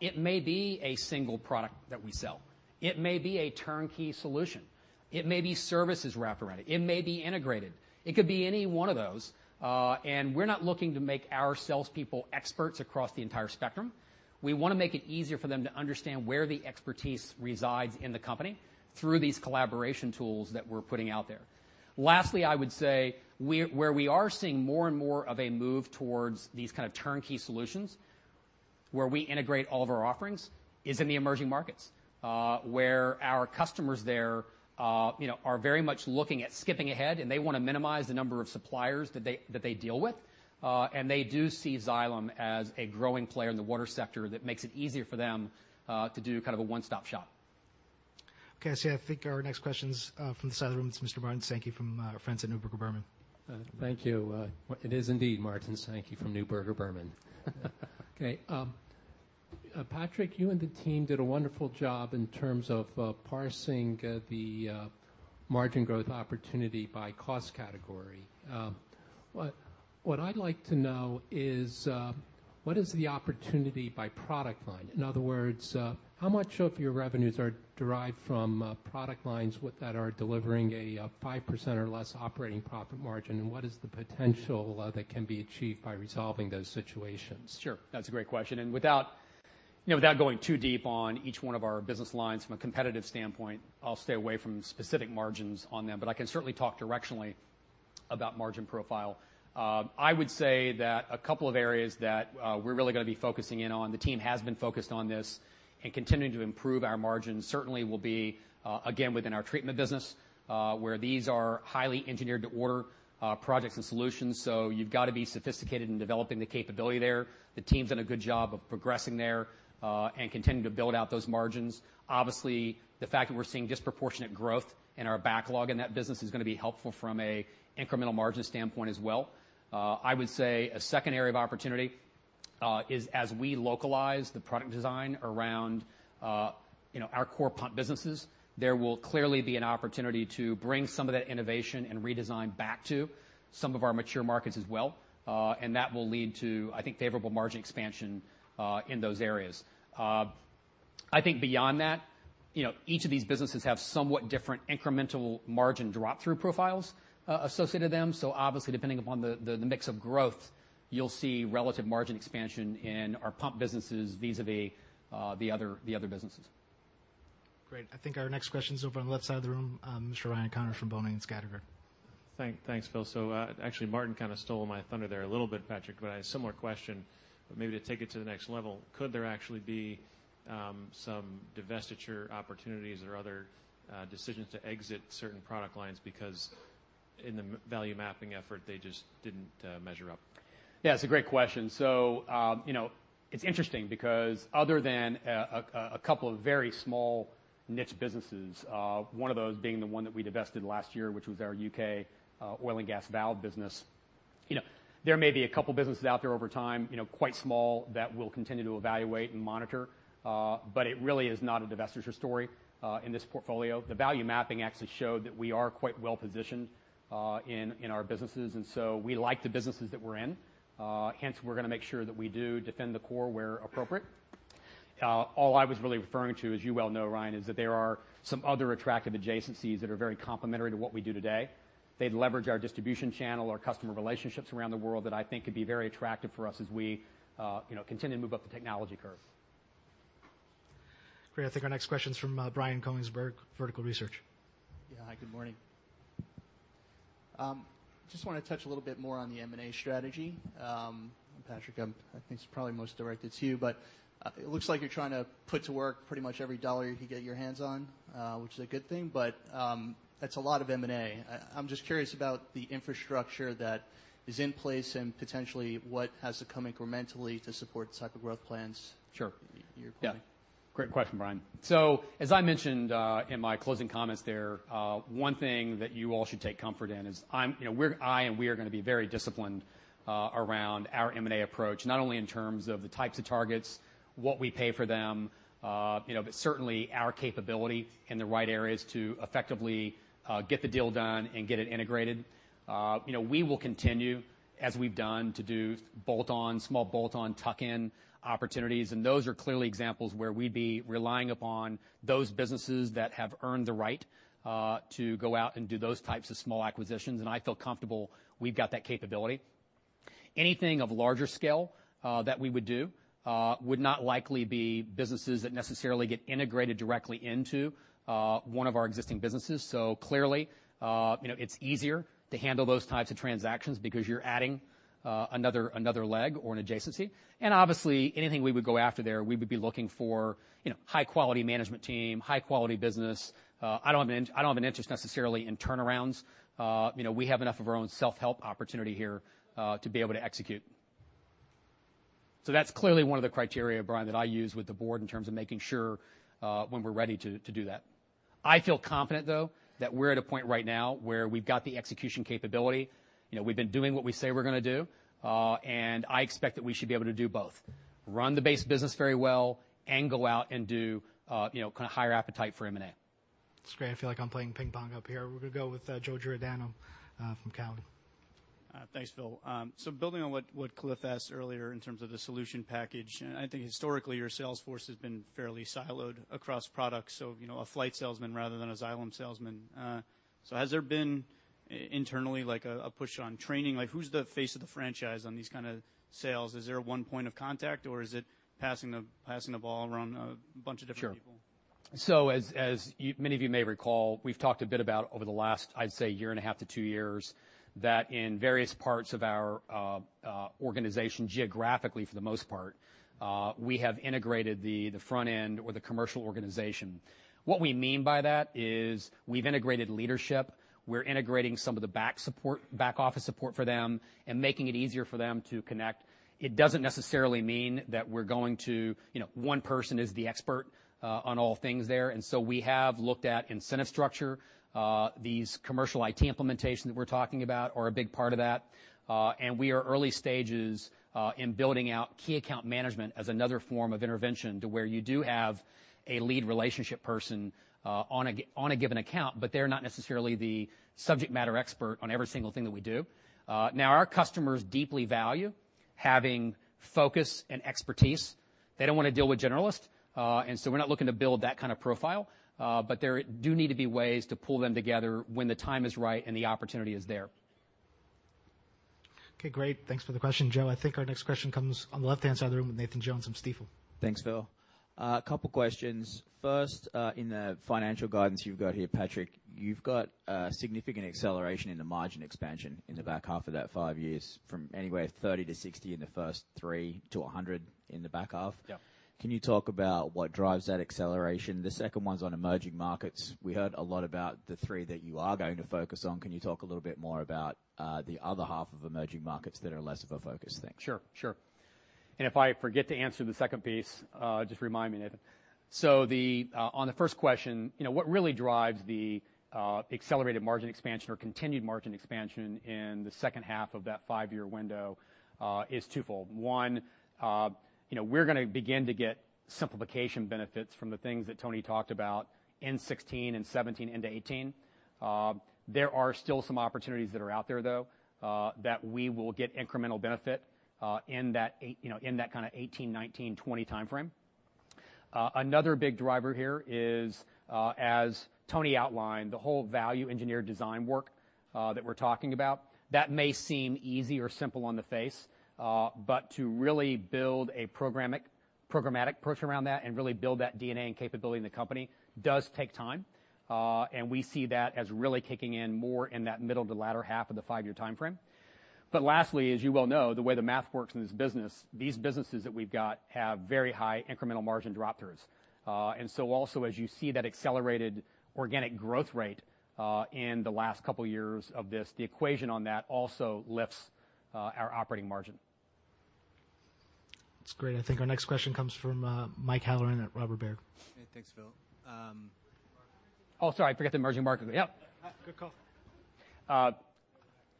It may be a single product that we sell. It may be a turnkey solution. It may be services wrapped around it. It may be integrated. It could be any one of those, we're not looking to make our salespeople experts across the entire spectrum. We want to make it easier for them to understand where the expertise resides in the company through these collaboration tools that we're putting out there. Lastly, I would say, where we are seeing more and more of a move towards these kind of turnkey solutions, where we integrate all of our offerings, is in the emerging markets, where our customers there are very much looking at skipping ahead, and they want to minimize the number of suppliers that they deal with. They do see Xylem as a growing player in the water sector that makes it easier for them to do a one-stop shop. Okay, I see. I think our next question's from this side of the room. It's Mr. Martin Sankey from our friends at Neuberger Berman. Thank you. It is indeed Martin Sankey from Neuberger Berman. Okay. Patrick, you and the team did a wonderful job in terms of parsing the margin growth opportunity by cost category. What I'd like to know is what is the opportunity by product line? In other words, how much of your revenues are derived from product lines that are delivering a 5% or less operating profit margin, and what is the potential that can be achieved by resolving those situations? Sure. That's a great question. Without going too deep on each one of our business lines from a competitive standpoint, I'll stay away from specific margins on them, but I can certainly talk directionally about margin profile. I would say that a couple of areas that we're really going to be focusing in on, the team has been focused on this and continuing to improve our margins certainly will be, again, within our treatment business, where these are highly engineered to order projects and solutions. You've got to be sophisticated in developing the capability there. The team's done a good job of progressing there, and continuing to build out those margins. Obviously, the fact that we're seeing disproportionate growth in our backlog in that business is going to be helpful from a incremental margin standpoint as well. I would say a second area of opportunity is as we localize the product design around our core pump businesses, there will clearly be an opportunity to bring some of that innovation and redesign back to some of our mature markets as well. That will lead to, I think, favorable margin expansion, in those areas. Beyond that, each of these businesses have somewhat different incremental margin drop through profiles associated with them. Obviously, depending upon the mix of growth, you'll see relative margin expansion in our pump businesses vis-a-vis the other businesses. Great. I think our next question's over on the left side of the room, Mr. Ryan Connors from Boenning & Scattergood. Thanks, Phil. Actually Martin kind of stole my thunder there a little bit, Patrick, but I had a similar question, but maybe to take it to the next level. Could there actually be some divestiture opportunities or other decisions to exit certain product lines because in the value mapping effort, they just didn't measure up? Yeah, it's a great question. It's interesting because other than a couple of very small niche businesses, one of those being the one that we divested last year, which was our U.K. oil and gas valve business. There may be a couple businesses out there over time, quite small, that we'll continue to evaluate and monitor. It really is not a divestiture story in this portfolio. The value mapping actually showed that we are quite well positioned in our businesses. We like the businesses that we're in. Hence, we're going to make sure that we do defend the core where appropriate. All I was really referring to, as you well know, Ryan, is that there are some other attractive adjacencies that are very complementary to what we do today. They'd leverage our distribution channel, our customer relationships around the world that I think could be very attractive for us as we continue to move up the technology curve. Great. I think our next question's from Brian Konigsberg, Vertical Research. Yeah. Hi, good morning. Just want to touch a little bit more on the M&A strategy. Patrick, I think this is probably most directed to you, but it looks like you're trying to put to work pretty much every dollar you can get your hands on, which is a good thing, but that's a lot of M&A. I'm just curious about the infrastructure that is in place and potentially what has to come incrementally to support the type of growth plans- Sure you're quoting. Great question, Brian. As I mentioned in my closing comments there, one thing that you all should take comfort in is I and we are going to be very disciplined around our M&A approach, not only in terms of the types of targets, what we pay for them, but certainly our capability in the right areas to effectively get the deal done and get it integrated. We will continue, as we've done, to do small bolt-on, tuck-in opportunities, and those are clearly examples where we'd be relying upon those businesses that have earned the right to go out and do those types of small acquisitions, and I feel comfortable we've got that capability. Anything of larger scale that we would do would not likely be businesses that necessarily get integrated directly into one of our existing businesses. Clearly, it's easier to handle those types of transactions because you're adding another leg or an adjacency. Obviously, anything we would go after there, we would be looking for high-quality management team, high-quality business. I don't have an interest necessarily in turnarounds. We have enough of our own self-help opportunity here to be able to execute. That's clearly one of the criteria, Brian, that I use with the board in terms of making sure when we're ready to do that. I feel confident, though, that we're at a point right now where we've got the execution capability. We've been doing what we say we're going to do. I expect that we should be able to do both, run the base business very well and go out and do kind of higher appetite for M&A. That's great. I feel like I'm playing ping pong up here. We're going to go with Joe Giordano from Cowen. Thanks, Phil. Building on what Cliff Ransom asked earlier in terms of the solution package, I think historically, your sales force has been fairly siloed across products, so a Flygt salesman rather than a Xylem salesman. Has there been internally a push on training? Who's the face of the franchise on these kind of sales? Is there one point of contact, or is it passing the ball around a bunch of different people? Sure. As many of you may recall, we've talked a bit about over the last, I'd say, year and a half to two years, that in various parts of our organization, geographically for the most part, we have integrated the front end or the commercial organization. What we mean by that is we've integrated leadership. We're integrating some of the back-office support for them and making it easier for them to connect. It doesn't necessarily mean that we're going to one person is the expert on all things there. We have looked at incentive structure, these commercial IT implementations that we're talking about are a big part of that. We are early stages in building out key account management as another form of intervention to where you do have a lead relationship person on a given account, but they're not necessarily the subject matter expert on every single thing that we do. Now, our customers deeply value having focus and expertise. They don't want to deal with generalists, we're not looking to build that kind of profile. There do need to be ways to pull them together when the time is right and the opportunity is there. Okay, great. Thanks for the question, Joe. I think our next question comes on the left-hand side of the room with Nathan Jones from Stifel. Thanks, Phil. A couple questions. First, in the financial guidance you've got here, Patrick, you've got a significant acceleration in the margin expansion in the back half of that five years from anywhere 30 to 60 in the first three to 100 in the back half. Yep. Can you talk about what drives that acceleration? The second one's on emerging markets. We heard a lot about the three that you are going to focus on. Can you talk a little bit more about the other half of emerging markets that are less of a focus, thanks. Sure. If I forget to answer the second piece, just remind me, Nathan. On the first question, what really drives the accelerated margin expansion or continued margin expansion in the second half of that five-year window is twofold. One, we're going to begin to get simplification benefits from the things that Tony talked about in 2016 and 2017 into 2018. There are still some opportunities that are out there, though, that we will get incremental benefit in that kind of 2018, 2019, 2020 timeframe. Another big driver here is, as Tony outlined, the whole value engineer design work that we're talking about. That may seem easy or simple on the face, but to really build a programmatic approach around that and really build that DNA and capability in the company does take time, and we see that as really kicking in more in that middle to latter half of the five-year timeframe. Lastly, as you well know, the way the math works in this business, these businesses that we've got have very high incremental margin drop-throughs. Also as you see that accelerated organic growth rate in the last couple of years of this, the equation on that also lifts our operating margin. That's great. I think our next question comes from Michael Halloran at Robert W. Baird. Hey. Thanks, Phil. Oh, sorry. I forgot the emerging market. Yep. Good call.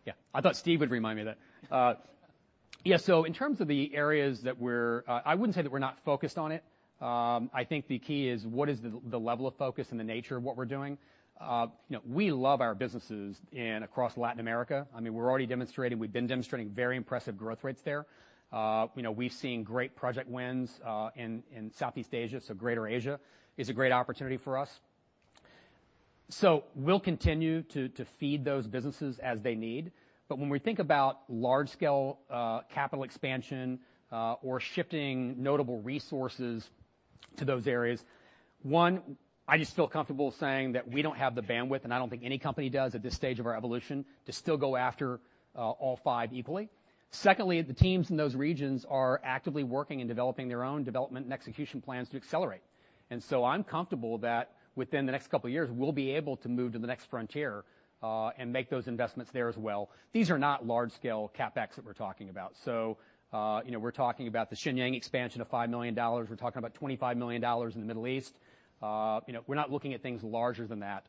Yeah, I thought Steve would remind me of that. Yeah. In terms of the areas that I wouldn't say that we're not focused on it. I think the key is what is the level of focus and the nature of what we're doing. We love our businesses across Latin America. We've been demonstrating very impressive growth rates there. We've seen great project wins in Southeast Asia, greater Asia is a great opportunity for us. We'll continue to feed those businesses as they need. When we think about large-scale capital expansion or shifting notable resources to those areas, one, I just feel comfortable saying that we don't have the bandwidth, and I don't think any company does at this stage of our evolution, to still go after all five equally. Secondly, the teams in those regions are actively working and developing their own development and execution plans to accelerate. I'm comfortable that within the next couple of years, we'll be able to move to the next frontier and make those investments there as well. These are not large-scale CapEx that we're talking about. We're talking about the Shenyang expansion of $5 million. We're talking about $25 million in the Middle East. We're not looking at things larger than that.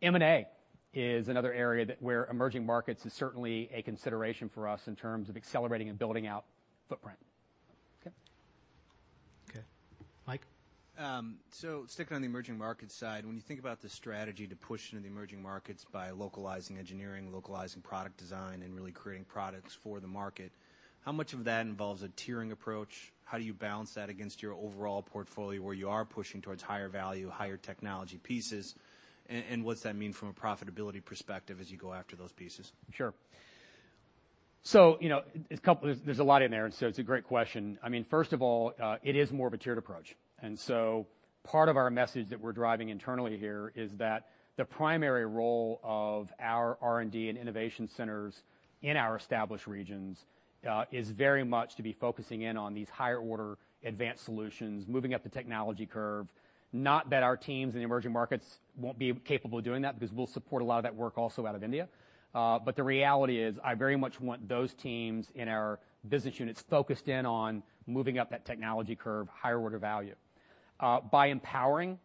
M&A is another area that where emerging markets is certainly a consideration for us in terms of accelerating and building out footprint. Okay. Mike? Sticking on the emerging market side, when you think about the strategy to push into the emerging markets by localizing engineering, localizing product design, and really creating products for the market, how much of that involves a tiering approach? How do you balance that against your overall portfolio, where you are pushing towards higher value, higher technology pieces? What's that mean from a profitability perspective as you go after those pieces? Sure. There's a lot in there, it's a great question. First of all, it is more of a tiered approach. Part of our message that we're driving internally here is that the primary role of our R&D and innovation centers in our established regions, is very much to be focusing in on these higher order advanced solutions, moving up the technology curve. Not that our teams in the emerging markets won't be capable of doing that, because we'll support a lot of that work also out of India. The reality is, I very much want those teams in our business units focused in on moving up that technology curve, higher order value. By empowering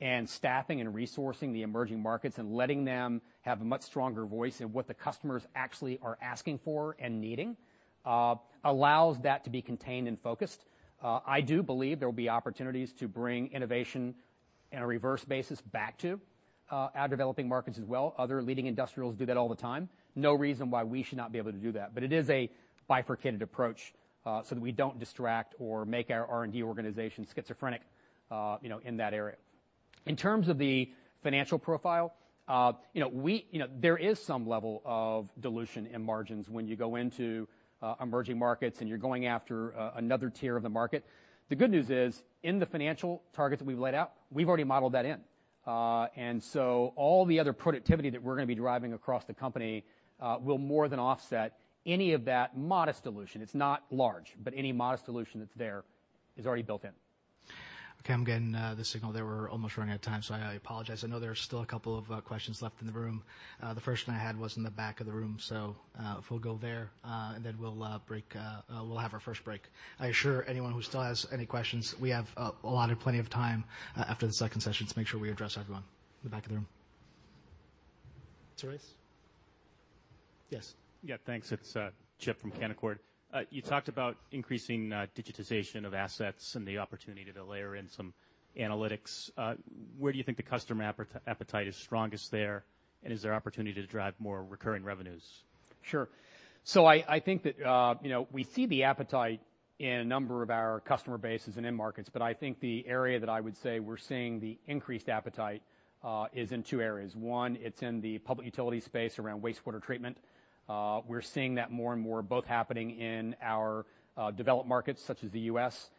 and staffing and resourcing the emerging markets and letting them have a much stronger voice in what the customers actually are asking for and needing, allows that to be contained and focused. I do believe there will be opportunities to bring innovation in a reverse basis back to our developing markets as well. Other leading industrials do that all the time. No reason why we should not be able to do that. It is a bifurcated approach, so that we don't distract or make our R&D organization schizophrenic in that area. In terms of the financial profile, there is some level of dilution in margins when you go into emerging markets and you're going after another tier of the market. The good news is, in the financial targets that we've laid out, we've already modeled that in. All the other productivity that we're going to be driving across the company will more than offset any of that modest dilution. It's not large, but any modest dilution that's there is already built in. Okay. I'm getting the signal that we're almost running out of time, so I apologize. I know there are still a couple of questions left in the room. The first one I had was in the back of the room, so if we'll go there, and then we'll have our first break. I assure anyone who still has any questions, we have allotted plenty of time after the second session to make sure we address everyone. In the back of the room. Therese? Yes. Yeah, thanks. It's Chip from Canaccord. You talked about increasing digitization of assets and the opportunity to layer in some analytics. Where do you think the customer appetite is strongest there, and is there opportunity to drive more recurring revenues? Sure. I think that we see the appetite in a number of our customer bases and end markets, but I think the area that I would say we're seeing the increased appetite, is in two areas. One, it's in the public utility space around wastewater treatment. We're seeing that more and more both happening in our developed markets such as the U.S.,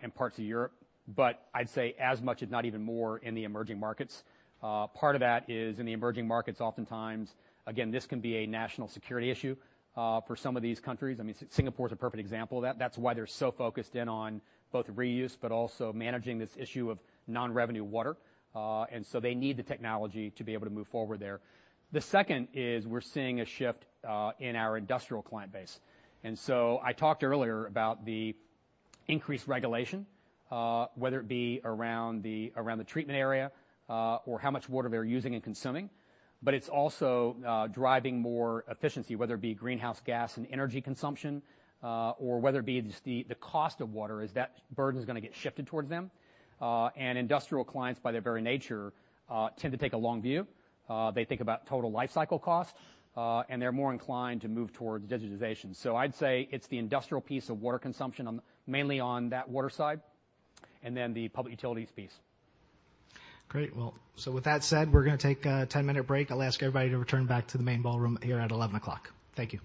and parts of Europe, but I'd say as much if not even more in the emerging markets. Part of that is in the emerging markets oftentimes, again, this can be a national security issue, for some of these countries. Singapore is a perfect example of that. That's why they're so focused in on both reuse, but also managing this issue of non-revenue water. They need the technology to be able to move forward there. The second is we're seeing a shift in our industrial client base. I talked earlier about the increased regulation, whether it be around the treatment area, or how much water they're using and consuming. It's also driving more efficiency, whether it be greenhouse gas and energy consumption, or whether it be just the cost of water, as that burden is going to get shifted towards them. Industrial clients, by their very nature, tend to take a long view. They think about total lifecycle cost, and they're more inclined to move towards digitization. I'd say it's the industrial piece of water consumption, mainly on that water side, and then the public utilities piece. Great. With that said, we're going to take a 10-minute break. I'll ask everybody to return back to the main ballroom here at 11 o'clock. Thank you.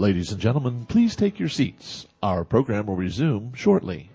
Ladies and gentlemen, please take your seats. Our program will resume shortly.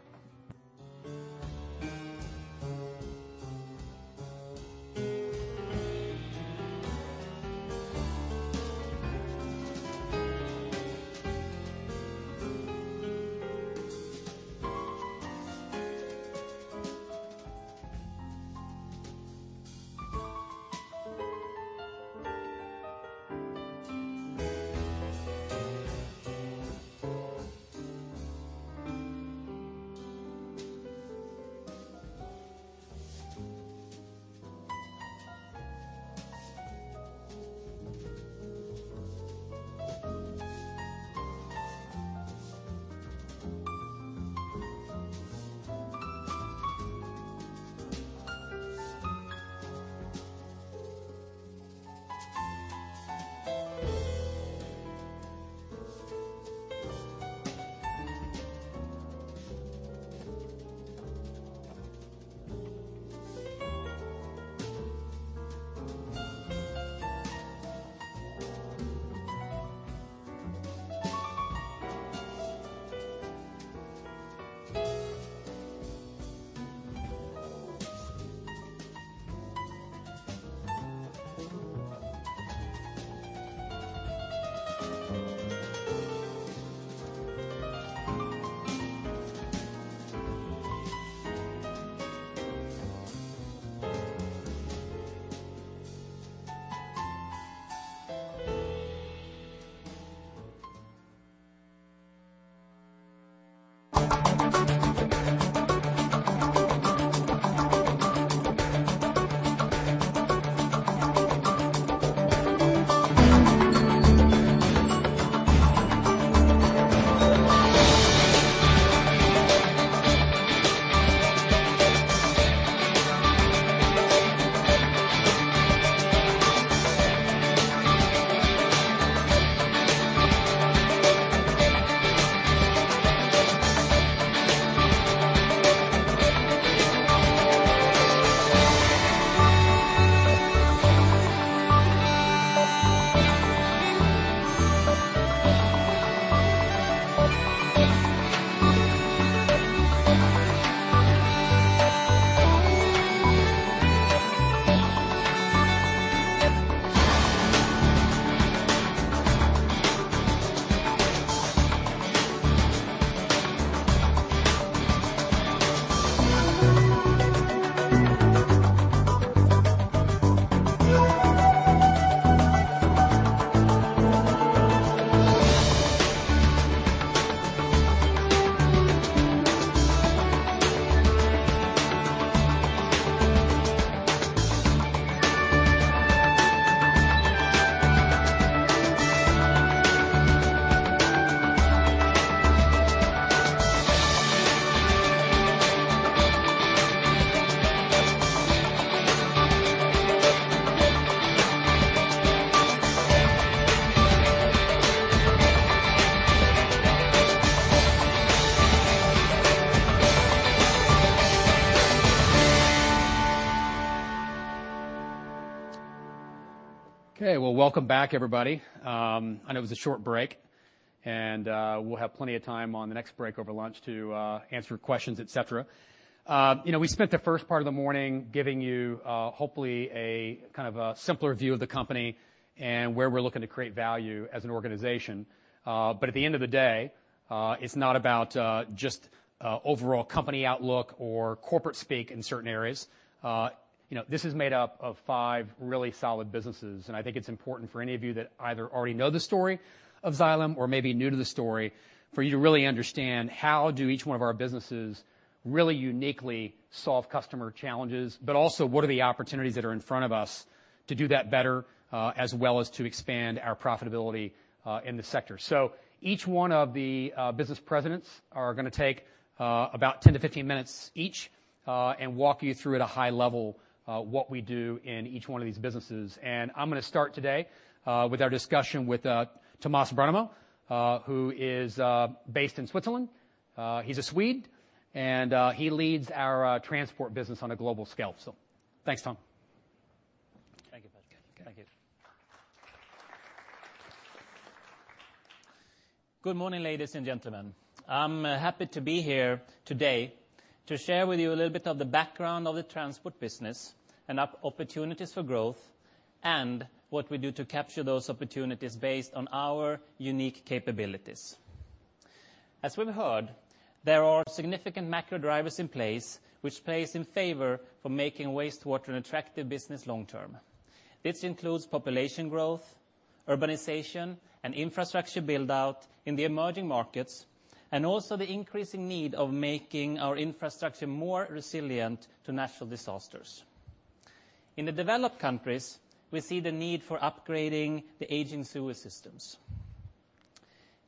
Okay. Well, welcome back, everybody. I know it was a short break, and we'll have plenty of time on the next break over lunch to answer questions, et cetera. We spent the first part of the morning giving you, hopefully, a simpler view of the company and where we're looking to create value as an organization. At the end of the day, it's not about just overall company outlook or corporate speak in certain areas. This is made up of five really solid businesses, and I think it's important for any of you that either already know the story of Xylem or may be new to the story, for you to really understand how do each one of our businesses really uniquely solve customer challenges, but also what are the opportunities that are in front of us to do that better, as well as to expand our profitability in the sector. Each one of the business presidents are going to take about 10-15 minutes each, and walk you through at a high level, what we do in each one of these businesses. I'm going to start today with our discussion with Tomas Brannemo, who is based in Switzerland. He's a Swede, and he leads our transport business on a global scale. Thanks, Tom. Thank you, Patrick. Okay. Thank you. Good morning, ladies and gentlemen. I'm happy to be here today to share with you a little bit of the background of the transport business, and opportunities for growth, and what we do to capture those opportunities based on our unique capabilities. As we've heard, there are significant macro drivers in place, which plays in favor for making wastewater an attractive business long term. This includes population growth, urbanization, and infrastructure build-out in the emerging markets, and also the increasing need of making our infrastructure more resilient to natural disasters. In the developed countries, we see the need for upgrading the aging sewer systems.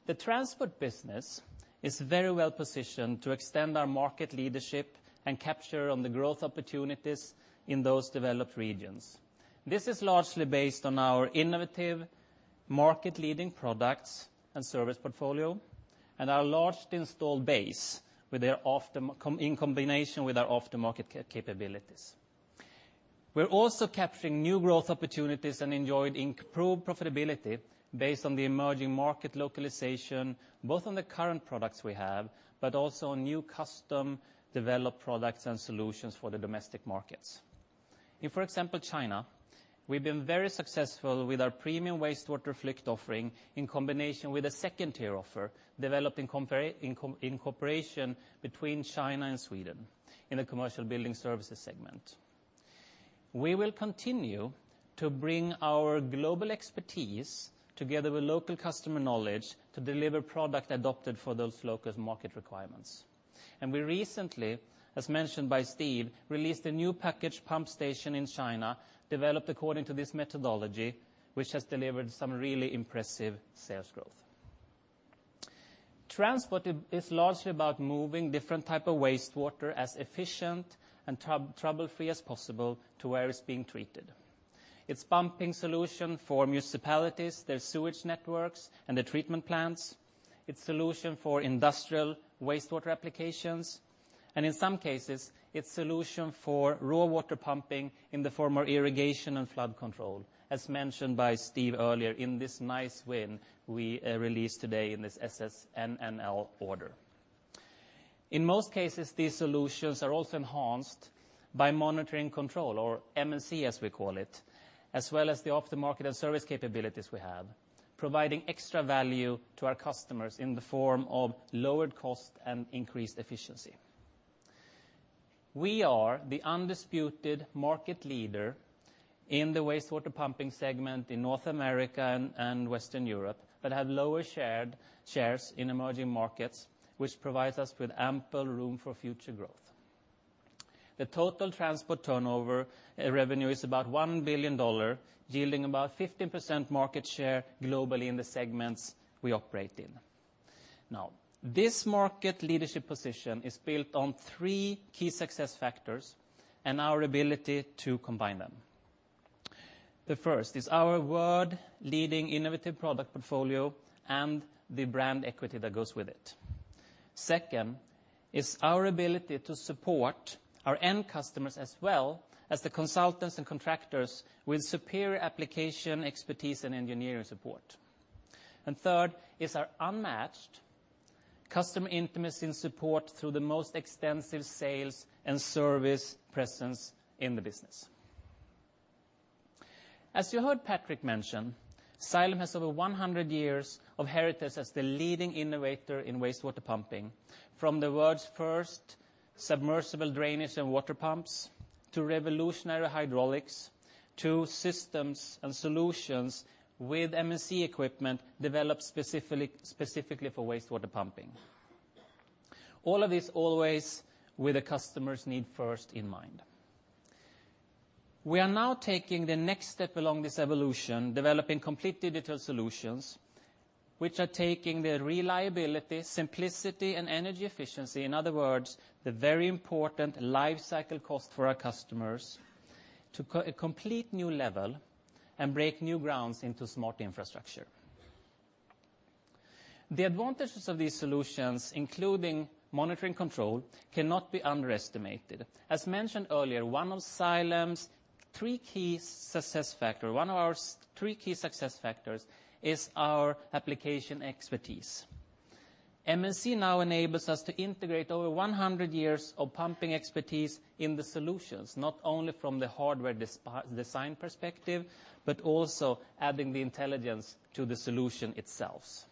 The transport business is very well positioned to extend our market leadership and capture on the growth opportunities in those developed regions. This is largely based on our innovative, market-leading products and service portfolio, and our large installed base in combination with our aftermarket capabilities. We're also capturing new growth opportunities and enjoyed improved profitability based on the emerging market localization, both on the current products we have, but also on new custom-developed products and solutions for the domestic markets. In, for example, China, we've been very successful with our premium wastewater Flygt offering in combination with a second-tier offer developed in cooperation between China and Sweden in the commercial building services segment. We will continue to bring our global expertise together with local customer knowledge to deliver product adopted for those local market requirements. We recently, as mentioned by Steve, released a new package pump station in China, developed according to this methodology, which has delivered some really impressive sales growth. Transport is largely about moving different type of wastewater as efficient and trouble-free as possible to where it's being treated. It's pumping solution for municipalities, their sewage networks, and their treatment plants. It's solution for industrial wastewater applications, and in some cases, it's solution for raw water pumping in the form of irrigation and flood control, as mentioned by Steve earlier in this nice win we released today in this SSNNL order. In most cases, these solutions are also enhanced by monitoring control, or M&C, as we call it, as well as the after-market and service capabilities we have, providing extra value to our customers in the form of lowered cost and increased efficiency. We are the undisputed market leader in the wastewater pumping segment in North America and Western Europe, but have lower shares in emerging markets, which provides us with ample room for future growth. The total transport turnover revenue is about $1 billion, yielding about 15% market share globally in the segments we operate in. This market leadership position is built on three key success factors and our ability to combine them. The first is our world-leading innovative product portfolio and the brand equity that goes with it. Second is our ability to support our end customers as well as the consultants and contractors with superior application expertise and engineering support. Third is our unmatched customer intimacy and support through the most extensive sales and service presence in the business. As you heard Patrick mention, Xylem has over 100 years of heritage as the leading innovator in wastewater pumping, from the world's first submersible drainage and water pumps, to revolutionary hydraulics, to systems and solutions with M&C equipment developed specifically for wastewater pumping. All of this always with the customer's need first in mind. We are now taking the next step along this evolution, developing complete digital solutions, which are taking the reliability, simplicity, and energy efficiency, in other words, the very important lifecycle cost for our customers, to a complete new level and break new grounds into smart infrastructure. The advantages of these solutions, including monitoring control, cannot be underestimated. As mentioned earlier, one of our three key success factors is our application expertise. M&C now enables us to integrate over 100 years of pumping expertise in the solutions, not only from the hardware design perspective, but also adding the intelligence to the solution itself.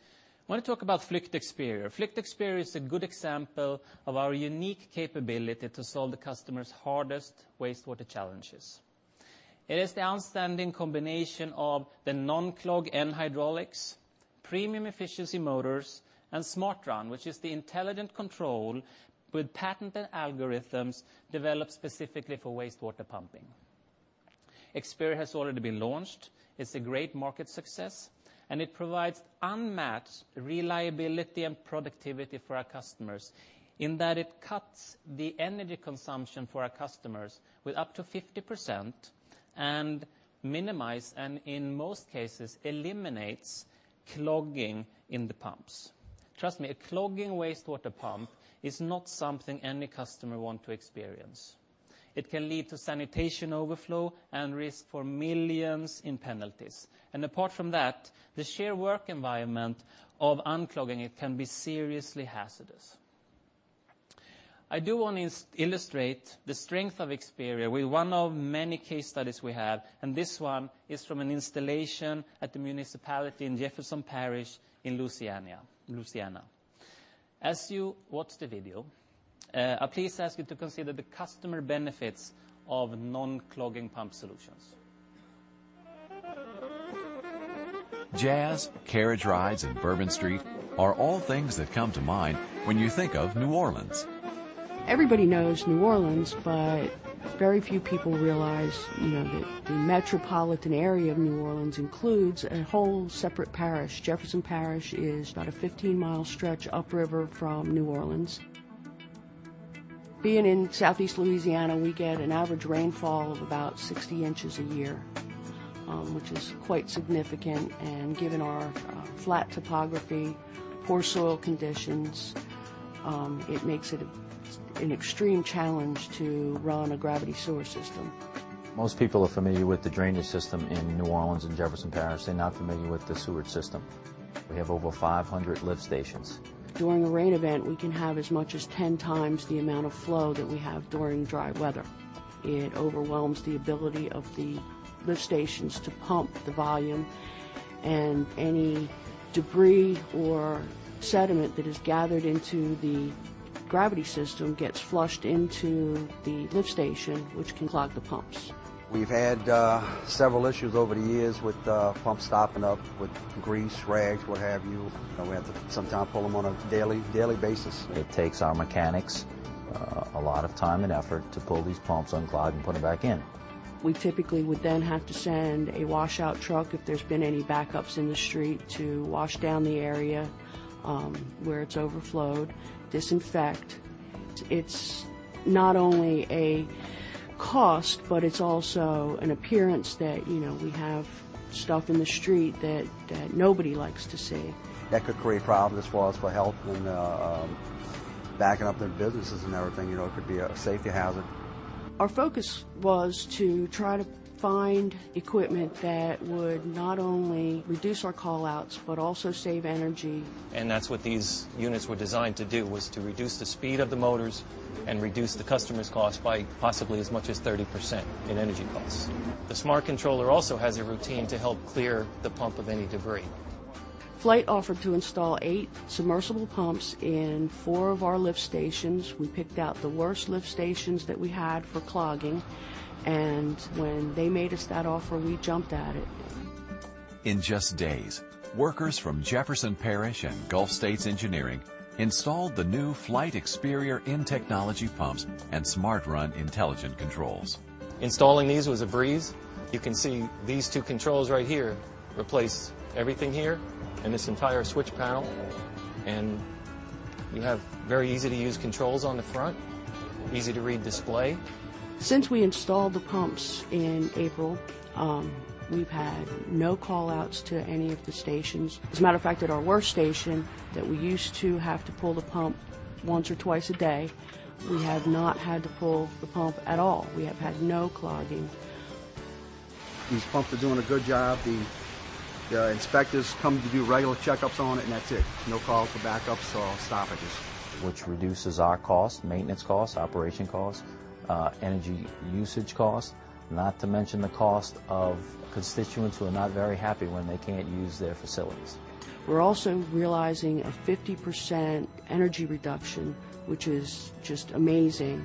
I want to talk about Flygt Experior. Flygt Experior is a good example of our unique capability to solve the customer's hardest wastewater challenges. It is the outstanding combination of the non-clog end hydraulics, premium efficiency motors, and SmartRun, which is the intelligent control with patented algorithms developed specifically for wastewater pumping. Experior has already been launched. It's a great market success, and it provides unmatched reliability and productivity for our customers in that it cuts the energy consumption for our customers with up to 50% and minimize, and in most cases, eliminates clogging in the pumps. Trust me, a clogging wastewater pump is not something any customer want to experience. It can lead to sanitation overflow and risk for $ millions in penalties. Apart from that, the sheer work environment of unclogging it can be seriously hazardous. I do want to illustrate the strength of Experior with one of many case studies we have, and this one is from an installation at the municipality in Jefferson Parish in Louisiana. As you watch the video, I please ask you to consider the customer benefits of non-clogging pump solutions. Jazz, carriage rides, and Bourbon Street are all things that come to mind when you think of New Orleans. Everybody knows New Orleans, very few people realize that the metropolitan area of New Orleans includes a whole separate parish. Jefferson Parish is about a 15-mile stretch upriver from New Orleans. Being in Southeast Louisiana, we get an average rainfall of about 60 inches a year, which is quite significant, and given our flat topography, poor soil conditions, it makes it an extreme challenge to run a gravity sewer system. Most people are familiar with the drainage system in New Orleans and Jefferson Parish. They're not familiar with the sewage system. We have over 500 lift stations. During a rain event, we can have as much as 10 times the amount of flow that we have during dry weather. It overwhelms the ability of the lift stations to pump the volume, any debris or sediment that is gathered into the gravity system gets flushed into the lift station, which can clog the pumps. We've had several issues over the years with pumps stopping up with grease, rags, what have you. We have to sometimes pull them on a daily basis. It takes our mechanics a lot of time and effort to pull these pumps, unclog, and put them back in. We typically would have to send a washout truck if there's been any backups in the street to wash down the area, where it's overflowed, disinfect. It's not only a cost, but it's also an appearance that we have stuff in the street that nobody likes to see. That could create problems for us for health and backing up their businesses and everything. It could be a safety hazard. Our focus was to try to find equipment that would not only reduce our call-outs, but also save energy. That's what these units were designed to do, was to reduce the speed of the motors and reduce the customer's cost by possibly as much as 30% in energy costs. The smart controller also has a routine to help clear the pump of any debris. Flygt offered to install eight submersible pumps in four of our lift stations. We picked out the worst lift stations that we had for clogging. When they made us that offer, we jumped at it. In just days, workers from Jefferson Parish and Gulf States Engineering installed the new Flygt Experior M technology pumps and SmartRun intelligent controls. Installing these was a breeze. You can see these two controls right here replace everything here and this entire switch panel. You have very easy-to-use controls on the front, easy-to-read display. Since we installed the pumps in April, we've had no call-outs to any of the stations. As a matter of fact, at our worst station that we used to have to pull the pump once or twice a day, we have not had to pull the pump at all. We have had no clogging. These pumps are doing a good job. The inspectors come to do regular checkups on it, that's it. No call for backups or stoppages. Reduces our cost, maintenance cost, operation cost, energy usage cost, not to mention the cost of constituents who are not very happy when they can't use their facilities. We're also realizing a 50% energy reduction, which is just amazing.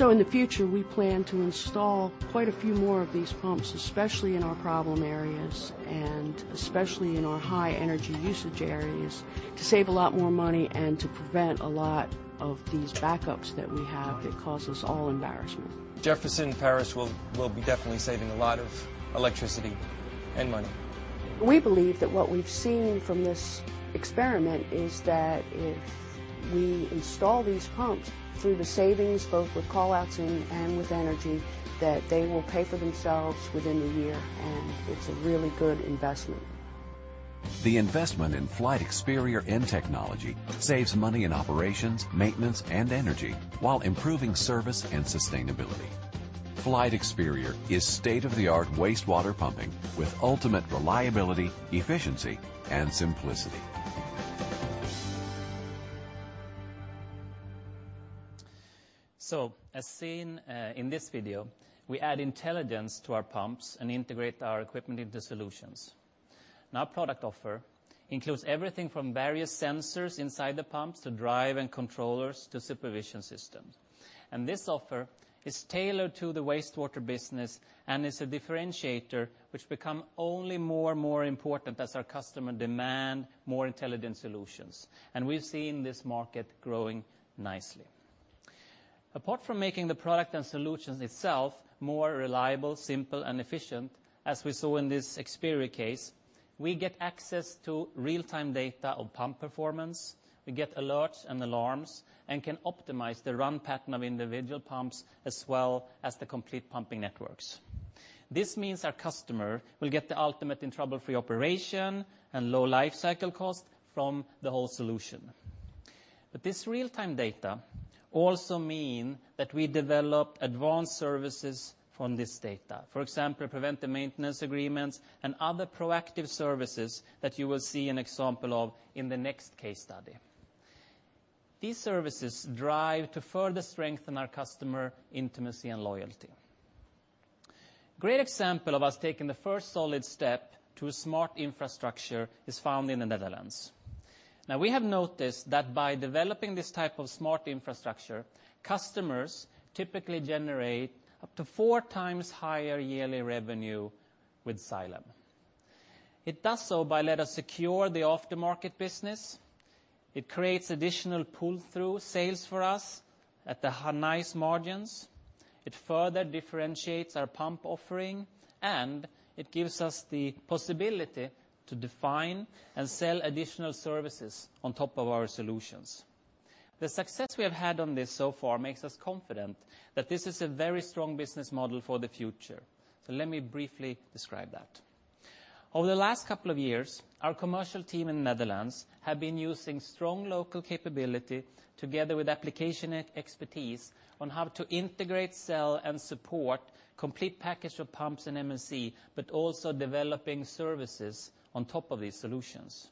In the future, we plan to install quite a few more of these pumps, especially in our problem areas, and especially in our high-energy usage areas, to save a lot more money and to prevent a lot of these backups that we have that cause us all embarrassment. Jefferson Parish will be definitely saving a lot of electricity and money. We believe that what we've seen from this experiment is that if we install these pumps, through the savings both with call-outs and with energy, that they will pay for themselves within the year. It's a really good investment. The investment in Flygt Experior M technology saves money in operations, maintenance, and energy while improving service and sustainability. Flygt Experior is state-of-the-art wastewater pumping with ultimate reliability, efficiency, and simplicity. As seen in this video, we add intelligence to our pumps and integrate our equipment into solutions. Our product offer includes everything from various sensors inside the pumps to drive and controllers to supervision systems. This offer is tailored to the wastewater business and is a differentiator which become only more and more important as our customer demand more intelligent solutions. We've seen this market growing nicely. Apart from making the product and solutions itself more reliable, simple, and efficient, as we saw in this Experior case, we get access to real-time data on pump performance, we get alerts and alarms, and can optimize the run pattern of individual pumps, as well as the complete pumping networks. This means our customer will get the ultimate in trouble-free operation and low life cycle cost from the whole solution. This real-time data also mean that we develop advanced services from this data. For example, preventive maintenance agreements and other proactive services that you will see an example of in the next case study. These services drive to further strengthen our customer intimacy and loyalty. Great example of us taking the first solid step to a smart infrastructure is found in the Netherlands. We have noticed that by developing this type of smart infrastructure, customers typically generate up to four times higher yearly revenue with Xylem. It does so by let us secure the aftermarket business. It creates additional pull-through sales for us at the nice margins. It further differentiates our pump offering. It gives us the possibility to define and sell additional services on top of our solutions. The success we have had on this so far makes us confident that this is a very strong business model for the future. Let me briefly describe that. Over the last couple of years, our commercial team in Netherlands have been using strong local capability together with application expertise on how to integrate, sell, and support complete package of pumps and M&C, but also developing services on top of these solutions.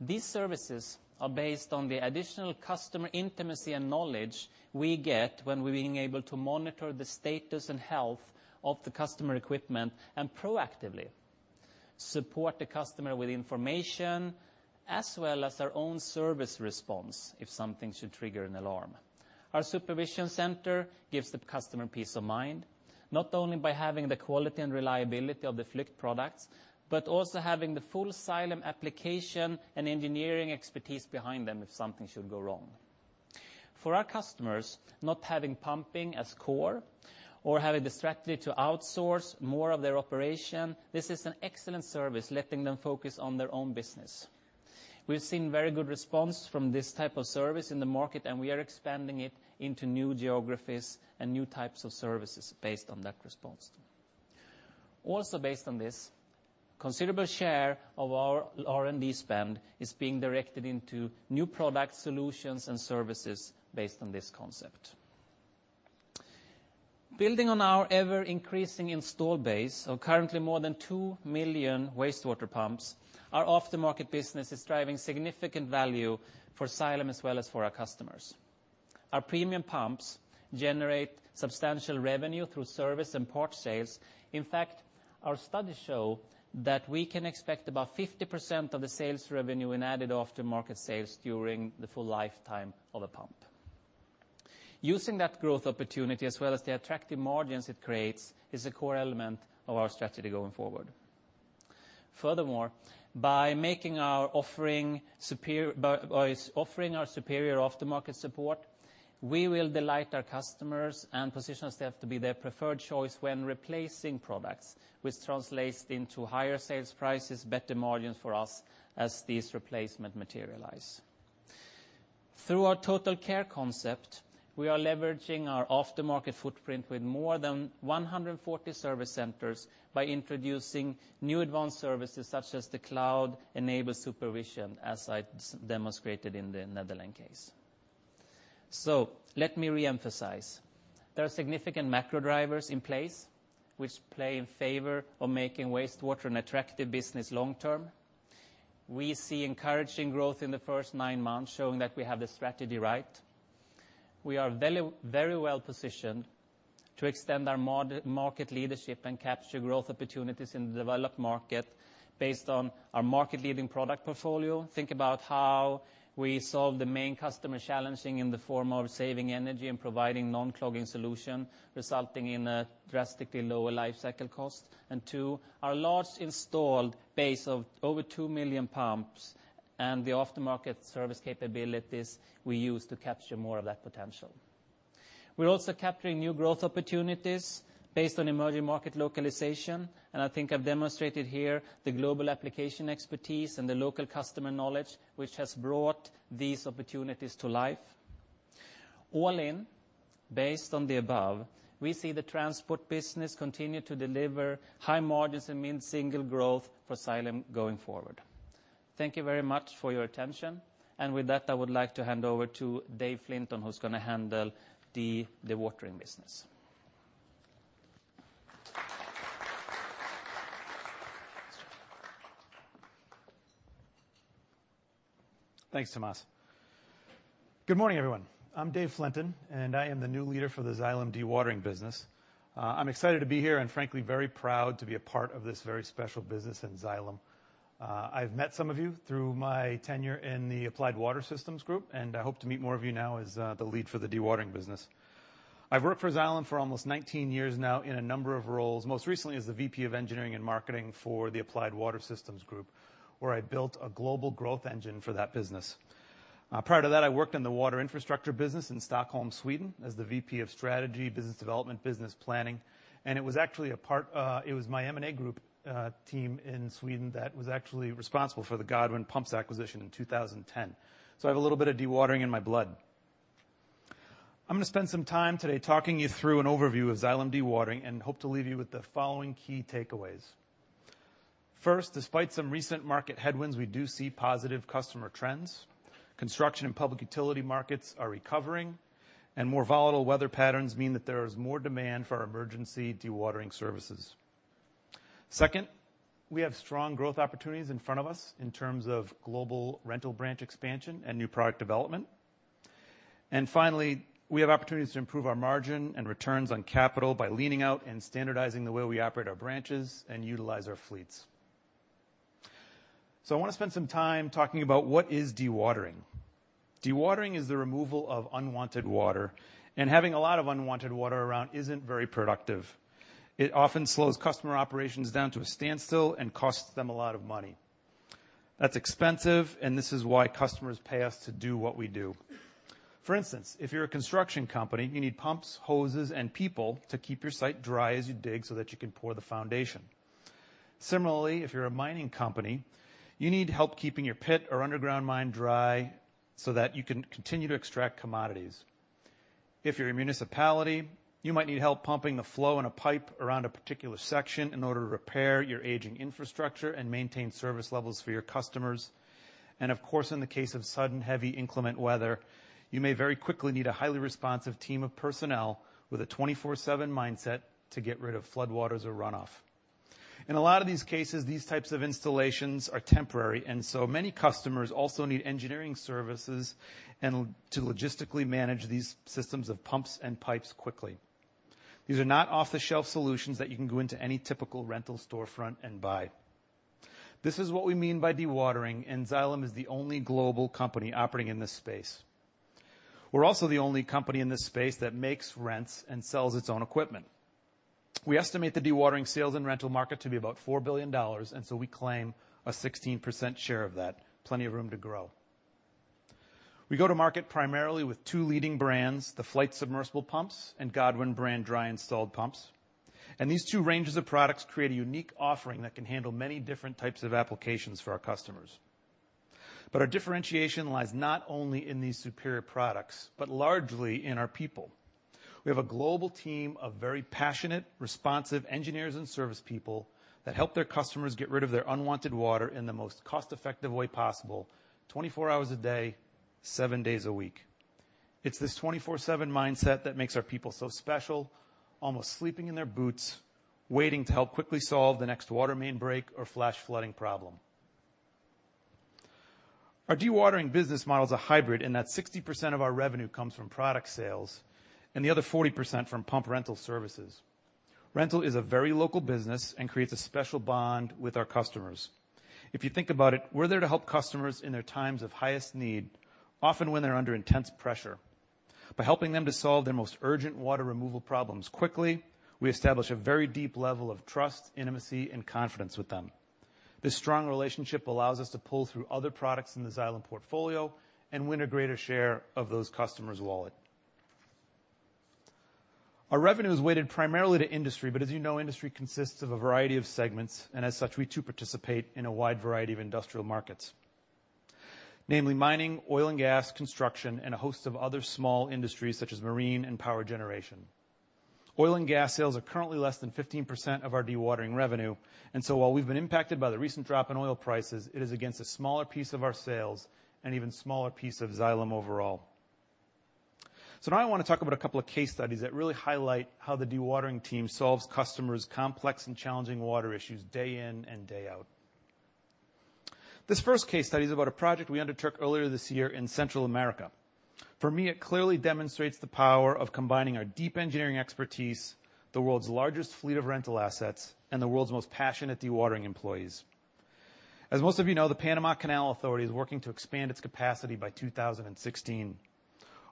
These services are based on the additional customer intimacy and knowledge we get when we're being able to monitor the status and health of the customer equipment and proactively support the customer with information, as well as our own service response if something should trigger an alarm. Our supervision center gives the customer peace of mind, not only by having the quality and reliability of the Flygt products, but also having the full Xylem application and engineering expertise behind them if something should go wrong. For our customers not having pumping as core or having the strategy to outsource more of their operation, this is an excellent service, letting them focus on their own business. We've seen very good response from this type of service in the market, we are expanding it into new geographies and new types of services based on that response. Based on this, considerable share of our R&D spend is being directed into new product solutions and services based on this concept. Building on our ever-increasing install base of currently more than 2 million wastewater pumps, our aftermarket business is driving significant value for Xylem as well as for our customers. Our premium pumps generate substantial revenue through service and parts sales. In fact, our studies show that we can expect about 50% of the sales revenue in added aftermarket sales during the full lifetime of a pump. Using that growth opportunity as well as the attractive margins it creates, is a core element of our strategy going forward. Furthermore, by offering our superior aftermarket support, we will delight our customers and position ourselves to be their preferred choice when replacing products, which translates into higher sales prices, better margins for us as these replacement materialize. Through our total care concept, we are leveraging our aftermarket footprint with more than 140 service centers by introducing new advanced services such as the cloud-enabled supervision, as I demonstrated in the Netherlands case. Let me reemphasize. There are significant macro drivers in place, which play in favor of making wastewater an attractive business long-term. We see encouraging growth in the first nine months, showing that we have the strategy right. We are very well-positioned to extend our market leadership and capture growth opportunities in the developed market based on our market-leading product portfolio. Think about how we solve the main customer challenges in the form of saving energy and providing non-clogging solution, resulting in a drastically lower lifecycle cost. Two, our large installed base of over 2 million pumps and the aftermarket service capabilities we use to capture more of that potential. We're also capturing new growth opportunities based on emerging market localization, I think I've demonstrated here the global application expertise and the local customer knowledge which has brought these opportunities to life. All in, based on the above, we see the transport business continue to deliver high margins and mid-single growth for Xylem going forward. Thank you very much for your attention. With that, I would like to hand over to David Flinton, who's going to handle the Dewatering business. Thanks, Tomas. Good morning, everyone. I'm David Flinton, and I'm the new leader for the Xylem Dewatering business. I'm excited to be here and frankly very proud to be a part of this very special business in Xylem. I've met some of you through my tenure in the Applied Water Systems group, and I hope to meet more of you now as the lead for the Dewatering business. I've worked for Xylem for almost 19 years now in a number of roles, most recently as the VP of Engineering and Marketing for the Applied Water Systems group, where I built a global growth engine for that business. Prior to that, I worked in the water infrastructure business in Stockholm, Sweden, as the VP of Strategy, Business Development, Business Planning. It was my M&A group team in Sweden that was actually responsible for the Godwin Pumps acquisition in 2010. I have a little bit of dewatering in my blood. I'm going to spend some time today talking you through an overview of Xylem Dewatering and hope to leave you with the following key takeaways. First, despite some recent market headwinds, we do see positive customer trends. Construction and public utility markets are recovering. More volatile weather patterns mean that there is more demand for our emergency dewatering services. Second, we have strong growth opportunities in front of us in terms of global rental branch expansion and new product development. Finally, we have opportunities to improve our margin and returns on capital by leaning out and standardizing the way we operate our branches and utilize our fleets. I want to spend some time talking about what is dewatering. Dewatering is the removal of unwanted water. Having a lot of unwanted water around isn't very productive. It often slows customer operations down to a standstill and costs them a lot of money. That's expensive. This is why customers pay us to do what we do. For instance, if you're a construction company, you need pumps, hoses, and people to keep your site dry as you dig so that you can pour the foundation. Similarly, if you're a mining company, you need help keeping your pit or underground mine dry so that you can continue to extract commodities. If you're a municipality, you might need help pumping the flow in a pipe around a particular section in order to repair your aging infrastructure and maintain service levels for your customers. Of course, in the case of sudden heavy inclement weather, you may very quickly need a highly responsive team of personnel with a 24/7 mindset to get rid of floodwaters or runoff. In a lot of these cases, these types of installations are temporary. Many customers also need engineering services to logistically manage these systems of pumps and pipes quickly. These are not off-the-shelf solutions that you can go into any typical rental storefront and buy. This is what we mean by dewatering. Xylem is the only global company operating in this space. We're also the only company in this space that makes, rents, and sells its own equipment. We estimate the dewatering sales and rental market to be about $4 billion. We claim a 16% share of that. Plenty of room to grow. We go to market primarily with two leading brands, the Flygt submersible pumps and Godwin brand dry installed pumps. These two ranges of products create a unique offering that can handle many different types of applications for our customers. Our differentiation lies not only in these superior products, but largely in our people. We have a global team of very passionate, responsive engineers and service people that help their customers get rid of their unwanted water in the most cost-effective way possible 24 hours a day, seven days a week. It's this 24/7 mindset that makes our people so special, almost sleeping in their boots, waiting to help quickly solve the next water main break or flash flooding problem. Our dewatering business model is a hybrid in that 60% of our revenue comes from product sales and the other 40% from pump rental services. Rental is a very local business and creates a special bond with our customers. If you think about it, we're there to help customers in their times of highest need, often when they're under intense pressure. By helping them to solve their most urgent water removal problems quickly, we establish a very deep level of trust, intimacy, and confidence with them. This strong relationship allows us to pull through other products in the Xylem portfolio and win a greater share of those customers' wallet. Our revenue is weighted primarily to industry. As you know, industry consists of a variety of segments. As such, we too participate in a wide variety of industrial markets, namely mining, oil and gas, construction, and a host of other small industries such as marine and power generation. Oil and gas sales are currently less than 15% of our dewatering revenue. While we've been impacted by the recent drop in oil prices, it is against a smaller piece of our sales and even smaller piece of Xylem overall. Now I want to talk about a couple of case studies that really highlight how the dewatering team solves customers' complex and challenging water issues day in and day out. This first case study is about a project we undertook earlier this year in Central America. For me, it clearly demonstrates the power of combining our deep engineering expertise, the world's largest fleet of rental assets, and the world's most passionate dewatering employees. As most of you know, the Panama Canal Authority is working to expand its capacity by 2016.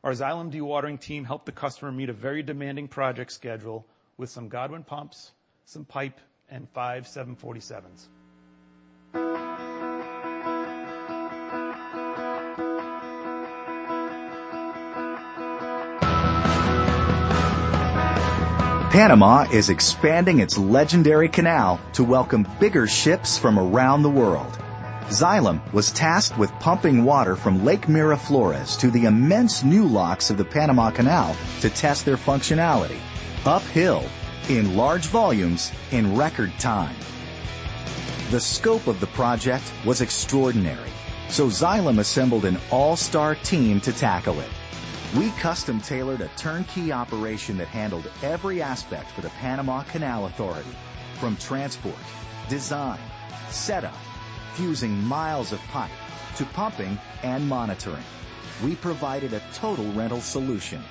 Our Xylem dewatering team helped the customer meet a very demanding project schedule with some Godwin pumps, some pipe, and five 747s. Panama is expanding its legendary canal to welcome bigger ships from around the world. Xylem was tasked with pumping water from Lake Miraflores to the immense new locks of the Panama Canal to test their functionality uphill, in large volumes, in record time. The scope of the project was extraordinary, Xylem assembled an all-star team to tackle it. We custom-tailored a turnkey operation that handled every aspect for the Panama Canal Authority, from transport, design, setup, fusing miles of pipe, to pumping and monitoring. We provided a total rental solution.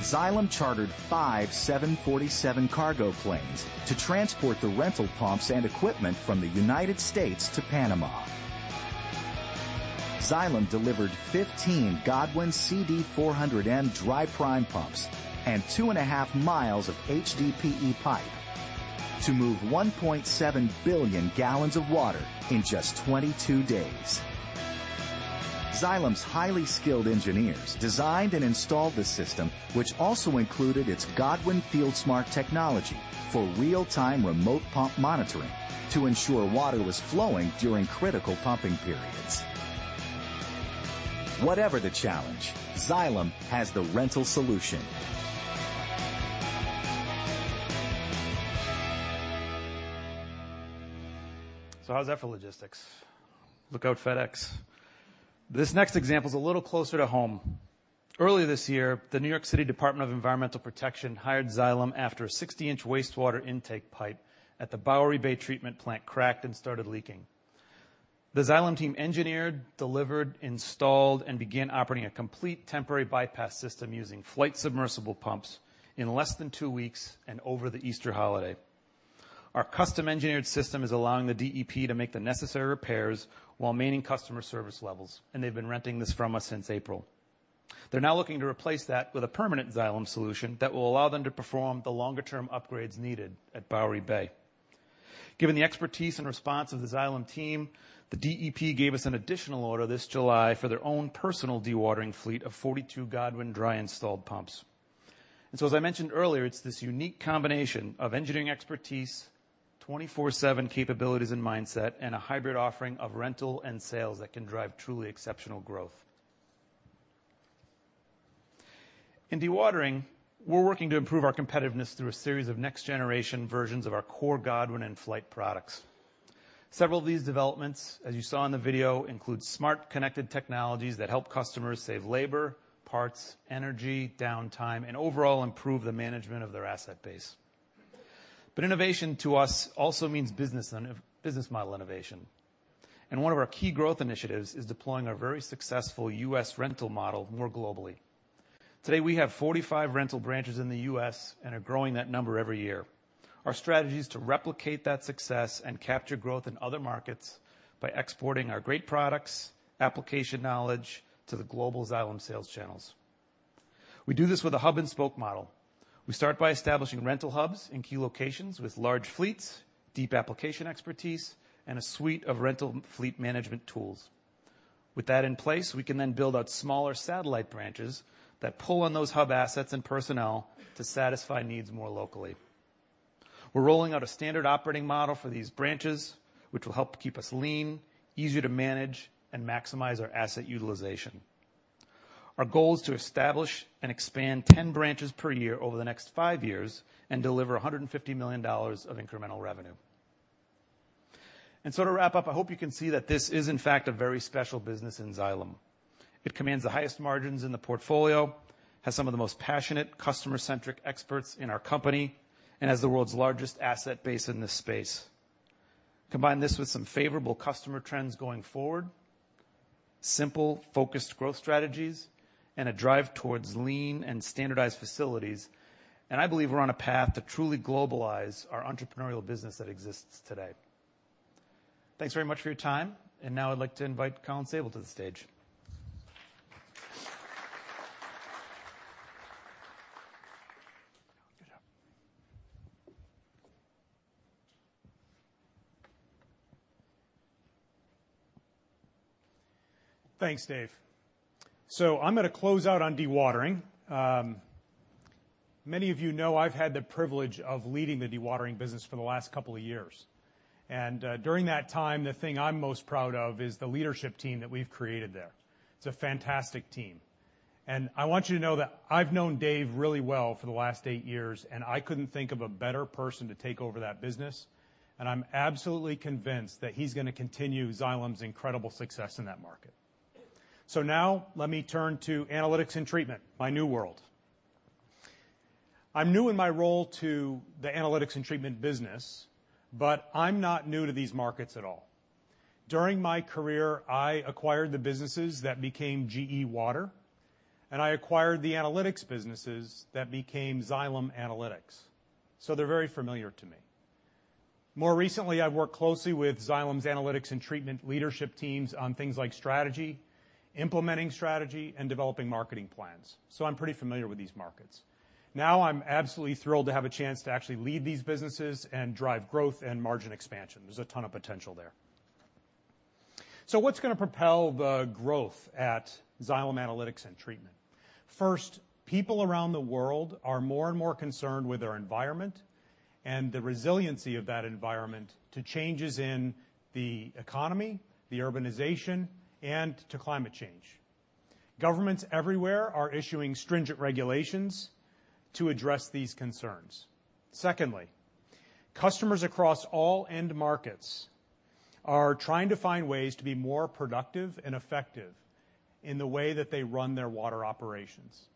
Xylem chartered 5 747 cargo planes to transport the rental pumps and equipment from the U.S. to Panama. Xylem delivered 15 Godwin CD400N dry prime pumps and 2 and a half miles of HDPE pipe to move 1.7 billion gallons of water in just 22 days. Xylem's highly skilled engineers designed and installed the system, which also included its Godwin Field Smart technology for real-time remote pump monitoring to ensure water was flowing during critical pumping periods. Whatever the challenge, Xylem has the rental solution. How's that for logistics? Look out, FedEx. This next example is a little closer to home. Earlier this year, the New York City Department of Environmental Protection hired Xylem after a 60-inch wastewater intake pipe at the Bowery Bay treatment plant cracked and started leaking. The Xylem team engineered, delivered, installed, and began operating a complete temporary bypass system using Flygt submersible pumps in less than 2 weeks and over the Easter holiday. Our custom-engineered system is allowing the DEP to make the necessary repairs while maintaining customer service levels, they've been renting this from us since April. They're now looking to replace that with a permanent Xylem solution that will allow them to perform the longer-term upgrades needed at Bowery Bay. Given the expertise and response of the Xylem team, the DEP gave us an additional order this July for their own personal dewatering fleet of 42 Godwin dry installed pumps. As I mentioned earlier, it's this unique combination of engineering expertise, 24/7 capabilities and mindset, and a hybrid offering of rental and sales that can drive truly exceptional growth. In dewatering, we're working to improve our competitiveness through a series of next-generation versions of our core Godwin and Flygt products. Several of these developments, as you saw in the video, include smart connected technologies that help customers save labor, parts, energy, downtime, and overall improve the management of their asset base. Innovation to us also means business model innovation, one of our key growth initiatives is deploying our very successful U.S. rental model more globally. Today, we have 45 rental branches in the U.S. and are growing that number every year. Our strategy is to replicate that success and capture growth in other markets by exporting our great products, application knowledge to the global Xylem sales channels. We do this with a hub-and-spoke model. We start by establishing rental hubs in key locations with large fleets, deep application expertise, and a suite of rental fleet management tools. With that in place, we can then build out smaller satellite branches that pull on those hub assets and personnel to satisfy needs more locally. We're rolling out a standard operating model for these branches, which will help keep us lean, easier to manage, and maximize our asset utilization. Our goal is to establish and expand 10 branches per year over the next five years and deliver $150 million of incremental revenue. To wrap up, I hope you can see that this is in fact a very special business in Xylem. It commands the highest margins in the portfolio, has some of the most passionate customer-centric experts in our company, and has the world's largest asset base in this space. Combine this with some favorable customer trends going forward, simple focused growth strategies, and a drive towards lean and standardized facilities, and I believe we're on a path to truly globalize our entrepreneurial business that exists today. Thanks very much for your time, and now I'd like to invite Colin Sabol to the stage. Good job. Thanks, Dave. I'm going to close out on dewatering. Many of you know I've had the privilege of leading the dewatering business for the last couple of years. During that time, the thing I'm most proud of is the leadership team that we've created there. It's a fantastic team. I want you to know that I've known Dave really well for the last eight years, and I couldn't think of a better person to take over that business, and I'm absolutely convinced that he's going to continue Xylem's incredible success in that market. Now let me turn to Analytics and Treatment, my new world. I'm new in my role to the Analytics and Treatment business, but I'm not new to these markets at all. During my career, I acquired the businesses that became GE Water, and I acquired the analytics businesses that became Xylem Analytics. They're very familiar to me. More recently, I've worked closely with Xylem's Analytics and Treatment leadership teams on things like strategy, implementing strategy and developing marketing plans. I'm pretty familiar with these markets. Now I'm absolutely thrilled to have a chance to actually lead these businesses and drive growth and margin expansion. There's a ton of potential there. What's going to propel the growth at Xylem Analytics and Treatment? First, people around the world are more and more concerned with their environment and the resiliency of that environment to changes in the economy, the urbanization, and to climate change. Governments everywhere are issuing stringent regulations to address these concerns. Customers across all end markets are trying to find ways to be more productive and effective in the way that they run their water operations.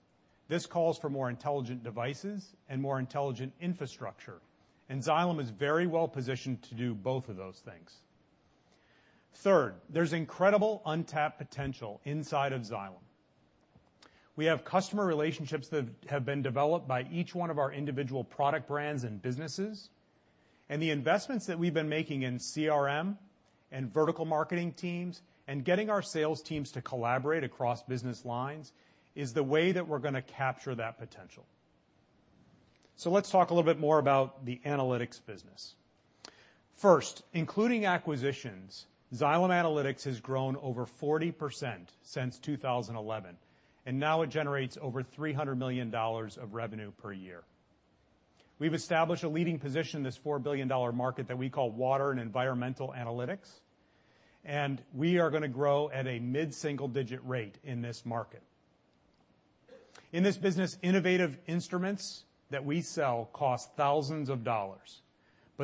This calls for more intelligent devices and more intelligent infrastructure, Xylem is very well positioned to do both of those things. There's incredible untapped potential inside of Xylem. We have customer relationships that have been developed by each one of our individual product brands and businesses, the investments that we've been making in CRM and vertical marketing teams and getting our sales teams to collaborate across business lines is the way that we're going to capture that potential. Let's talk a little bit more about the analytics business. Including acquisitions, Xylem Analytics has grown over 40% since 2011, and now it generates over $300 million of revenue per year. We've established a leading position in this $4 billion market that we call water and environmental analytics, we are going to grow at a mid-single-digit rate in this market. In this business, innovative instruments that we sell cost thousands of dollars.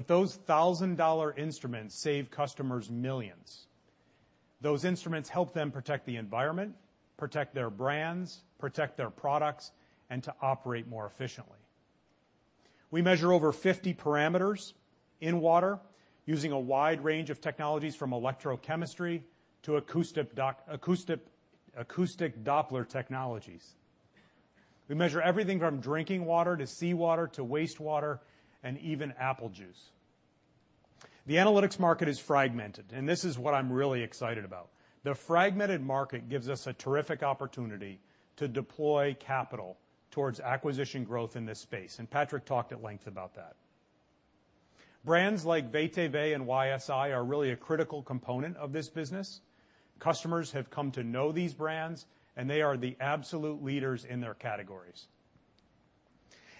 Those thousand-dollar instruments save customers millions. Those instruments help them protect the environment, protect their brands, protect their products, and to operate more efficiently. We measure over 50 parameters in water using a wide range of technologies from electrochemistry to acoustic Doppler technologies. We measure everything from drinking water to seawater to wastewater, and even apple juice. The analytics market is fragmented, this is what I'm really excited about. The fragmented market gives us a terrific opportunity to deploy capital towards acquisition growth in this space, Patrick talked at length about that. Brands like WTW and YSI are really a critical component of this business. Customers have come to know these brands, they are the absolute leaders in their categories.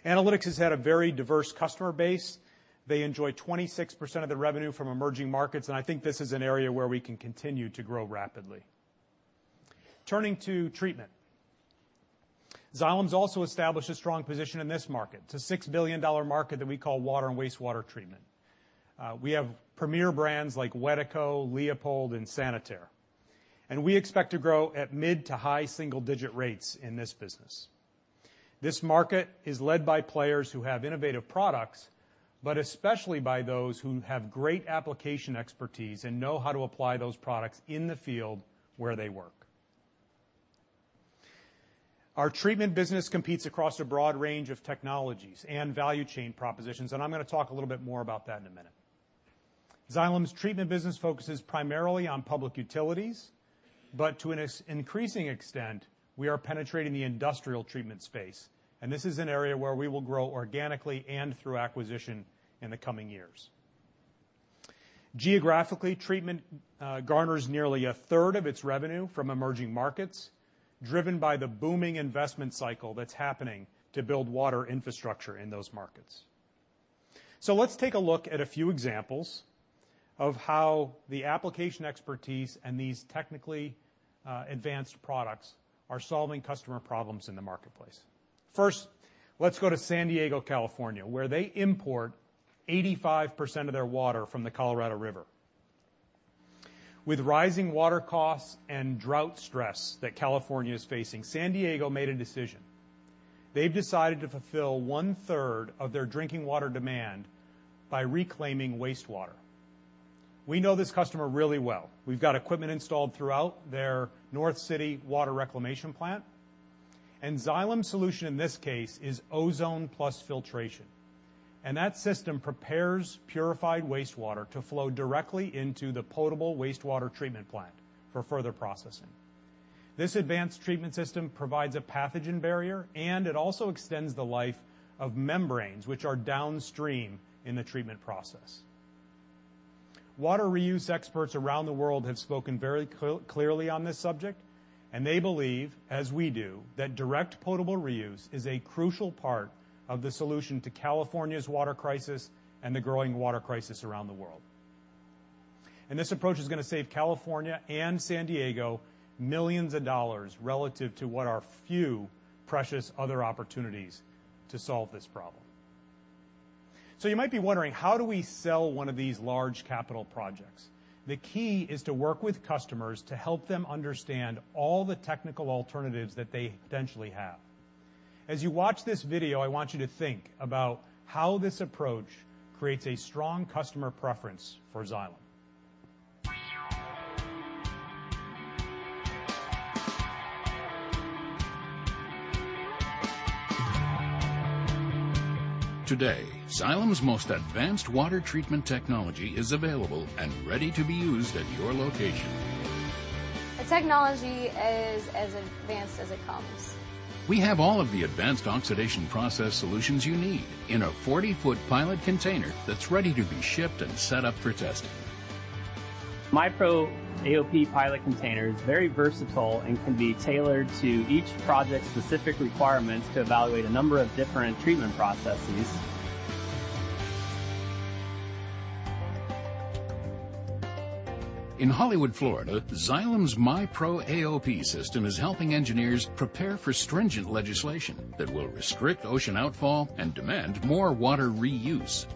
Analytics has had a very diverse customer base. They enjoy 26% of their revenue from emerging markets, I think this is an area where we can continue to grow rapidly. Turning to treatment. Xylem has also established a strong position in this market. It's a $6 billion market that we call water and wastewater treatment. We have premier brands like Wedeco, Leopold, and Sanitaire, we expect to grow at mid to high single-digit rates in this business. This market is led by players who have innovative products, especially by those who have great application expertise and know how to apply those products in the field where they work. Our treatment business competes across a broad range of technologies and value chain propositions, I'm going to talk a little bit more about that in a minute. Xylem's treatment business focuses primarily on public utilities, to an increasing extent, we are penetrating the industrial treatment space, this is an area where we will grow organically and through acquisition in the coming years. Geographically, treatment garners nearly a third of its revenue from emerging markets, driven by the booming investment cycle that's happening to build water infrastructure in those markets. Let's take a look at a few examples of how the application expertise and these technically advanced products are solving customer problems in the marketplace. Let's go to San Diego, California, where they import 85% of their water from the Colorado River. With rising water costs and drought stress that California is facing, San Diego made a decision. They've decided to fulfill one-third of their drinking water demand by reclaiming wastewater. We know this customer really well. We've got equipment installed throughout their North City Water Reclamation Plant. Xylem's solution in this case is ozone plus filtration. That system prepares purified wastewater to flow directly into the potable wastewater treatment plant for further processing. This advanced treatment system provides a pathogen barrier. It also extends the life of membranes, which are downstream in the treatment process. Water reuse experts around the world have spoken very clearly on this subject. They believe, as we do, that direct potable reuse is a crucial part of the solution to California's water crisis and the growing water crisis around the world. This approach is going to save California and San Diego millions of dollars relative to what are few precious other opportunities to solve this problem. You might be wondering, how do we sell one of these large capital projects? The key is to work with customers to help them understand all the technical alternatives that they potentially have. As you watch this video, I want you to think about how this approach creates a strong customer preference for Xylem. Today, Xylem's most advanced water treatment technology is available and ready to be used at your location. The technology is as advanced as it comes. We have all of the advanced oxidation process solutions you need in a 40-foot pilot container that's ready to be shipped and set up for testing. MIPRO AOP pilot container is very versatile and can be tailored to each project's specific requirements to evaluate a number of different treatment processes. In Hollywood, Florida, Xylem's MIPRO AOP system is helping engineers prepare for stringent legislation that will restrict ocean outfall and demand more water reuse.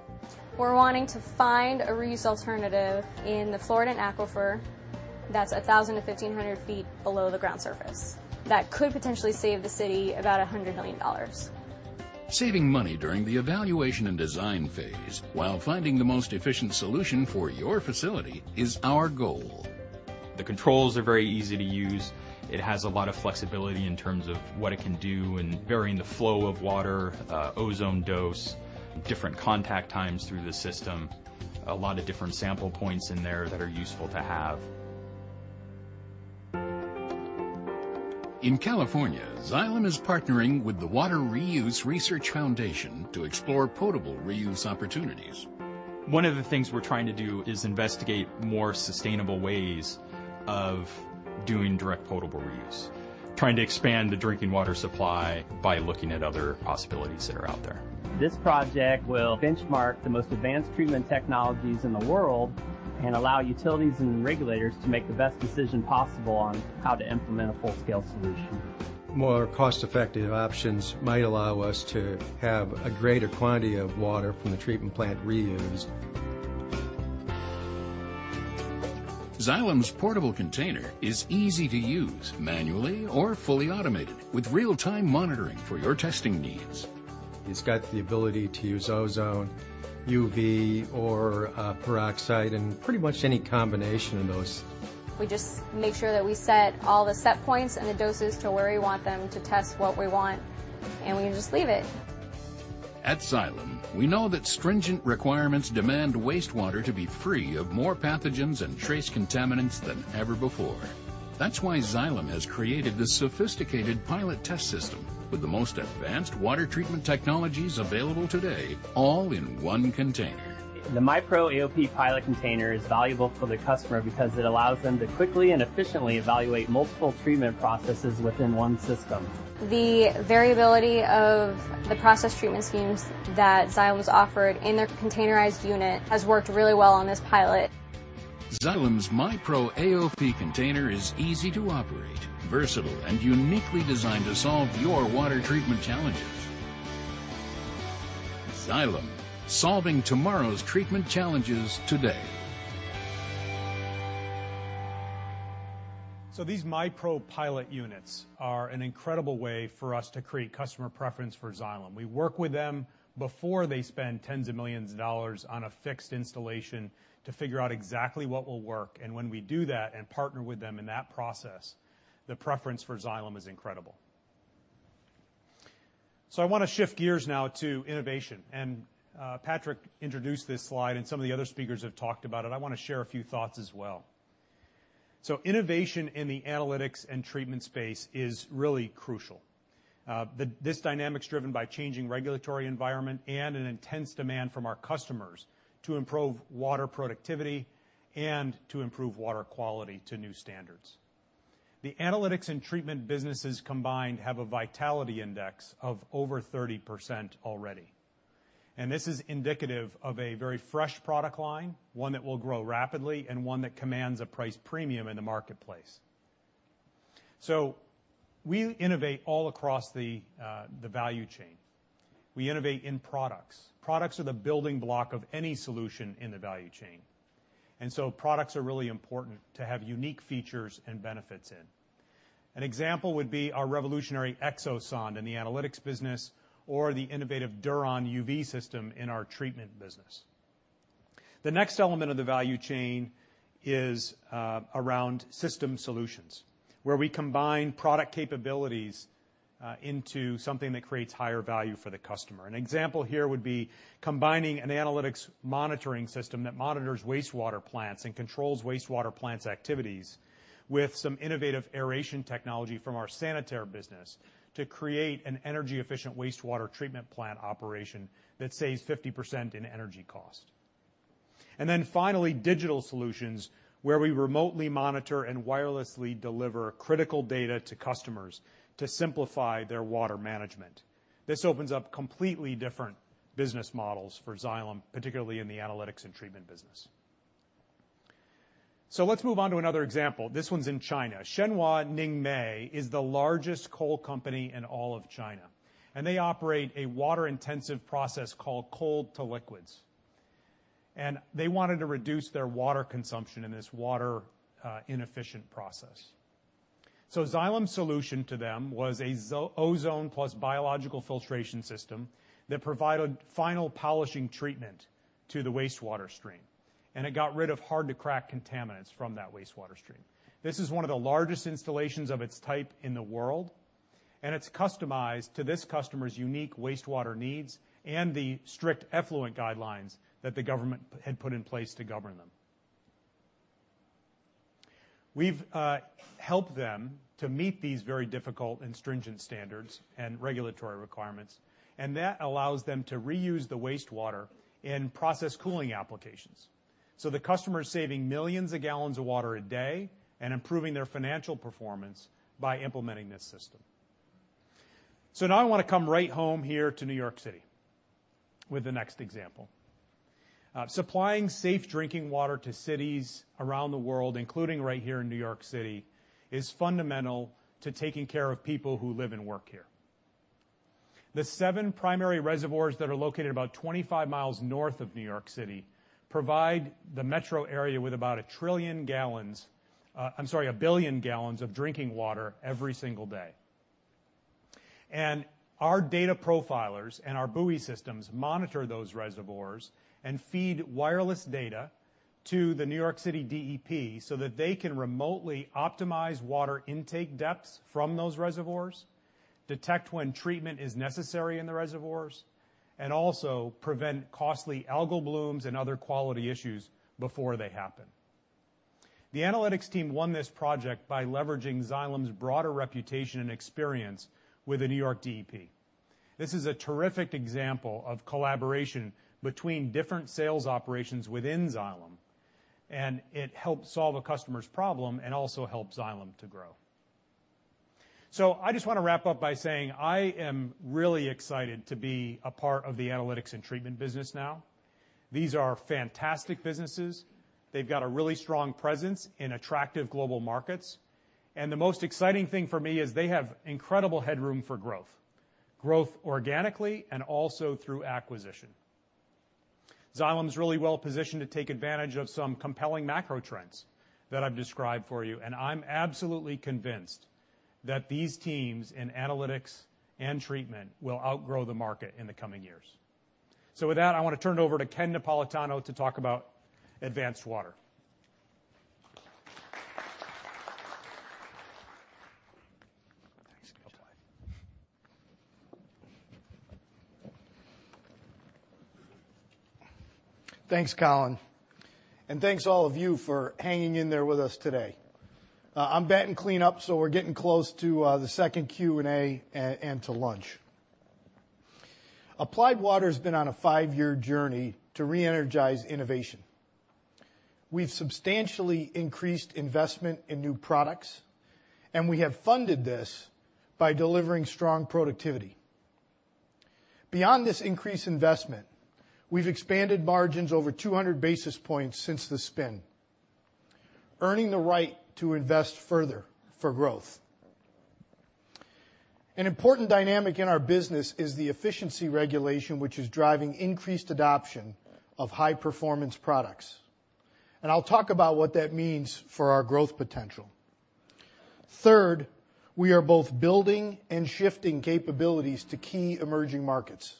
We're wanting to find a reuse alternative in the Florida aquifer that's 1,000 to 1,500 feet below the ground surface that could potentially save the city about $100 million. Saving money during the evaluation and design phase while finding the most efficient solution for your facility is our goal. The controls are very easy to use. It has a lot of flexibility in terms of what it can do in varying the flow of water, ozone dose, different contact times through the system. A lot of different sample points in there that are useful to have. In California, Xylem is partnering with the WateReuse Research Foundation to explore potable reuse opportunities. One of the things we're trying to do is investigate more sustainable ways of doing direct potable reuse, trying to expand the drinking water supply by looking at other possibilities that are out there. This project will benchmark the most advanced treatment technologies in the world and allow utilities and regulators to make the best decision possible on how to implement a full-scale solution. More cost-effective options might allow us to have a greater quantity of water from the treatment plant reuse. Xylem's portable container is easy to use manually or fully automated with real-time monitoring for your testing needs. It's got the ability to use ozone, UV, or peroxide, and pretty much any combination of those. We just make sure that we set all the set points and the doses to where we want them to test what we want, and we can just leave it. At Xylem, we know that stringent requirements demand wastewater to be free of more pathogens and trace contaminants than ever before. That's why Xylem has created this sophisticated pilot test system with the most advanced water treatment technologies available today, all in one container. The MIPRO AOP pilot container is valuable for the customer because it allows them to quickly and efficiently evaluate multiple treatment processes within one system. The variability of the process treatment schemes that Xylem has offered in their containerized unit has worked really well on this pilot. Xylem's MIPRO AOP container is easy to operate, versatile, and uniquely designed to solve your water treatment challenges. Xylem, solving tomorrow's treatment challenges today. These MIPRO pilot units are an incredible way for us to create customer preference for Xylem. We work with them before they spend tens of millions of dollars on a fixed installation to figure out exactly what will work, and when we do that and partner with them in that process, the preference for Xylem is incredible. I want to shift gears now to innovation, and Patrick introduced this slide, and some of the other speakers have talked about it. I want to share a few thoughts as well. Innovation in the Analytics and Treatment space is really crucial. This dynamic is driven by changing regulatory environment and an intense demand from our customers to improve water productivity and to improve water quality to new standards. The Analytics and Treatment businesses combined have a vitality index of over 30% already, and this is indicative of a very fresh product line, one that will grow rapidly, and one that commands a price premium in the marketplace. We innovate all across the value chain. We innovate in products. Products are the building block of any solution in the value chain, and products are really important to have unique features and benefits in. An example would be our revolutionary EXO Sonde in the Xylem Analytics business or the innovative Duron UV system in our treatment business. The next element of the value chain is around system solutions, where we combine product capabilities into something that creates higher value for the customer. An example here would be combining an analytics monitoring system that monitors wastewater plants and controls wastewater plants' activities with some innovative aeration technology from our Sanitaire business to create an energy-efficient wastewater treatment plant operation that saves 50% in energy cost. Then finally, digital solutions, where we remotely monitor and wirelessly deliver critical data to customers to simplify their water management. This opens up completely different business models for Xylem, particularly in the Analytics and Treatment business. Let's move on to another example. This one's in China. Shenhua Ningxia is the largest coal company in all of China, and they operate a water-intensive process called coal to liquids. They wanted to reduce their water consumption in this water-inefficient process. Xylem's solution to them was a ozone plus biological filtration system that provided final polishing treatment to the wastewater stream, and it got rid of hard-to-crack contaminants from that wastewater stream. This is one of the largest installations of its type in the world, and it's customized to this customer's unique wastewater needs and the strict effluent guidelines that the government had put in place to govern them. We've helped them to meet these very difficult and stringent standards and regulatory requirements, and that allows them to reuse the wastewater in process cooling applications. The customer is saving millions of gallons of water a day and improving their financial performance by implementing this system. Now I want to come right home here to New York City with the next example. Supplying safe drinking water to cities around the world, including right here in New York City, is fundamental to taking care of people who live and work here. The seven primary reservoirs that are located about 25 miles north of New York City provide the metro area with about a billion gallons of drinking water every single day. Our data profilers and our buoy systems monitor those reservoirs and feed wireless data to the New York City DEP so that they can remotely optimize water intake depths from those reservoirs, detect when treatment is necessary in the reservoirs, and also prevent costly algal blooms and other quality issues before they happen. The analytics team won this project by leveraging Xylem's broader reputation and experience with the New York DEP. This is a terrific example of collaboration between different sales operations within Xylem, and it helped solve a customer's problem and also helped Xylem to grow. I just want to wrap up by saying I am really excited to be a part of the Analytics and Treatment business now. These are fantastic businesses. They've got a really strong presence in attractive global markets, and the most exciting thing for me is they have incredible headroom for growth organically and also through acquisition. Xylem is really well-positioned to take advantage of some compelling macro trends that I've described for you, and I'm absolutely convinced that these teams in Analytics and Treatment will outgrow the market in the coming years. With that, I want to turn it over to Ken Napolitano to talk about Applied Water. Thanks, Colin, thanks all of you for hanging in there with us today. I'm batting clean-up, we're getting close to the second Q&A and to lunch. Applied Water has been on a five-year journey to reenergize innovation. We've substantially increased investment in new products, we have funded this by delivering strong productivity. Beyond this increased investment, we've expanded margins over 200 basis points since the spin, earning the right to invest further for growth. An important dynamic in our business is the efficiency regulation, which is driving increased adoption of high-performance products, I'll talk about what that means for our growth potential. Third, we are both building and shifting capabilities to key emerging markets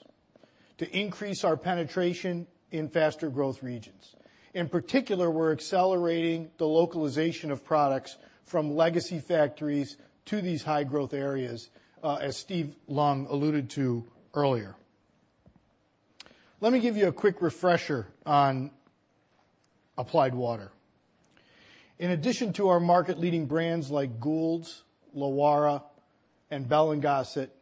to increase our penetration in faster growth regions. In particular, we're accelerating the localization of products from legacy factories to these high-growth areas, as Steve Leung alluded to earlier. Let me give you a quick refresher on Applied Water. In addition to our market-leading brands like Goulds, Lowara, and Bell & Gossett,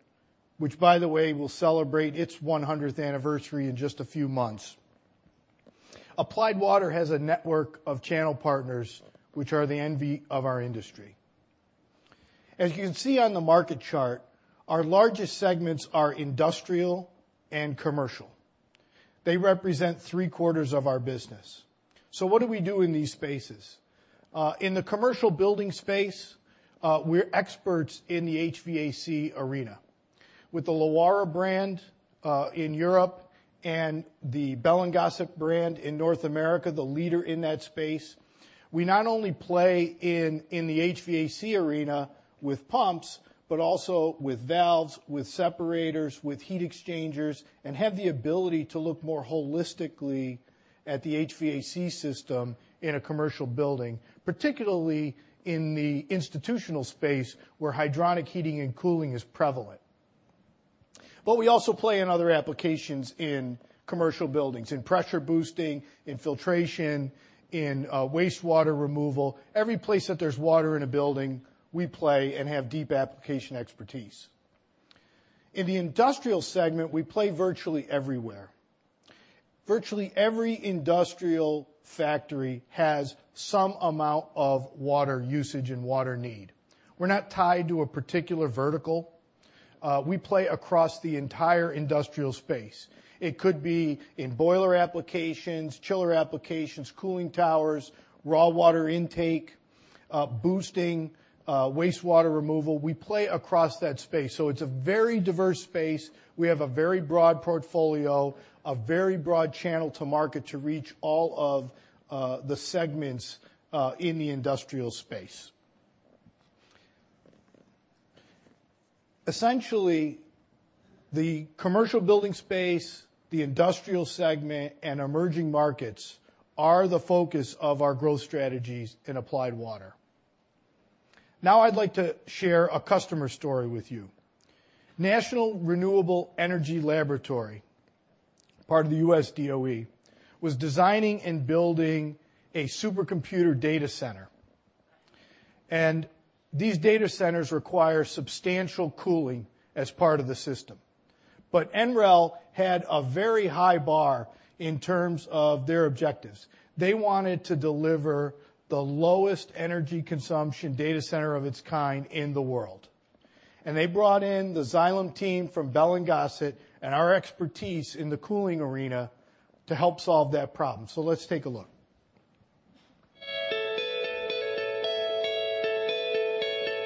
which by the way will celebrate its 100th anniversary in just a few months, Applied Water has a network of channel partners which are the envy of our industry. As you can see on the market chart, our largest segments are industrial and commercial. They represent three-quarters of our business. What do we do in these spaces? In the commercial building space, we're experts in the HVAC arena. With the Lowara brand in Europe and the Bell & Gossett brand in North America, the leader in that space, we not only play in the HVAC arena with pumps, but also with valves, with separators, with heat exchangers, and have the ability to look more holistically at the HVAC system in a commercial building, particularly in the institutional space, where hydronic heating and cooling is prevalent. We also play in other applications in commercial buildings, in pressure boosting, in filtration, in wastewater removal. Every place that there's water in a building, we play and have deep application expertise. In the industrial segment, we play virtually everywhere. Virtually every industrial factory has some amount of water usage and water need. We're not tied to a particular vertical. We play across the entire industrial space. It could be in boiler applications, chiller applications, cooling towers, raw water intake, boosting wastewater removal. We play across that space. It's a very diverse space. We have a very broad portfolio, a very broad channel to market to reach all of the segments in the industrial space. Essentially, the commercial building space, the industrial segment, and emerging markets are the focus of our growth strategies in Applied Water. I'd like to share a customer story with you. National Renewable Energy Laboratory, part of the U.S. DOE, was designing and building a supercomputer data center, and these data centers require substantial cooling as part of the system. NREL had a very high bar in terms of their objectives. They wanted to deliver the lowest energy consumption data center of its kind in the world, and they brought in the Xylem team from Bell & Gossett and our expertise in the cooling arena to help solve that problem. Let's take a look.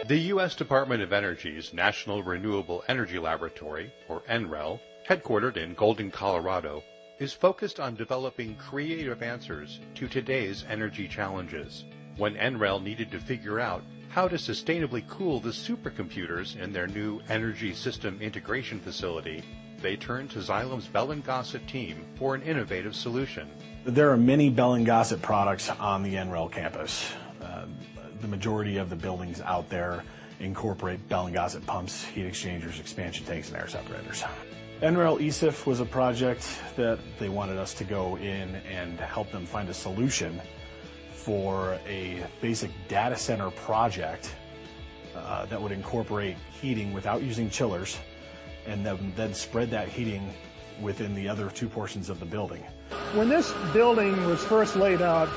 The U.S. Department of Energy's National Renewable Energy Laboratory, or NREL, headquartered in Golden, Colorado, is focused on developing creative answers to today's energy challenges. When NREL needed to figure out how to sustainably cool the supercomputers in their new energy system integration facility, they turned to Xylem's Bell & Gossett team for an innovative solution. There are many Bell & Gossett products on the NREL campus. The majority of the buildings out there incorporate Bell & Gossett pumps, heat exchangers, expansion tanks, and air separators. NREL ESIF was a project that they wanted us to go in and help them find a solution for a basic data center project that would incorporate heating without using chillers, and then spread that heating within the other two portions of the building. When this building was first laid out,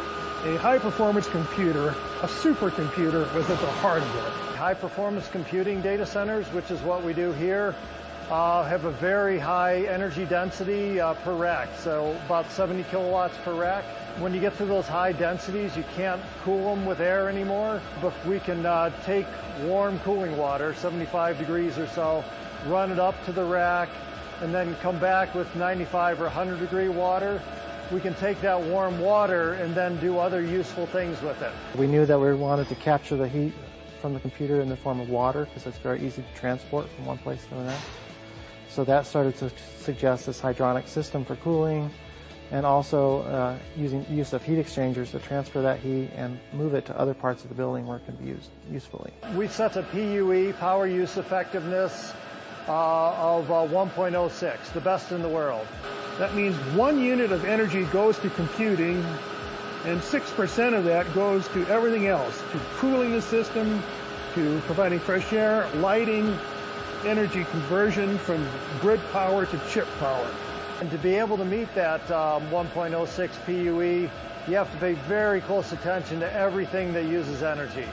a high-performance computer, a supercomputer, was at the heart of it. High-performance computing data centers, which is what we do here, have a very high energy density per rack, so about 70 kilowatts per rack. When you get to those high densities, you can't cool them with air anymore. We can take warm cooling water, 75 degrees or so, run it up to the rack, and then come back with 95 or 100-degree water. We can take that warm water and then do other useful things with it. We knew that we wanted to capture the heat from the computer in the form of water because that's very easy to transport from one place to another. That started to suggest this hydronic system for cooling, and also use of heat exchangers to transfer that heat and move it to other parts of the building where it can be used usefully. We set a PUE, power use effectiveness Of 1.06, the best in the world. That means one unit of energy goes to computing, and 6% of that goes to everything else, to cooling the system, to providing fresh air, lighting, energy conversion from grid power to chip power. To be able to meet that 1.06 PUE, you have to pay very close attention to everything that uses energy.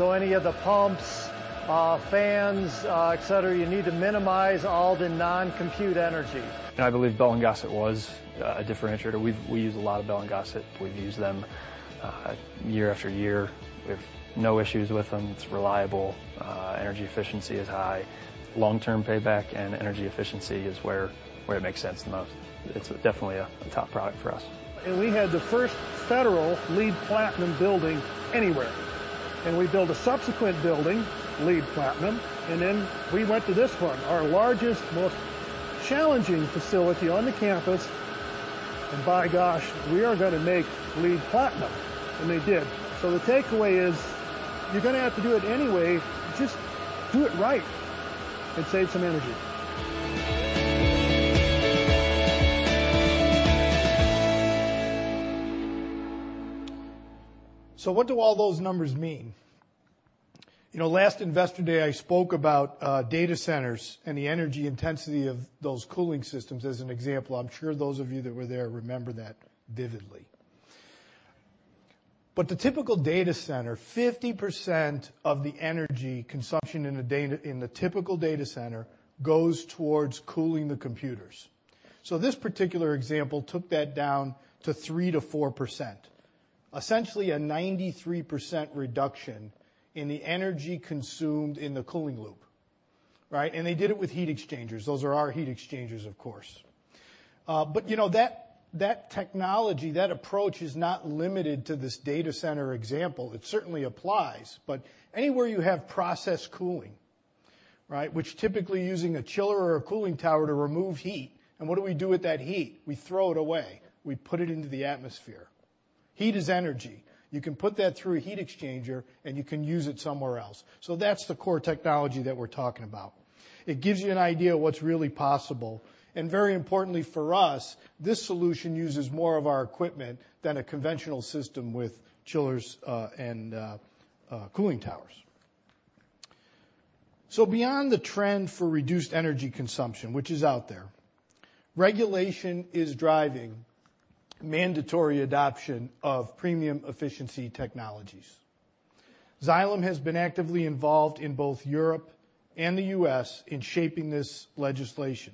Any of the pumps, fans, et cetera, you need to minimize all the non-compute energy. I believe Bell & Gossett was a differentiator. We've used a lot of Bell & Gossett. We've used them year after year. We have no issues with them. It's reliable. Energy efficiency is high. Long-term payback and energy efficiency is where it makes sense the most. It's definitely a top product for us. We had the first federal LEED Platinum building anywhere, we built a subsequent building, LEED Platinum, then we went to this one, our largest, most challenging facility on the campus, by gosh, we are gonna make LEED Platinum. They did. The takeaway is, you're gonna have to do it anyway, just do it right and save some energy. What do all those numbers mean? Last Investor Day, I spoke about data centers and the energy intensity of those cooling systems as an example. I'm sure those of you that were there remember that vividly. The typical data center, 50% of the energy consumption in the typical data center goes towards cooling the computers. This particular example took that down to 3%-4%, essentially a 93% reduction in the energy consumed in the cooling loop. Right? They did it with heat exchangers. Those are our heat exchangers, of course. That technology, that approach is not limited to this data center example. It certainly applies, anywhere you have process cooling, right, which typically using a chiller or a cooling tower to remove heat, what do we do with that heat? We throw it away. We put it into the atmosphere. Heat is energy. You can put that through a heat exchanger, you can use it somewhere else. That's the core technology that we're talking about. It gives you an idea of what's really possible. Very importantly for us, this solution uses more of our equipment than a conventional system with chillers and cooling towers. Beyond the trend for reduced energy consumption, which is out there, regulation is driving mandatory adoption of premium efficiency technologies. Xylem has been actively involved in both Europe and the U.S. in shaping this legislation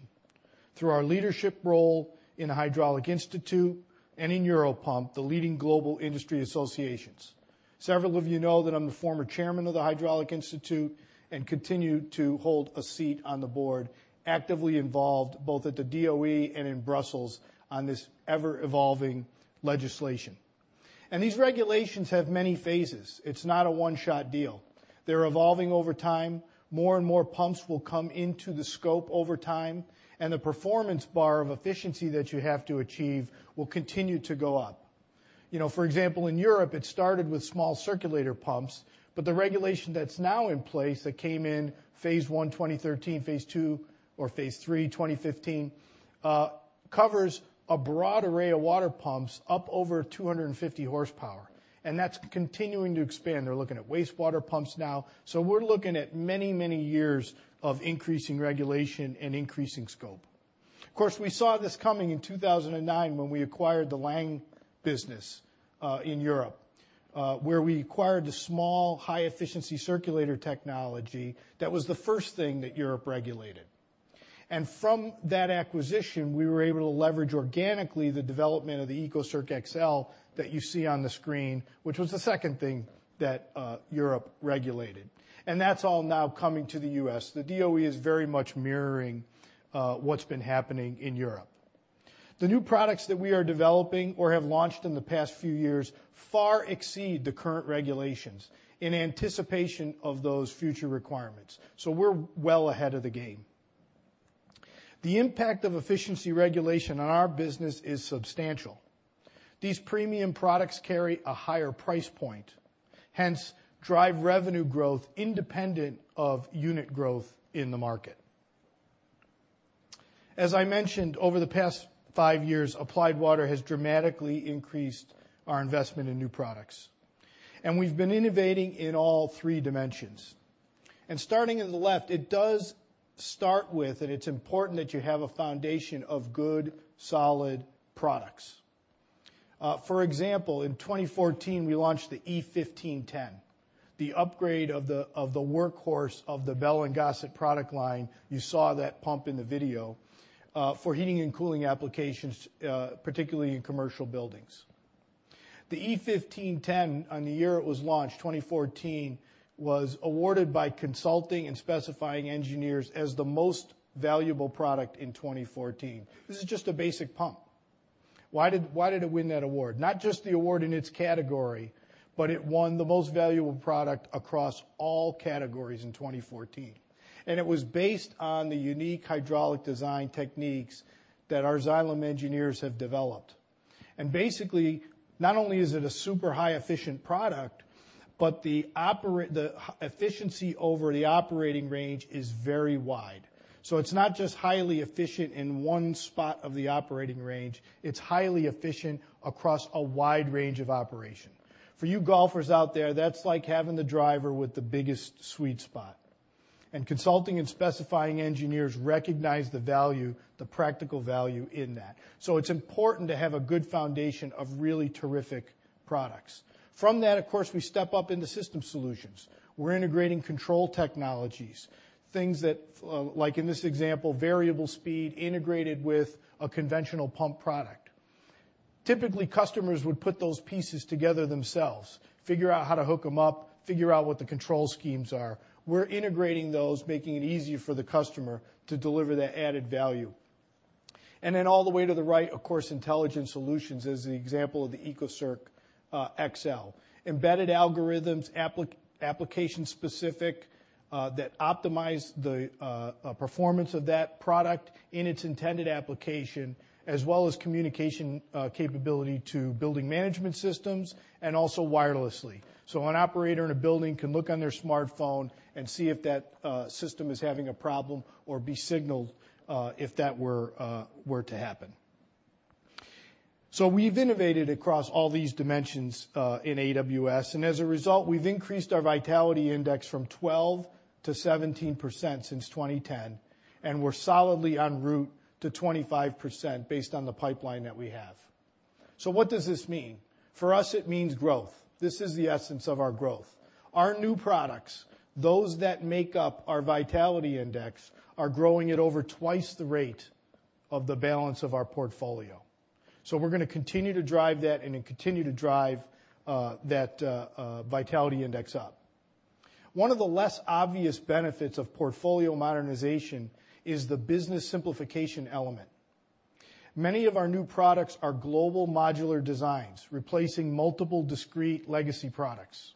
through our leadership role in the Hydraulic Institute and in Europump, the leading global industry associations. Several of you know that I'm the former chairman of the Hydraulic Institute and continue to hold a seat on the board, actively involved both at the DOE and in Brussels on this ever-evolving legislation. These regulations have many phases. It's not a one-shot deal. They're evolving over time. More and more pumps will come into the scope over time, the performance bar of efficiency that you have to achieve will continue to go up. For example, in Europe, it started with small circulator pumps, the regulation that's now in place that came in phase 1 2013, phase 2 or phase 3 2015, covers a broad array of water pumps up over 250 horsepower, and that's continuing to expand. They're looking at wastewater pumps now. We're looking at many, many years of increasing regulation and increasing scope. Of course, we saw this coming in 2009 when we acquired the Laing business, in Europe, where we acquired a small high-efficiency circulator technology that was the first thing that Europe regulated. From that acquisition, we were able to leverage organically the development of the ecocirc XL that you see on the screen, which was the second thing that Europe regulated. That's all now coming to the U.S. The DOE is very much mirroring what's been happening in Europe. The new products that we are developing or have launched in the past few years far exceed the current regulations in anticipation of those future requirements. We're well ahead of the game. The impact of efficiency regulation on our business is substantial. These premium products carry a higher price point, hence drive revenue growth independent of unit growth in the market. As I mentioned, over the past five years, Applied Water has dramatically increased our investment in new products. We've been innovating in all 3 dimensions. Starting in the left, it does start with, it's important that you have a foundation of good, solid products. For example, in 2014, we launched the e-1510, the upgrade of the workhorse of the Bell & Gossett product line, you saw that pump in the video, for heating and cooling applications, particularly in commercial buildings. The e-1510 on the year it was launched, 2014, was awarded by consulting and specifying engineers as the most valuable product in 2014. This is just a basic pump. Why did it win that award? Not just the award in its category, but it won the most valuable product across all categories in 2014. It was based on the unique hydraulic design techniques that our Xylem engineers have developed. Basically, not only is it a super high efficient product, but the efficiency over the operating range is very wide. It's not just highly efficient in one spot of the operating range, it's highly efficient across a wide range of operation. For you golfers out there, that's like having the driver with the biggest sweet spot. Consulting and specifying engineers recognize the practical value in that. It's important to have a good foundation of really terrific products. From that, of course, we step up into system solutions. We're integrating control technologies, things that, like in this example, variable speed integrated with a conventional pump product. Typically, customers would put those pieces together themselves, figure out how to hook them up, figure out what the control schemes are. We're integrating those, making it easier for the customer to deliver that added value. All the way to the right, of course, intelligent solutions is the example of the ecocirc XL. Embedded algorithms, application specific, that optimize the performance of that product in its intended application, as well as communication capability to building management systems and also wirelessly. An operator in a building can look on their smartphone and see if that system is having a problem or be signaled if that were to happen. We've innovated across all these dimensions in AWS, and as a result, we've increased our vitality index from 12% to 17% since 2010, and we're solidly on route to 25% based on the pipeline that we have. What does this mean? For us, it means growth. This is the essence of our growth. Our new products, those that make up our vitality index, are growing at over twice the rate of the balance of our portfolio. We're going to continue to drive that and then continue to drive that vitality index up. One of the less obvious benefits of portfolio modernization is the business simplification element. Many of our new products are global modular designs, replacing multiple discrete legacy products.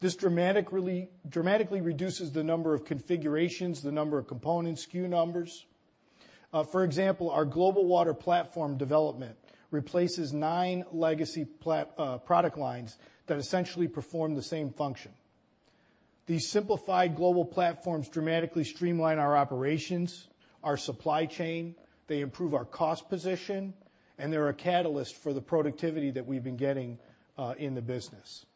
This dramatically reduces the number of configurations, the number of components, SKU numbers. For example, our global water platform development replaces nine legacy product lines that essentially perform the same function. These simplified global platforms dramatically streamline our operations, our supply chain, they improve our cost position, and they're a catalyst for the productivity that we've been getting in the business.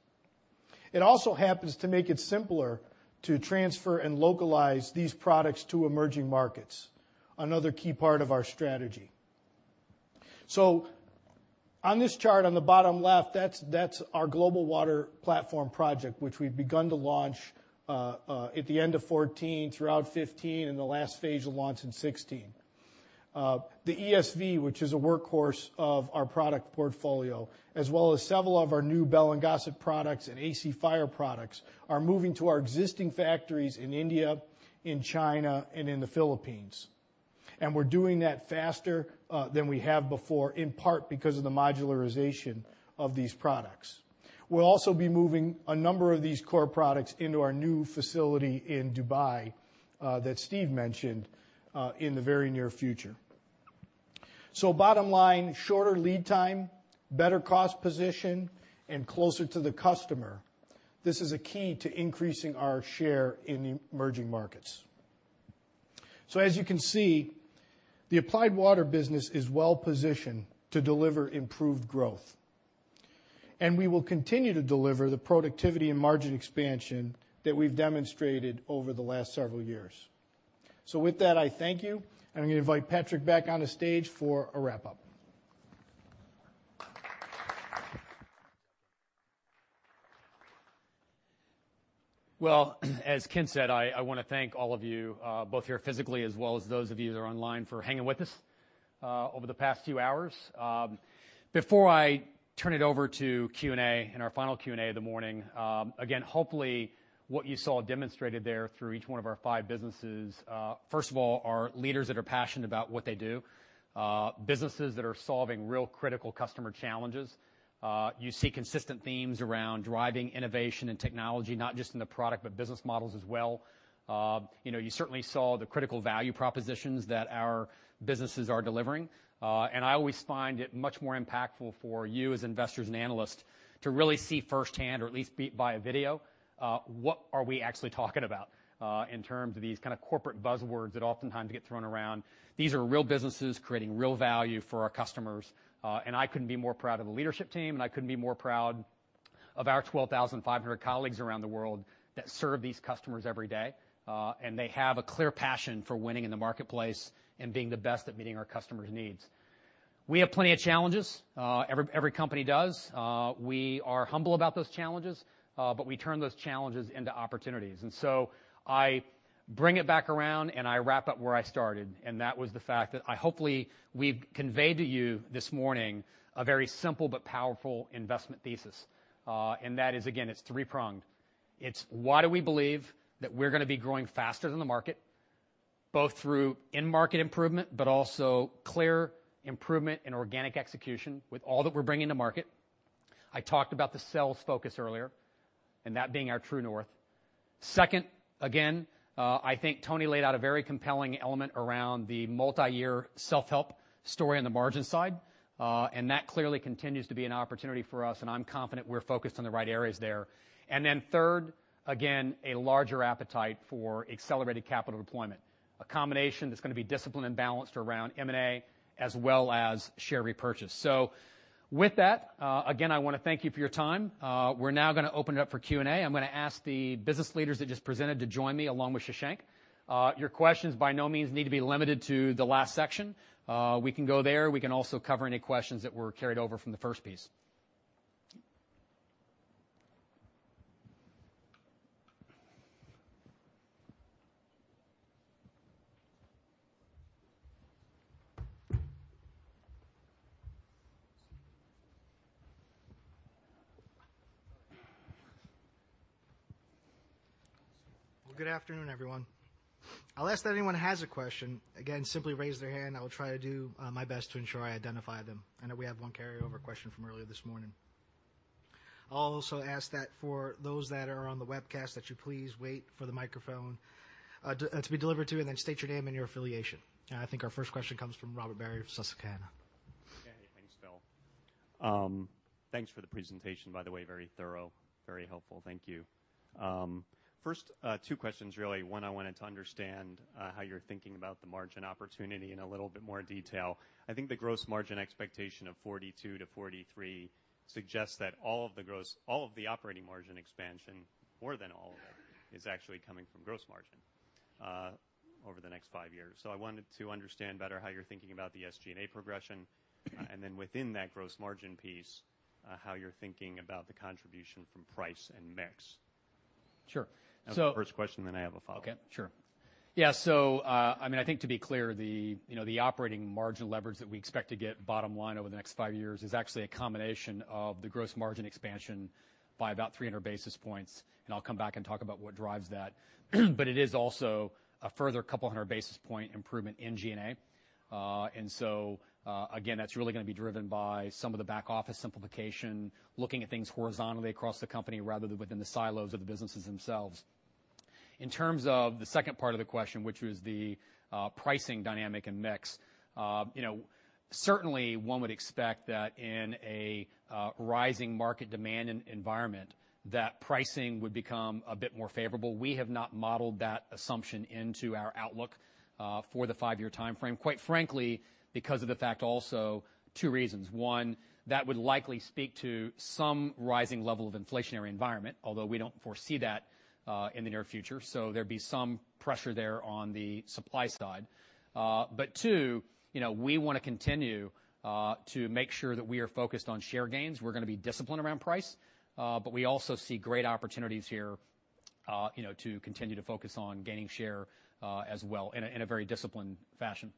It also happens to make it simpler to transfer and localize these products to emerging markets, another key part of our strategy. On this chart, on the bottom left, that's our global water platform project, which we've begun to launch at the end of 2014, throughout 2015, and the last phase will launch in 2016. The e-SV, which is a workhorse of our product portfolio, as well as several of our new Bell & Gossett products and A-C Fire products, are moving to our existing factories in India, in China, and in the Philippines. We're doing that faster than we have before, in part because of the modularization of these products. We'll also be moving a number of these core products into our new facility in Dubai, that Steve mentioned, in the very near future. Bottom line, shorter lead time, better cost position, and closer to the customer. This is a key to increasing our share in emerging markets. As you can see, the Applied Water business is well positioned to deliver improved growth. We will continue to deliver the productivity and margin expansion that we've demonstrated over the last several years. With that, I thank you, and I'm going to invite Patrick back on the stage for a wrap-up. Well, as Ken said, I want to thank all of you, both here physically as well as those of you that are online, for hanging with us over the past few hours. Before I turn it over to Q&A, in our final Q&A of the morning, again, hopefully what you saw demonstrated there through each one of our five businesses, first of all, are leaders that are passionate about what they do, businesses that are solving real critical customer challenges. You see consistent themes around driving innovation and technology, not just in the product, but business models as well. You certainly saw the critical value propositions that our businesses are delivering. I always find it much more impactful for you as investors and analysts to really see firsthand or at least via video, what are we actually talking about in terms of these kind of corporate buzzwords that oftentimes get thrown around. These are real businesses creating real value for our customers. I couldn't be more proud of the leadership team, and I couldn't be more proud of our 12,500 colleagues around the world that serve these customers every day. They have a clear passion for winning in the marketplace and being the best at meeting our customers' needs. We have plenty of challenges. Every company does. We are humble about those challenges, we turn those challenges into opportunities. I bring it back around and I wrap up where I started, that was the fact that hopefully we've conveyed to you this morning a very simple but powerful investment thesis. That is, again, it's three-pronged. It's why do we believe that we're going to be growing faster than the market, both through in-market improvement, but also clear improvement in organic execution with all that we're bringing to market. I talked about the sales focus earlier and that being our true north. Second, again, I think Tony laid out a very compelling element around the multi-year self-help story on the margin side. That clearly continues to be an opportunity for us, and I'm confident we're focused on the right areas there. Third, again, a larger appetite for accelerated capital deployment, a combination that's going to be disciplined and balanced around M&A as well as share repurchase. With that, again, I want to thank you for your time. We're now going to open it up for Q&A. I'm going to ask the business leaders that just presented to join me along with Shashank. Your questions by no means need to be limited to the last section. We can go there. We can also cover any questions that were carried over from the first piece. Good afternoon, everyone. I'll ask that anyone who has a question, again, simply raise their hand. I will try to do my best to ensure I identify them. I know we have one carryover question from earlier this morning. I'll also ask that for those that are on the webcast that you please wait for the microphone to be delivered to you, and then state your name and your affiliation. I think our first question comes from Robert Barry of Susquehanna. Yeah. Thanks, Phil. Thanks for the presentation, by the way. Very thorough, very helpful. Thank you. First, two questions really. One, I wanted to understand how you're thinking about the margin opportunity in a little bit more detail. I think the gross margin expectation of 42%-43% suggests that all of the operating margin expansion, more than all of it, is actually coming from gross margin over the next five years. I wanted to understand better how you're thinking about the SG&A progression, and then within that gross margin piece, how you're thinking about the contribution from price and mix. Sure. That was the first question, I have a follow-up. Okay. Sure. Yeah. I think to be clear, the operating margin leverage that we expect to get bottom line over the next five years is actually a combination of the gross margin expansion by about 300 basis points, it is also a further couple of hundred basis point improvement in G&A. Again, that's really going to be driven by some of the back office simplification, looking at things horizontally across the company rather than within the silos of the businesses themselves. In terms of the second part of the question, which was the pricing dynamic and mix. Certainly, one would expect that in a rising market demand environment, that pricing would become a bit more favorable. We have not modeled that assumption into our outlook for the five-year timeframe, quite frankly, because of the fact also two reasons. One, that would likely speak to some rising level of inflationary environment, although we don't foresee that in the near future. There'd be some pressure there on the supply side. Two, we want to continue to make sure that we are focused on share gains. We're going to be disciplined around price. We also see great opportunities here to continue to focus on gaining share as well in a very disciplined fashion.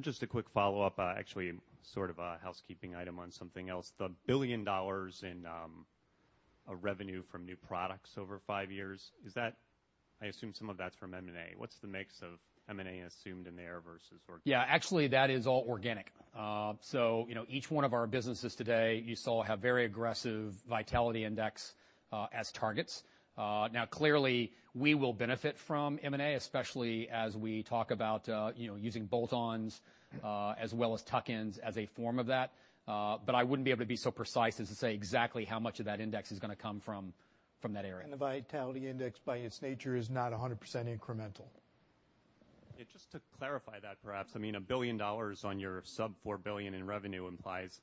Just a quick follow-up, actually, sort of a housekeeping item on something else. The $1 billion in revenue from new products over five years, I assume some of that's from M&A. What's the mix of M&A assumed in there versus organic? Yeah, actually, that is all organic. Each one of our businesses today, you saw have very aggressive vitality index targets. Clearly, we will benefit from M&A, especially as we talk about using bolt-ons as well as tuck-ins as a form of that. I wouldn't be able to be so precise as to say exactly how much of that index is going to come from that area. The vitality index, by its nature, is not 100% incremental. Just to clarify that perhaps, a $1 billion on your sub-$4 billion in revenue implies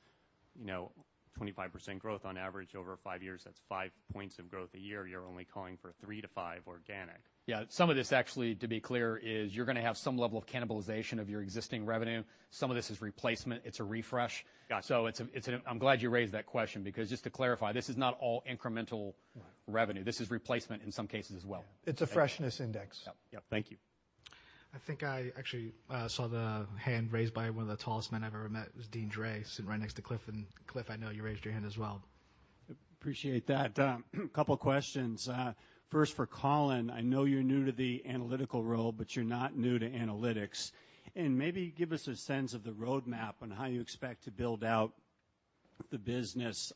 25% growth on average over five years. That's five points of growth a year. You're only calling for three to five organic. Yeah. Some of this actually, to be clear, is you're going to have some level of cannibalization of your existing revenue. Some of this is replacement. It's a refresh. Got it. I'm glad you raised that question because just to clarify, this is not all incremental revenue. Right. This is replacement in some cases as well. It's a freshness index. Yep. Thank you. I think I actually saw the hand raised by one of the tallest men I've ever met. It was Deane Dray sitting right next to Cliff, and Cliff, I know you raised your hand as well. Appreciate that. A couple of questions. First for Colin, I know you're new to the analytical role, but you're not new to analytics. Maybe give us a sense of the roadmap on how you expect to build out the business.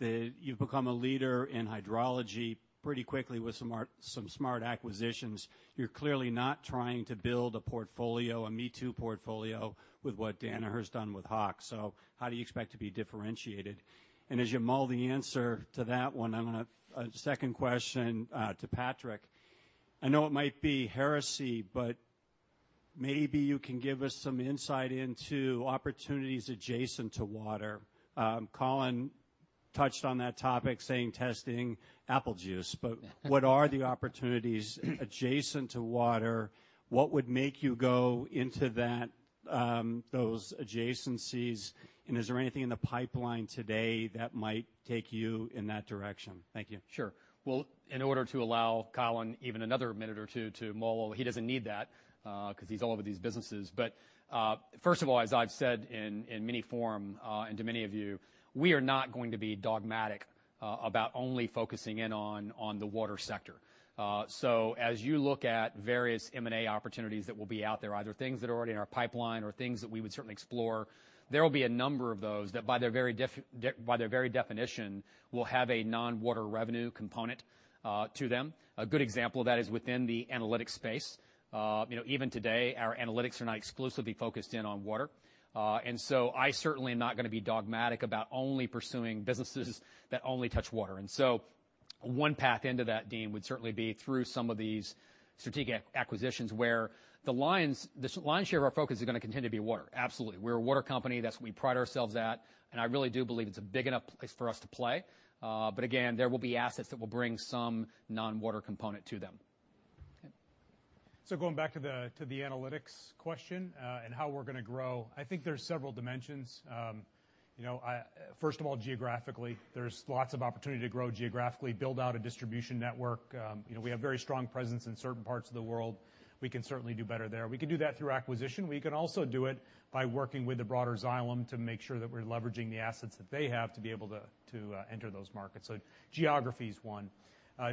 You've become a leader in hydrology pretty quickly with some smart acquisitions. You're clearly not trying to build a portfolio, a me-too portfolio with what Danaher's done with Hach. How do you expect to be differentiated? As you mull the answer to that one, second question to Patrick. I know it might be heresy, but maybe you can give us some insight into opportunities adjacent to water. Colin touched on that topic saying testing apple juice, but what are the opportunities adjacent to water? What would make you go into that? Those adjacencies. Is there anything in the pipeline today that might take you in that direction? Thank you. Sure. Well, in order to allow Colin even another minute or two to mull, he doesn't need that because he's all over these businesses. First of all, as I've said in many form, and to many of you, we are not going to be dogmatic about only focusing in on the water sector. As you look at various M&A opportunities that will be out there, either things that are already in our pipeline or things that we would certainly explore, there will be a number of those that by their very definition, will have a non-water revenue component to them. A good example of that is within the analytics space. Even today, our analytics are not exclusively focused in on water. I certainly am not going to be dogmatic about only pursuing businesses that only touch water. One path into that, Deane, would certainly be through some of these strategic acquisitions, where the lion's share of our focus is going to continue to be water. Absolutely. We're a water company. That's what we pride ourselves at, and I really do believe it's a big enough place for us to play. Again, there will be assets that will bring some non-water component to them. Okay. Going back to the analytics question, and how we're going to grow, I think there's several dimensions. First of all, geographically, there's lots of opportunity to grow geographically, build out a distribution network. We have a very strong presence in certain parts of the world. We can certainly do better there. We can do that through acquisition. We can also do it by working with the broader Xylem to make sure that we're leveraging the assets that they have to be able to enter those markets. Geography is one.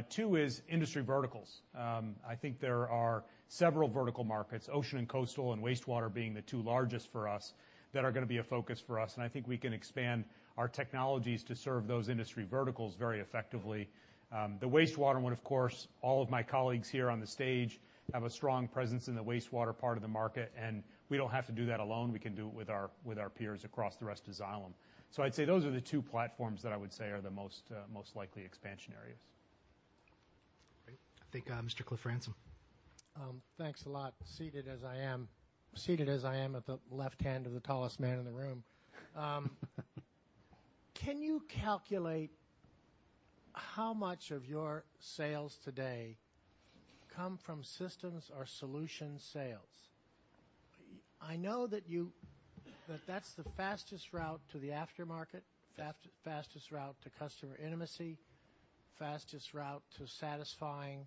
Two is industry verticals. I think there are several vertical markets, ocean and coastal and wastewater being the two largest for us, that are going to be a focus for us, and I think we can expand our technologies to serve those industry verticals very effectively. The wastewater one, of course, all of my colleagues here on the stage have a strong presence in the wastewater part of the market, we don't have to do that alone. We can do it with our peers across the rest of Xylem. I'd say those are the two platforms that I would say are the most likely expansion areas. Great. I think, Mr. Cliff Ransom. Thanks a lot. Seated as I am at the left-hand of the tallest man in the room. Can you calculate how much of your sales today come from systems or solution sales? I know that that's the fastest route to the aftermarket, fastest route to customer intimacy, fastest route to satisfying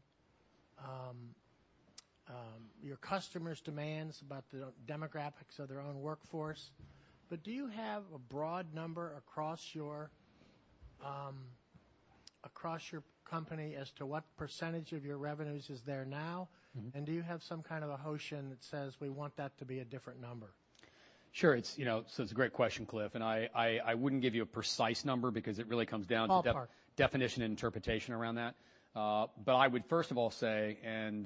your customers' demands about the demographics of their own workforce. Do you have a broad number across your company as to what percentage of your revenues is there now? Do you have some kind of a notion that says we want that to be a different number? Sure. It's a great question, Cliff, and I wouldn't give you a precise number because it really comes down to Ballpark definition and interpretation around that. I would first of all say, and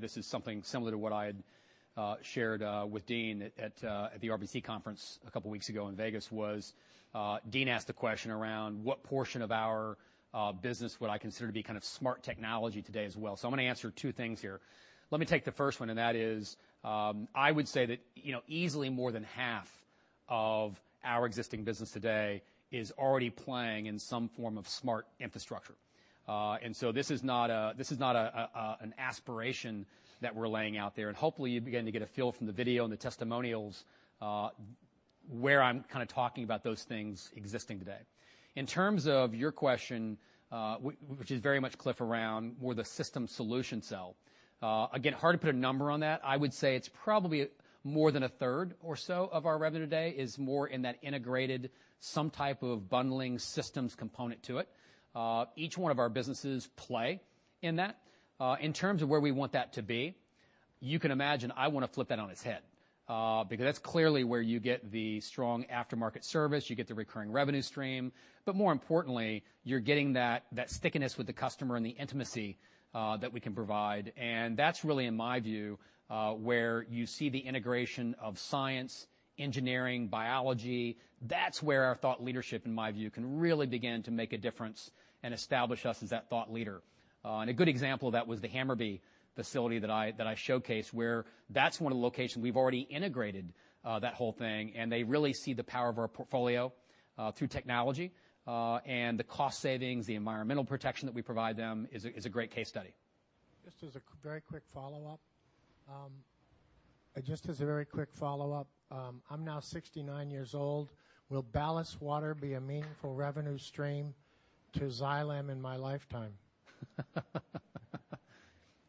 this is something similar to what I had shared with Deane at the RBC conference a couple of weeks ago in Vegas was, Deane asked a question around what portion of our business would I consider to be kind of smart technology today as well. I'm going to answer two things here. Let me take the first one, and that is, I would say that easily more than half of our existing business today is already playing in some form of smart infrastructure. This is not an aspiration that we're laying out there, and hopefully you begin to get a feel from the video and the testimonials, where I'm kind of talking about those things existing today. In terms of your question, which is very much, Cliff, around more the system solution sell. Again, hard to put a number on that. I would say it's probably more than a third or so of our revenue today is more in that integrated, some type of bundling systems component to it. Each one of our businesses play in that. In terms of where we want that to be, you can imagine I want to flip that on its head, because that's clearly where you get the strong aftermarket service, you get the recurring revenue stream, but more importantly, you're getting that stickiness with the customer and the intimacy that we can provide. That's really, in my view, where you see the integration of science, engineering, biology. That's where our thought leadership, in my view, can really begin to make a difference and establish us as that thought leader. A good example of that was the Hammarby facility that I showcased where that's one of the locations we've already integrated that whole thing, and they really see the power of our portfolio through technology, and the cost savings, the environmental protection that we provide them is a great case study. Just as a very quick follow-up. I'm now 69 years old. Will ballast water be a meaningful revenue stream to Xylem in my lifetime?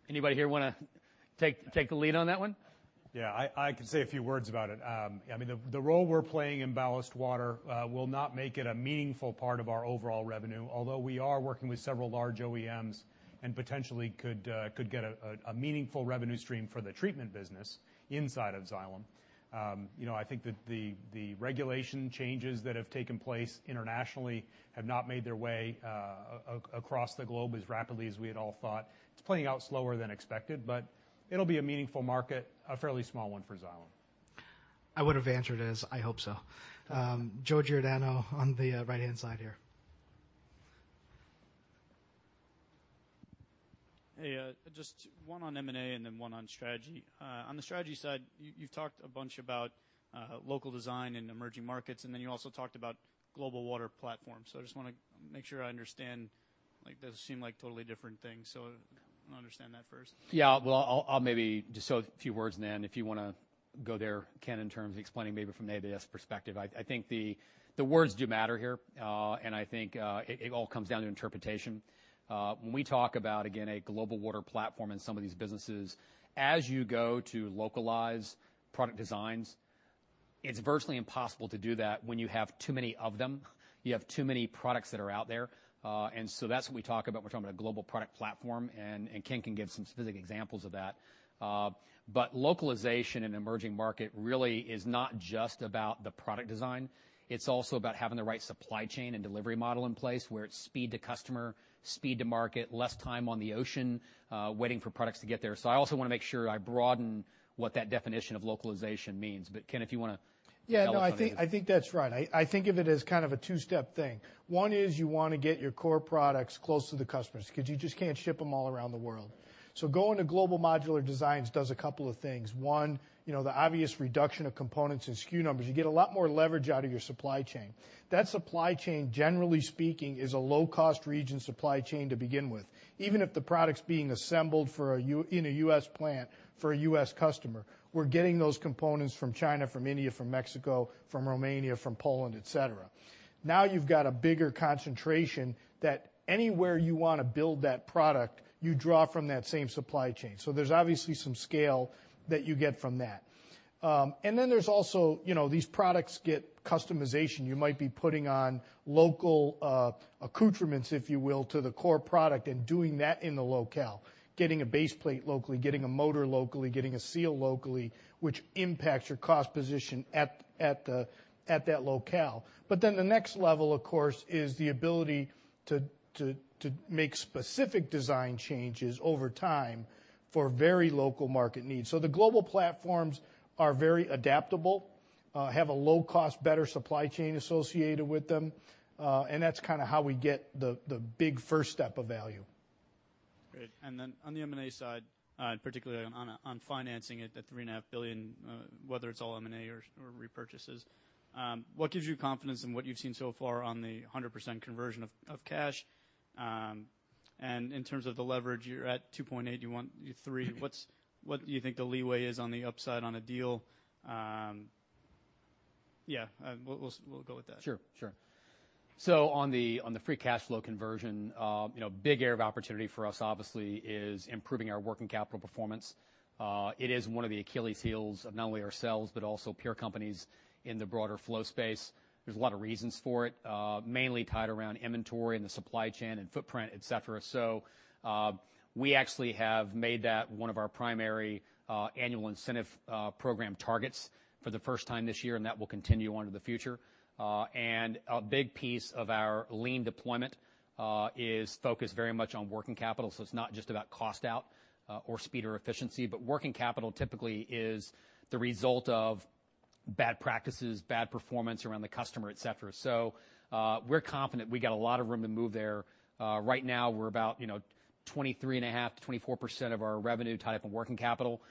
Anybody here want to take a lead on that one? Yeah, I can say a few words about it. The role we're playing in ballast water will not make it a meaningful part of our overall revenue, although we are working with several large OEMs and potentially could get a meaningful revenue stream for the treatment business inside of Xylem. I think that the regulation changes that have taken place internationally have not made their way across the globe as rapidly as we had all thought. It's playing out slower than expected, but it'll be a meaningful market, a fairly small one for Xylem. I would've answered as, "I hope so." Joe Giordano on the right-hand side here. Hey, just one on M&A and then one on strategy. On the strategy side, you've talked a bunch about local design in emerging markets, and then you also talked about global water platform. I just want to make sure I understand, those seem like totally different things, so I want to understand that first. Yeah. Well, I'll maybe just a few words, and then if you want to go there, Ken, in terms of explaining maybe from the AWS perspective. I think the words do matter here, and I think it all comes down to interpretation. When we talk about, again, a global water platform in some of these businesses, as you go to localize product designs, it's virtually impossible to do that when you have too many of them, you have too many products that are out there. That's what we talk about. We're talking about a global product platform, and Ken can give some specific examples of that. Localization in emerging market really is not just about the product design. It's also about having the right supply chain and delivery model in place where it's speed to customer, speed to market, less time on the ocean waiting for products to get there. I also want to make sure I broaden what that definition of localization means. Ken, if you want to- Yeah. No, I think that's right. I think of it as kind of a two-step thing. One is you want to get your core products close to the customers because you just can't ship them all around the world. Going to global modular designs does a couple of things. One, the obvious reduction of components and SKU numbers. You get a lot more leverage out of your supply chain. That supply chain, generally speaking, is a low-cost region supply chain to begin with. Even if the product's being assembled in a U.S. plant for a U.S. customer, we're getting those components from China, from India, from Mexico, from Romania, from Poland, et cetera. Now you've got a bigger concentration that anywhere you want to build that product, you draw from that same supply chain. There's obviously some scale that you get from that. There's also, these products get customization. You might be putting on local accoutrements, if you will, to the core product and doing that in the locale, getting a base plate locally, getting a motor locally, getting a seal locally, which impacts your cost position at that locale. The next level, of course, is the ability to make specific design changes over time for very local market needs. The global platforms are very adaptable, have a low cost, better supply chain associated with them, and that's kind of how we get the big first step of value. Great. On the M&A side, particularly on financing it, the $3.5 billion, whether it's all M&A or repurchases, what gives you confidence in what you've seen so far on the 100% conversion of cash? In terms of the leverage, you're at 2.8, you want 3. What do you think the leeway is on the upside on a deal? Yeah. We'll go with that. Sure. On the free cash flow conversion, big area of opportunity for us obviously is improving our working capital performance. It is one of the Achilles' heels of not only ourselves, but also peer companies in the broader flow space. There's a lot of reasons for it, mainly tied around inventory and the supply chain and footprint, et cetera. We actually have made that one of our primary annual incentive program targets for the first time this year, and that will continue on to the future. A big piece of our Lean deployment, is focused very much on working capital. It's not just about cost out or speed or efficiency, but working capital typically is the result of bad practices, bad performance around the customer, et cetera. We're confident we got a lot of room to move there. Right now we're about 23.5%-24% of our revenue tied up in working capital.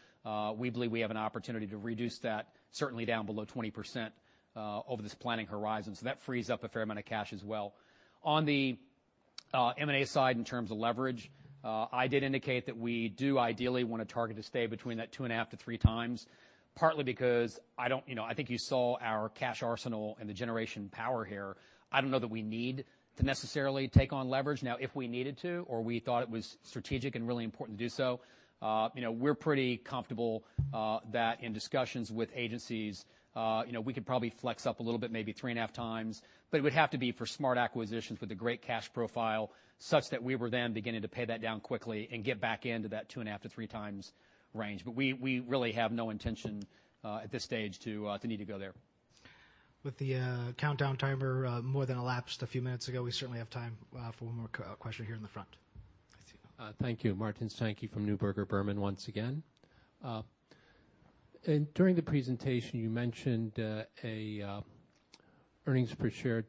We believe we have an opportunity to reduce that certainly down below 20% over this planning horizon. That frees up a fair amount of cash as well. On the M&A side, in terms of leverage, I did indicate that we do ideally want to target to stay between that 2.5-3 times, partly because I think you saw our cash arsenal and the generation power here. I don't know that we need to necessarily take on leverage. Now, if we needed to or we thought it was strategic and really important to do so, we're pretty comfortable that in discussions with agencies, we could probably flex up a little bit, maybe 3.5 times. It would have to be for smart acquisitions with a great cash profile such that we were then beginning to pay that down quickly and get back into that two and a half to three times range. We really have no intention, at this stage, to need to go there. With the countdown timer more than elapsed a few minutes ago, we certainly have time for one more question here in the front. I see. Thank you. Martin Sankey from Neuberger Berman once again. During the presentation, you mentioned an EPS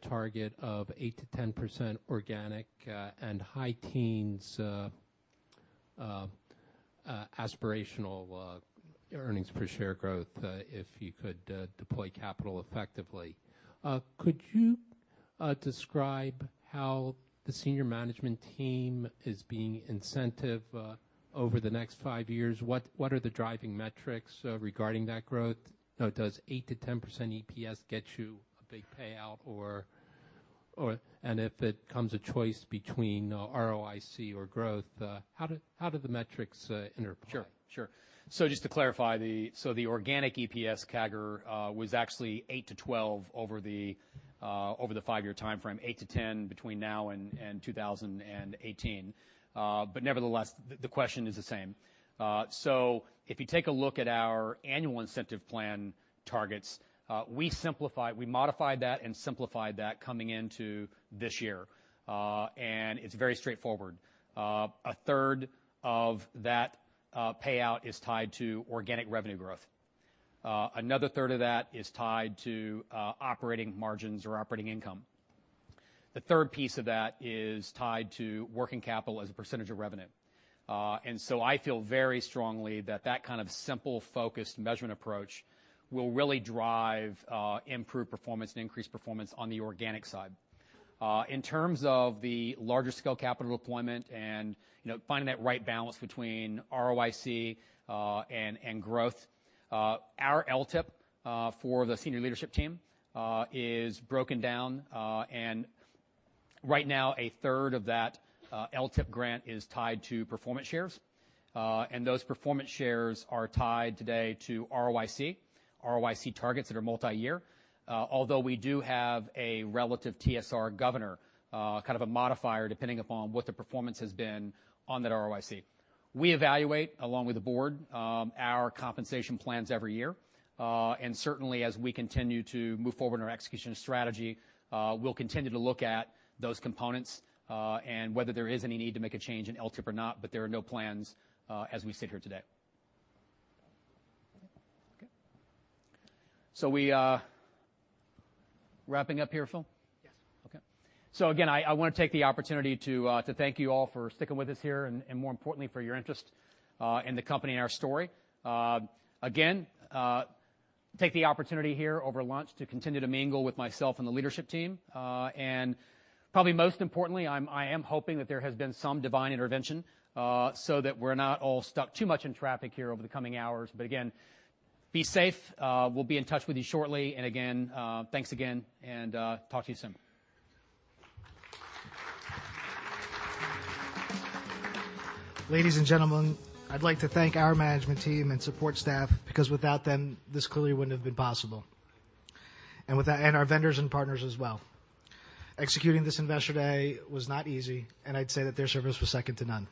target of eight-10% organic, and high teens aspirational EPS growth, if you could deploy capital effectively. Could you describe how the senior management team is being incentive over the next five years? What are the driving metrics regarding that growth? Does eight-10% EPS get you a big payout, or if it comes a choice between ROIC or growth, how do the metrics interplay? Sure. Just to clarify, the organic EPS CAGR was actually eight-12 over the five-year timeframe, eight-10 between now and 2018. Nevertheless, the question is the same. If you take a look at our annual incentive plan targets, we modified that and simplified that coming into this year. It's very straightforward. A third of that payout is tied to organic revenue growth. Another third of that is tied to operating margins or operating income. The third piece of that is tied to working capital as a percentage of revenue. I feel very strongly that that kind of simple, focused measurement approach will really drive improved performance and increased performance on the organic side. In terms of the larger scale capital deployment and finding that right balance between ROIC and growth, our LTIP for the senior leadership team is broken down. Right now, a third of that LTIP grant is tied to performance shares. Those performance shares are tied today to ROIC targets that are multi-year. Although we do have a relative TSR governor, kind of a modifier, depending upon what the performance has been on that ROIC. We evaluate, along with the board, our compensation plans every year. Certainly as we continue to move forward in our execution of strategy, we'll continue to look at those components and whether there is any need to make a change in LTIP or not, but there are no plans as we sit here today. Okay. We are wrapping up here, Phil? Yes. Okay. Again, I want to take the opportunity to thank you all for sticking with us here. More importantly, for your interest in the company and our story. Again, take the opportunity here over lunch to continue to mingle with myself and the leadership team. Probably most importantly, I am hoping that there has been some divine intervention, so that we're not all stuck too much in traffic here over the coming hours. Again, be safe. We'll be in touch with you shortly. Again, thanks again, and talk to you soon. Ladies and gentlemen, I'd like to thank our management team and support staff, because without them, this clearly wouldn't have been possible. Our vendors and partners as well. Executing this Investor Day was not easy. I'd say that their service was second to none.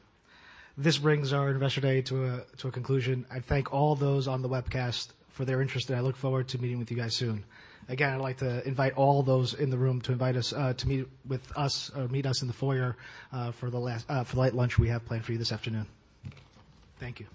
This brings our Investor Day to a conclusion. I thank all those on the webcast for their interest. I look forward to meeting with you guys soon. Again, I'd like to invite all those in the room to meet us in the foyer, for the light lunch we have planned for you this afternoon. Thank you.